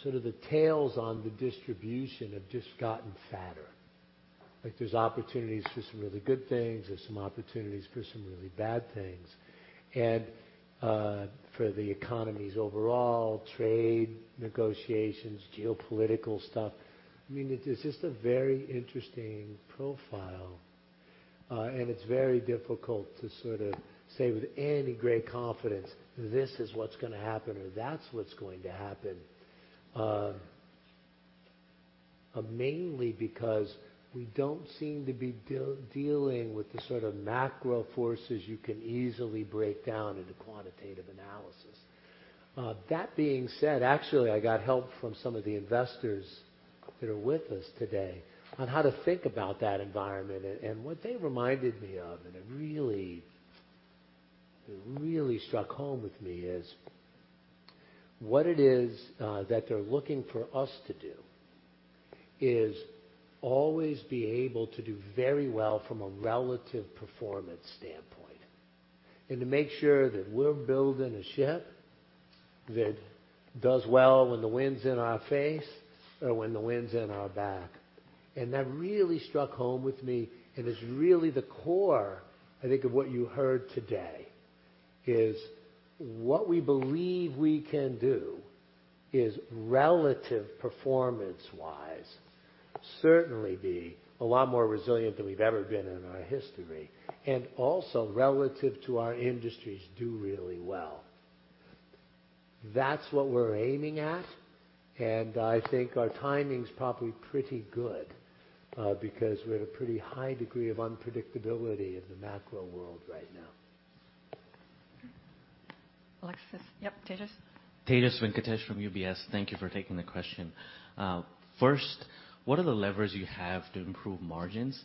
Sort of the tails on the distribution have just gotten fatter. There's opportunities for some really good things. There's some opportunities for some really bad things. For the economies overall, trade negotiations, geopolitical stuff, it's just a very interesting profile. It's very difficult to sort of say with any great confidence, this is what's going to happen or that's what's going to happen. Mainly because we don't seem to be dealing with the sort of macro forces you can easily break down into quantitative analysis. That being said, actually, I got help from some of the investors that are with us today on how to think about that environment, what they reminded me of, it really struck home with me, is what it is that they're looking for us to do is always be able to do very well from a relative performance standpoint. To make sure that we're building a ship that does well when the wind's in our face or when the wind's in our back. That really struck home with me and is really the core, I think, of what you heard today, is what we believe we can do is relative performance-wise, certainly be a lot more resilient than we've ever been in our history, and also relative to our industries, do really well. That's what we're aiming at. I think our timing's probably pretty good, because we have a pretty high degree of unpredictability in the macro world right now. Alexis. Yep, Tejas. Tejas Venkatesh from UBS. Thank you for taking the question. First, what are the levers you have to improve margins?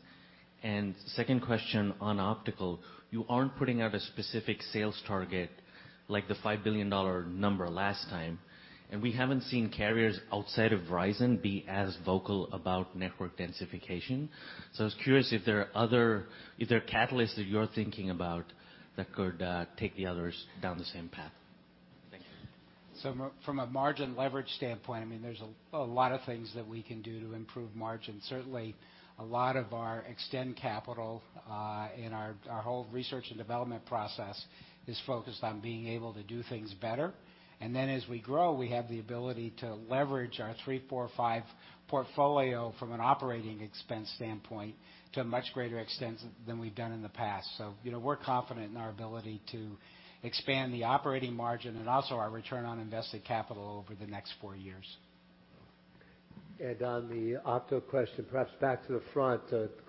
Second question on optical. You aren't putting out a specific sales target like the $5 billion number last time, and we haven't seen carriers outside of Verizon be as vocal about network densification. I was curious if there are catalysts that you're thinking about that could take the others down the same path. Thank you. From a margin leverage standpoint, there's a lot of things that we can do to improve margin. Certainly, a lot of our expend capital, and our whole research and development process is focused on being able to do things better. Then as we grow, we have the ability to leverage our three, four, five portfolio from an operating expense standpoint to a much greater extent than we've done in the past. We're confident in our ability to expand the operating margin and also our return on invested capital over the next four years. On the opto question, perhaps back to the front.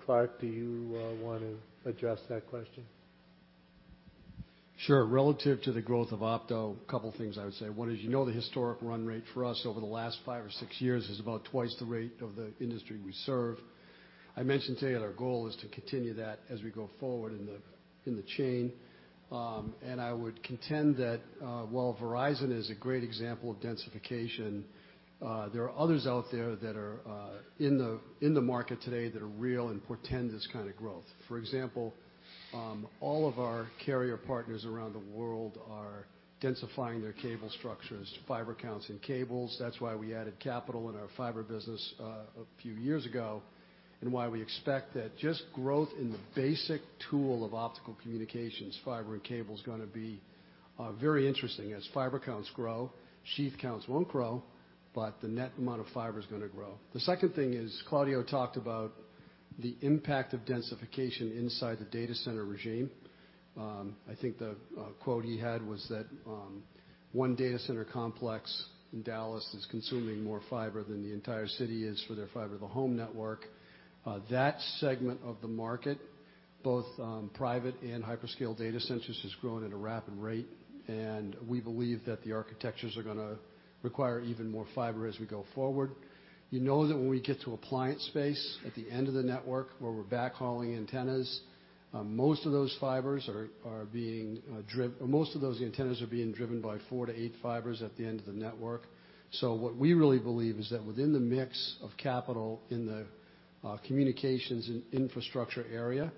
Clark, do you want to address that question? Sure. Relative to the growth of opto, a couple of things I would say. One is, you know the historic run rate for us over the last five or six years is about twice the rate of the industry we serve. I mentioned today that our goal is to continue that as we go forward in the chain. I would contend that, while Verizon is a great example of densification, there are others out there that are in the market today that are real and portend this kind of growth. For example, all of our carrier partners around the world are densifying their cable structures, fiber counts in cables. That's why we added capital in our fiber business a few years ago, and why we expect that just growth in the basic tool of optical communications, fiber and cable, is going to be very interesting. As fiber counts grow, sheath counts won't grow, but the net amount of fiber is going to grow. The second thing is, Claudio talked about the impact of densification inside the data center regime. I think the quote he had was that one data center complex in Dallas is consuming more fiber than the entire city is for their fiber-to-the-home network. That segment of the market, both private and hyperscale data centers, is growing at a rapid rate, and we believe that the architectures are going to require even more fiber as we go forward. You know that when we get to appliance space at the end of the network where we're backhauling antennas, most of those antennas are being driven by four to eight fibers at the end of the network. What we really believe is that within the mix of capital in the communications infrastructure area,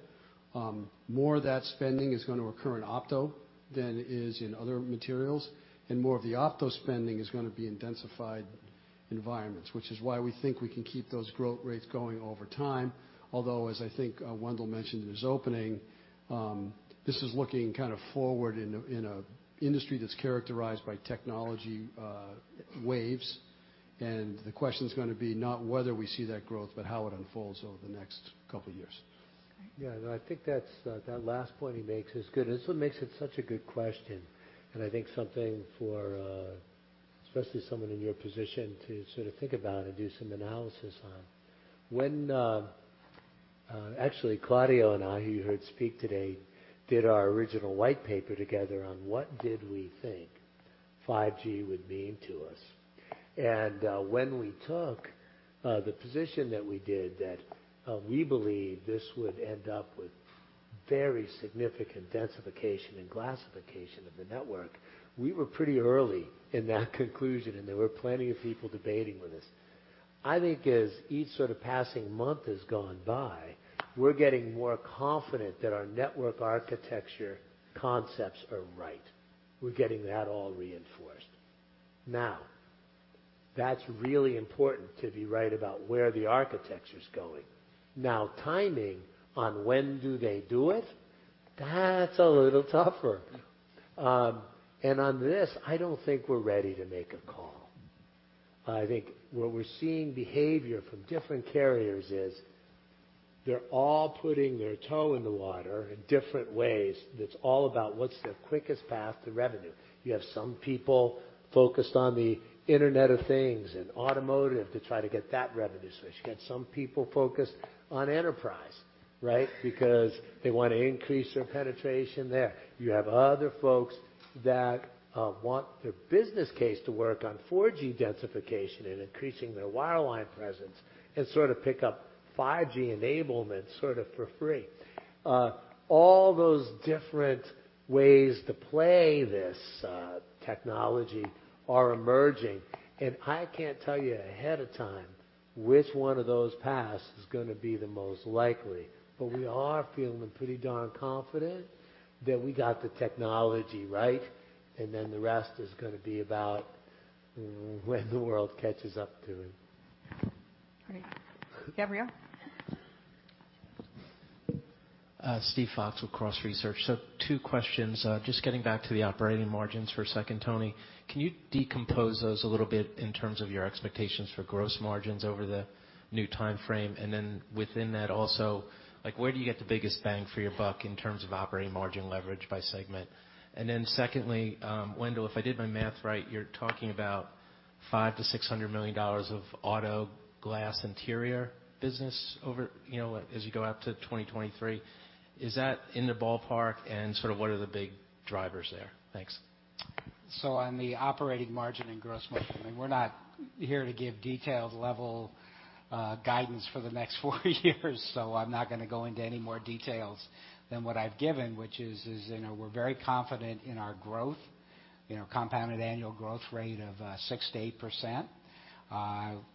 more of that spending is going to occur in opto than it is in other materials, and more of the opto spending is going to be intensified environments, which is why we think we can keep those growth rates going over time. Although, as I think Wendell mentioned in his opening, this is looking kind of forward in an industry that's characterized by technology waves. The question's going to be not whether we see that growth, but how it unfolds over the next couple years. Yeah, no, I think that last point he makes is good. That's what makes it such a good question, and I think something for especially someone in your position to sort of think about and do some analysis on. Actually, Claudio and I, who you heard speak today, did our original white paper together on what did we think 5G would mean to us. When we took the position that we did, that we believe this would end up with very significant densification and glassification of the network, we were pretty early in that conclusion, and there were plenty of people debating with us. I think as each sort of passing month has gone by, we're getting more confident that our network architecture concepts are right. We're getting that all reinforced. That's really important to be right about where the architecture's going. Timing on when do they do it, that's a little tougher. On this, I don't think we're ready to make a call. I think where we're seeing behavior from different carriers is they're all putting their toe in the water in different ways, that's all about what's their quickest path to revenue. You have some people focused on the Internet of Things and automotive to try to get that revenue switch. You got some people focused on enterprise, right? Because they want to increase their penetration there. You have other folks that want their business case to work on 4G densification and increasing their wireline presence and sort of pick up 5G enablement sort of for free. All those different ways to play this technology are emerging, I can't tell you ahead of time which one of those paths is going to be the most likely, we are feeling pretty darn confident that we got the technology right, the rest is going to be about when the world catches up to it. Great. Gabriel? Steven Fox with Cross Research. Two questions. Just getting back to the operating margins for a second, Tony. Can you decompose those a little bit in terms of your expectations for gross margins over the new timeframe? Within that also, where do you get the biggest bang for your buck in terms of operating margin leverage by segment? Secondly, Wendell, if I did my math right, you're talking about $500 million-$600 million of auto glass interior business as you go out to 2023. Is that in the ballpark, and sort of what are the big drivers there? Thanks. On the operating margin and gross margin, we're not here to give detailed level guidance for the next 4 years so I'm not going to go into any more details than what I've given, which is we're very confident in our growth, compounded annual growth rate of 6%-8%.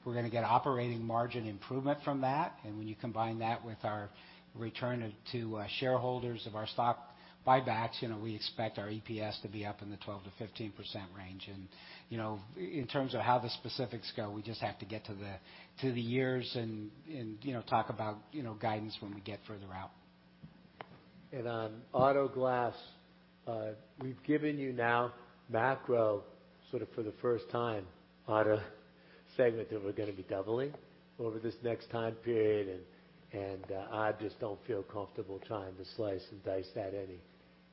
We're going to get operating margin improvement from that, and when you combine that with our return to shareholders of our stock buybacks, we expect our EPS to be up in the 12%-15% range. In terms of how the specifics go, we just have to get to the years and talk about guidance when we get further out. On auto glass, we've given you now macro sort of for the first time on a segment that we're going to be doubling over this next time period, and I just don't feel comfortable trying to slice and dice that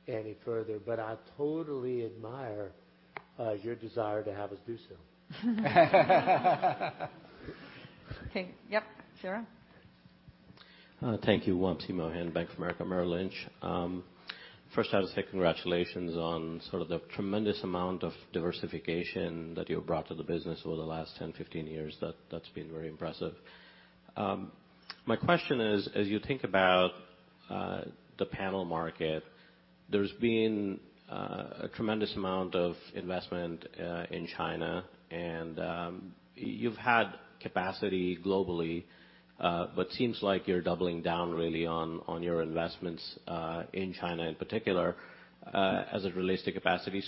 any further. I totally admire your desire to have us do so. Okay. Yep, Shera? Thank you. Wamsi Mohan, Bank of America Merrill Lynch. First I would say congratulations on sort of the tremendous amount of diversification that you've brought to the business over the last 10, 15 years. That's been very impressive. My question is: as you think about the panel market, there's been a tremendous amount of investment in China, and you've had capacity globally, but seems like you're doubling down really on your investments, in China in particular, as it relates to capacity.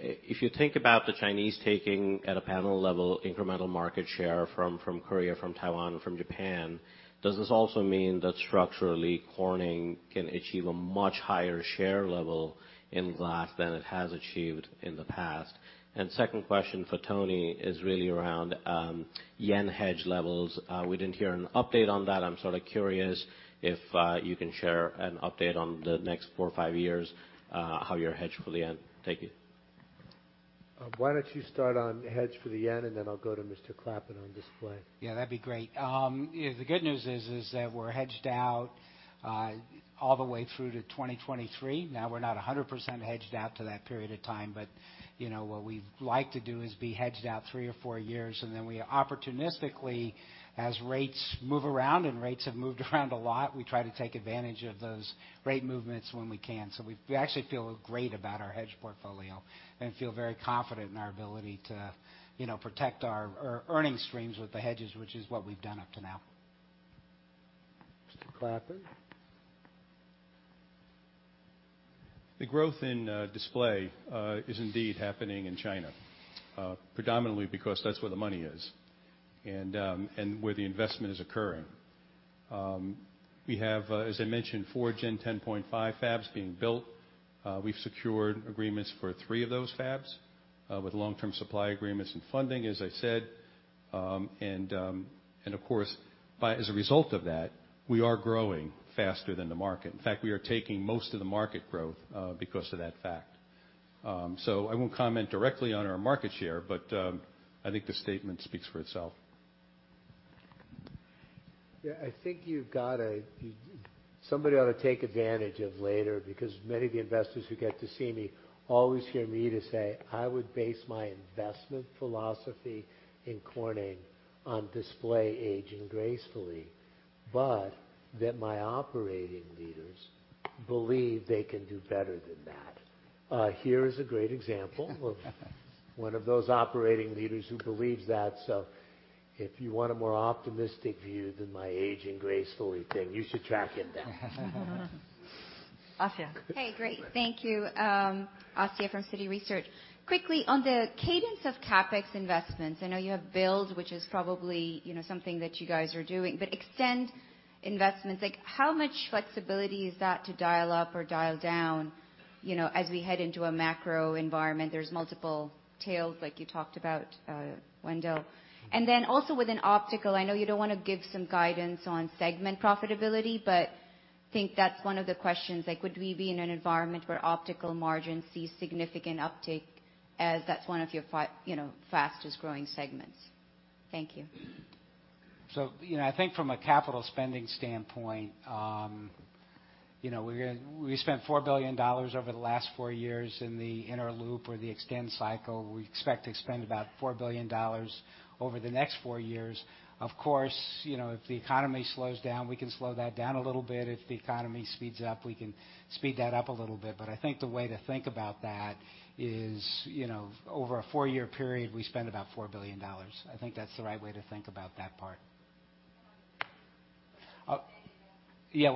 If you think about the Chinese taking, at a panel level, incremental market share from Korea, from Taiwan, from Japan, does this also mean that structurally, Corning can achieve a much higher share level in glass than it has achieved in the past? Second question for Tony is really around yen hedge levels. We didn't hear an update on that. I'm sort of curious if you can share an update on the next four or five years, how you're hedged for the yen. Thank you. Why don't you start on hedge for the yen, and then I'll go to Mr. Clappin on display. Yeah, that'd be great. The good news is that we're hedged out all the way through to 2023. Now we're not 100% hedged out to that period of time, but what we like to do is be hedged out three or four years, and then we opportunistically, as rates move around, and rates have moved around a lot, we try to take advantage of those rate movements when we can. We actually feel great about our hedge portfolio and feel very confident in our ability to protect our earning streams with the hedges, which is what we've done up to now. Mr. Clappin? The growth in Display is indeed happening in China, predominantly because that's where the money is and where the investment is occurring. We have, as I mentioned, 4 Gen 10.5 fabs being built. We've secured agreements for three of those fabs, with long-term supply agreements and funding, as I said. Of course, as a result of that, we are growing faster than the market. In fact, we are taking most of the market growth because of that fact. I won't comment directly on our market share, but I think the statement speaks for itself. Yeah, I think somebody ought to take advantage of later, because many of the investors who get to see me always hear me say I would base my investment philosophy in Corning on Display aging gracefully, but that my operating leaders believe they can do better than that. Here is a great example of one of those operating leaders who believes that. If you want a more optimistic view than my aging gracefully thing, you should track him down. Asiya. Hey, great. Thank you. Asiya from Citi Research. Quickly, on the cadence of CapEx investments, I know you have build, which is probably something that you guys are doing, but extend investments, how much flexibility is that to dial up or dial down as we head into a macro environment? There's multiple tails, like you talked about, Wendell. Then also with an Optical, I know you don't want to give some guidance on segment profitability, but think that's one of the questions, could we be in an environment where Optical margins see significant uptake as that's one of your fastest-growing segments? Thank you. I think from a capital spending standpoint, we spent $4 billion over the last four years in the inner loop or the extend cycle. We expect to spend about $4 billion over the next four years. Of course, if the economy slows down, we can slow that down a little bit. If the economy speeds up, we can speed that up a little bit. I think the way to think about that is, over a four-year period, we spend about $4 billion. I think that's the right way to think about that part. Yeah.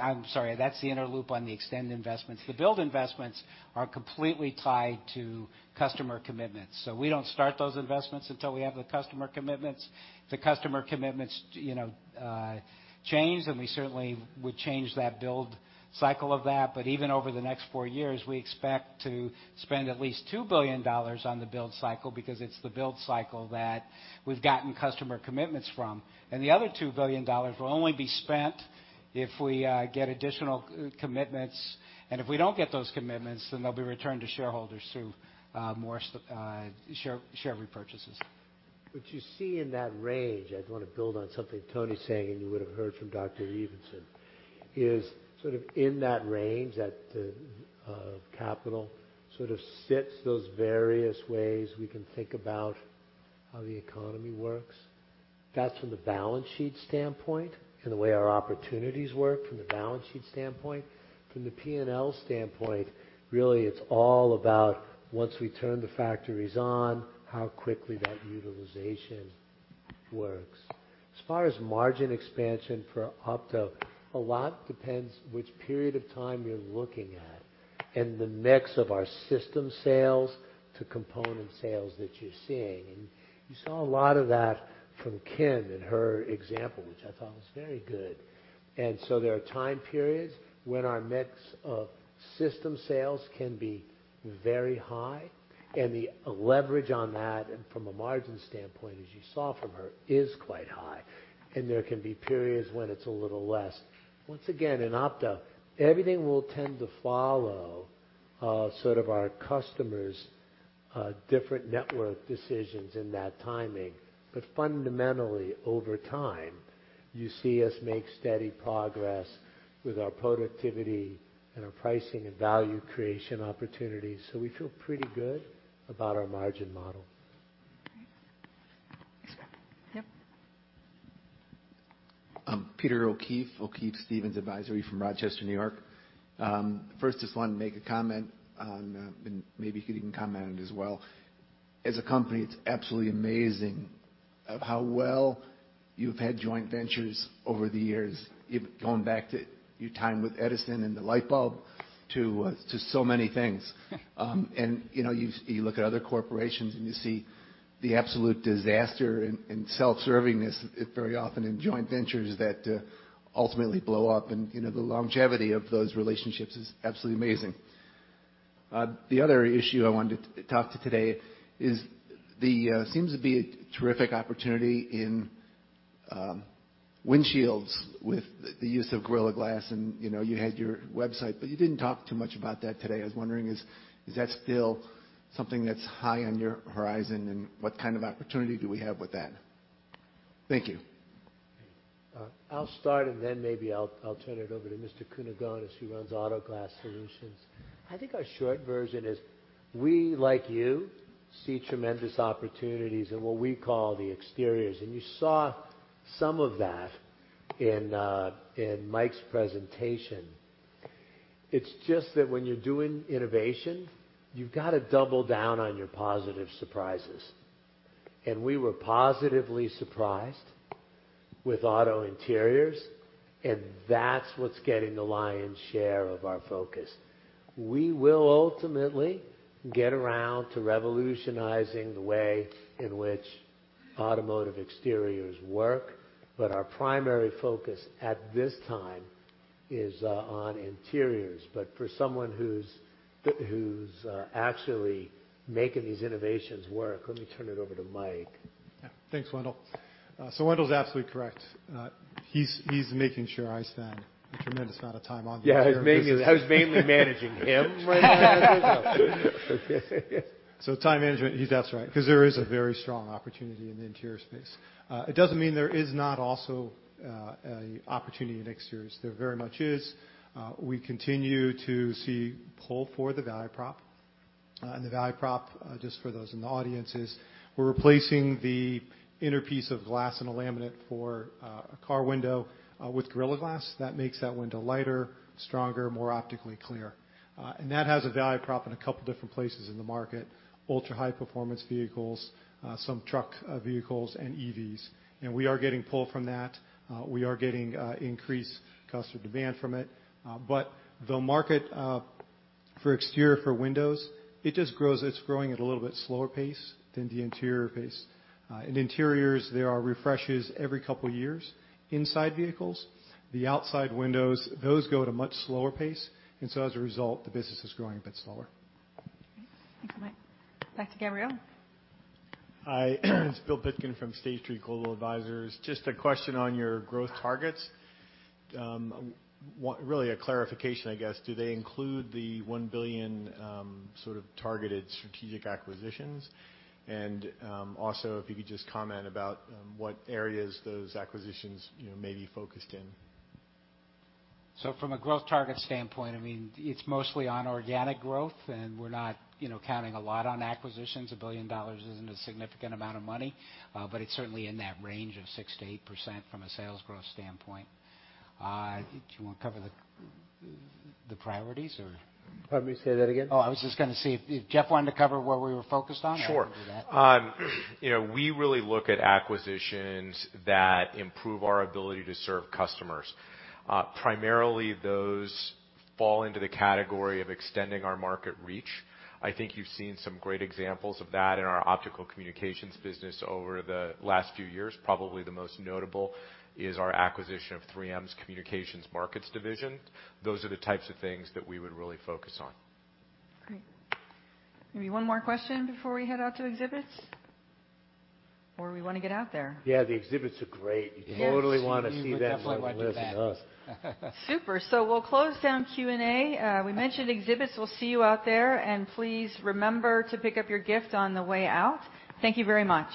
I'm sorry. That's the inner loop on the extend investments. The build investments are completely tied to customer commitments, so we don't start those investments until we have the customer commitments. The customer commitments change, and we certainly would change that build cycle of that. Even over the next four years, we expect to spend at least $2 billion on the build cycle because it's the build cycle that we've gotten customer commitments from. The other $2 billion will only be spent if we get additional commitments, and if we don't get those commitments, then they'll be returned to shareholders through more share repurchases. What you see in that range, I'd want to build on something Tony's saying. You would've heard from Dr. Evensen, is sort of in that range, that capital sort of sits those various ways we can think about how the economy works. That's from the balance sheet standpoint and the way our opportunities work from the balance sheet standpoint. From the P&L standpoint, really, it's all about once we turn the factories on, how quickly that utilization works. As far as margin expansion for opto, a lot depends which period of time you're looking at and the mix of our system sales to component sales that you're seeing. You saw a lot of that from Kim and her example, which I thought was very good. There are time periods when our mix of system sales can be very high, and the leverage on that, and from a margin standpoint, as you saw from her, is quite high. There can be periods when it's a little less. Once again, in opto, everything will tend to follow our customers' different network decisions in that timing. Fundamentally, over time, you see us make steady progress with our productivity and our pricing and value creation opportunities. We feel pretty good about our margin model. Great. Next up. Yep. Peter O'Keefe Stevens Advisory from Rochester, N.Y. First, just wanted to make a comment on, and maybe you could even comment on it as well. As a company, it's absolutely amazing of how well you've had joint ventures over the years, going back to your time with Edison and the light bulb to so many things. You look at other corporations, and you see the absolute disaster and self-servingness very often in joint ventures that ultimately blow up, and the longevity of those relationships is absolutely amazing. The other issue I wanted to talk to today is there seems to be a terrific opportunity in windshields with the use of Gorilla Glass. You had your website, but you didn't talk too much about that today. I was wondering, is that still something that's high on your horizon, and what kind of opportunity do we have with that? Thank you. I'll start, and then maybe I'll turn it over to Mr. Kunigonis. He runs Corning Automotive Glass Solutions. I think our short version is we, like you, see tremendous opportunities in what we call the exteriors, and you saw some of that in Mike's presentation. It's just that when you're doing innovation, you've got to double down on your positive surprises. We were positively surprised with auto interiors, and that's what's getting the lion's share of our focus. We will ultimately get around to revolutionizing the way in which automotive exteriors work. Our primary focus at this time is on interiors. For someone who's actually making these innovations work, let me turn it over to Mike. Yeah. Thanks, Wendell. Wendell's absolutely correct. He's making sure I spend a tremendous amount of time on the interior business. Yeah, I was mainly managing him right there. Time management, that's right, because there is a very strong opportunity in the interior space. It doesn't mean there is not also a opportunity in exteriors. There very much is. We continue to see pull for the value prop. The value prop, just for those in the audience, is we're replacing the inner piece of glass and laminate for a car window with Gorilla Glass. That makes that window lighter, stronger, more optically clear. That has a value prop in a couple different places in the market: ultra-high performance vehicles, some truck vehicles, and EVs. We are getting pull from that. We are getting increased customer demand from it. The market, for exterior for windows, it's growing at a little bit slower pace than the interior pace. In interiors, there are refreshes every couple of years inside vehicles. The outside windows, those grow at a much slower pace. As a result, the business is growing a bit slower. Thanks, Mike. Back to Gabriel. Hi. It's Bill Pitkin from State Street Global Advisors. Just a question on your growth targets. Really a clarification, I guess. Do they include the $1 billion sort of targeted strategic acquisitions? Also, if you could just comment about what areas those acquisitions may be focused in. From a growth target standpoint, it's mostly on organic growth, and we're not counting a lot on acquisitions. $1 billion isn't a significant amount of money. It's certainly in that range of 6%-8% from a sales growth standpoint. Do you want to cover the priorities or? Pardon me, say that again? Oh, I was just going to see if Jeff wanted to cover where we were focused on. Sure. I can do that. We really look at acquisitions that improve our ability to serve customers. Primarily those fall into the category of extending our market reach. I think you've seen some great examples of that in our optical communications business over the last few years. Probably the most notable is our acquisition of 3M's Communication Markets Division. Those are the types of things that we would really focus on. Great. Maybe one more question before we head out to exhibits. We want to get out there. Yeah, the exhibits are great. Yes. You totally want to see them. You would definitely want to see that more than listen to us. Super. We'll close down Q&A. We mentioned exhibits. We'll see you out there, and please remember to pick up your gift on the way out. Thank you very much.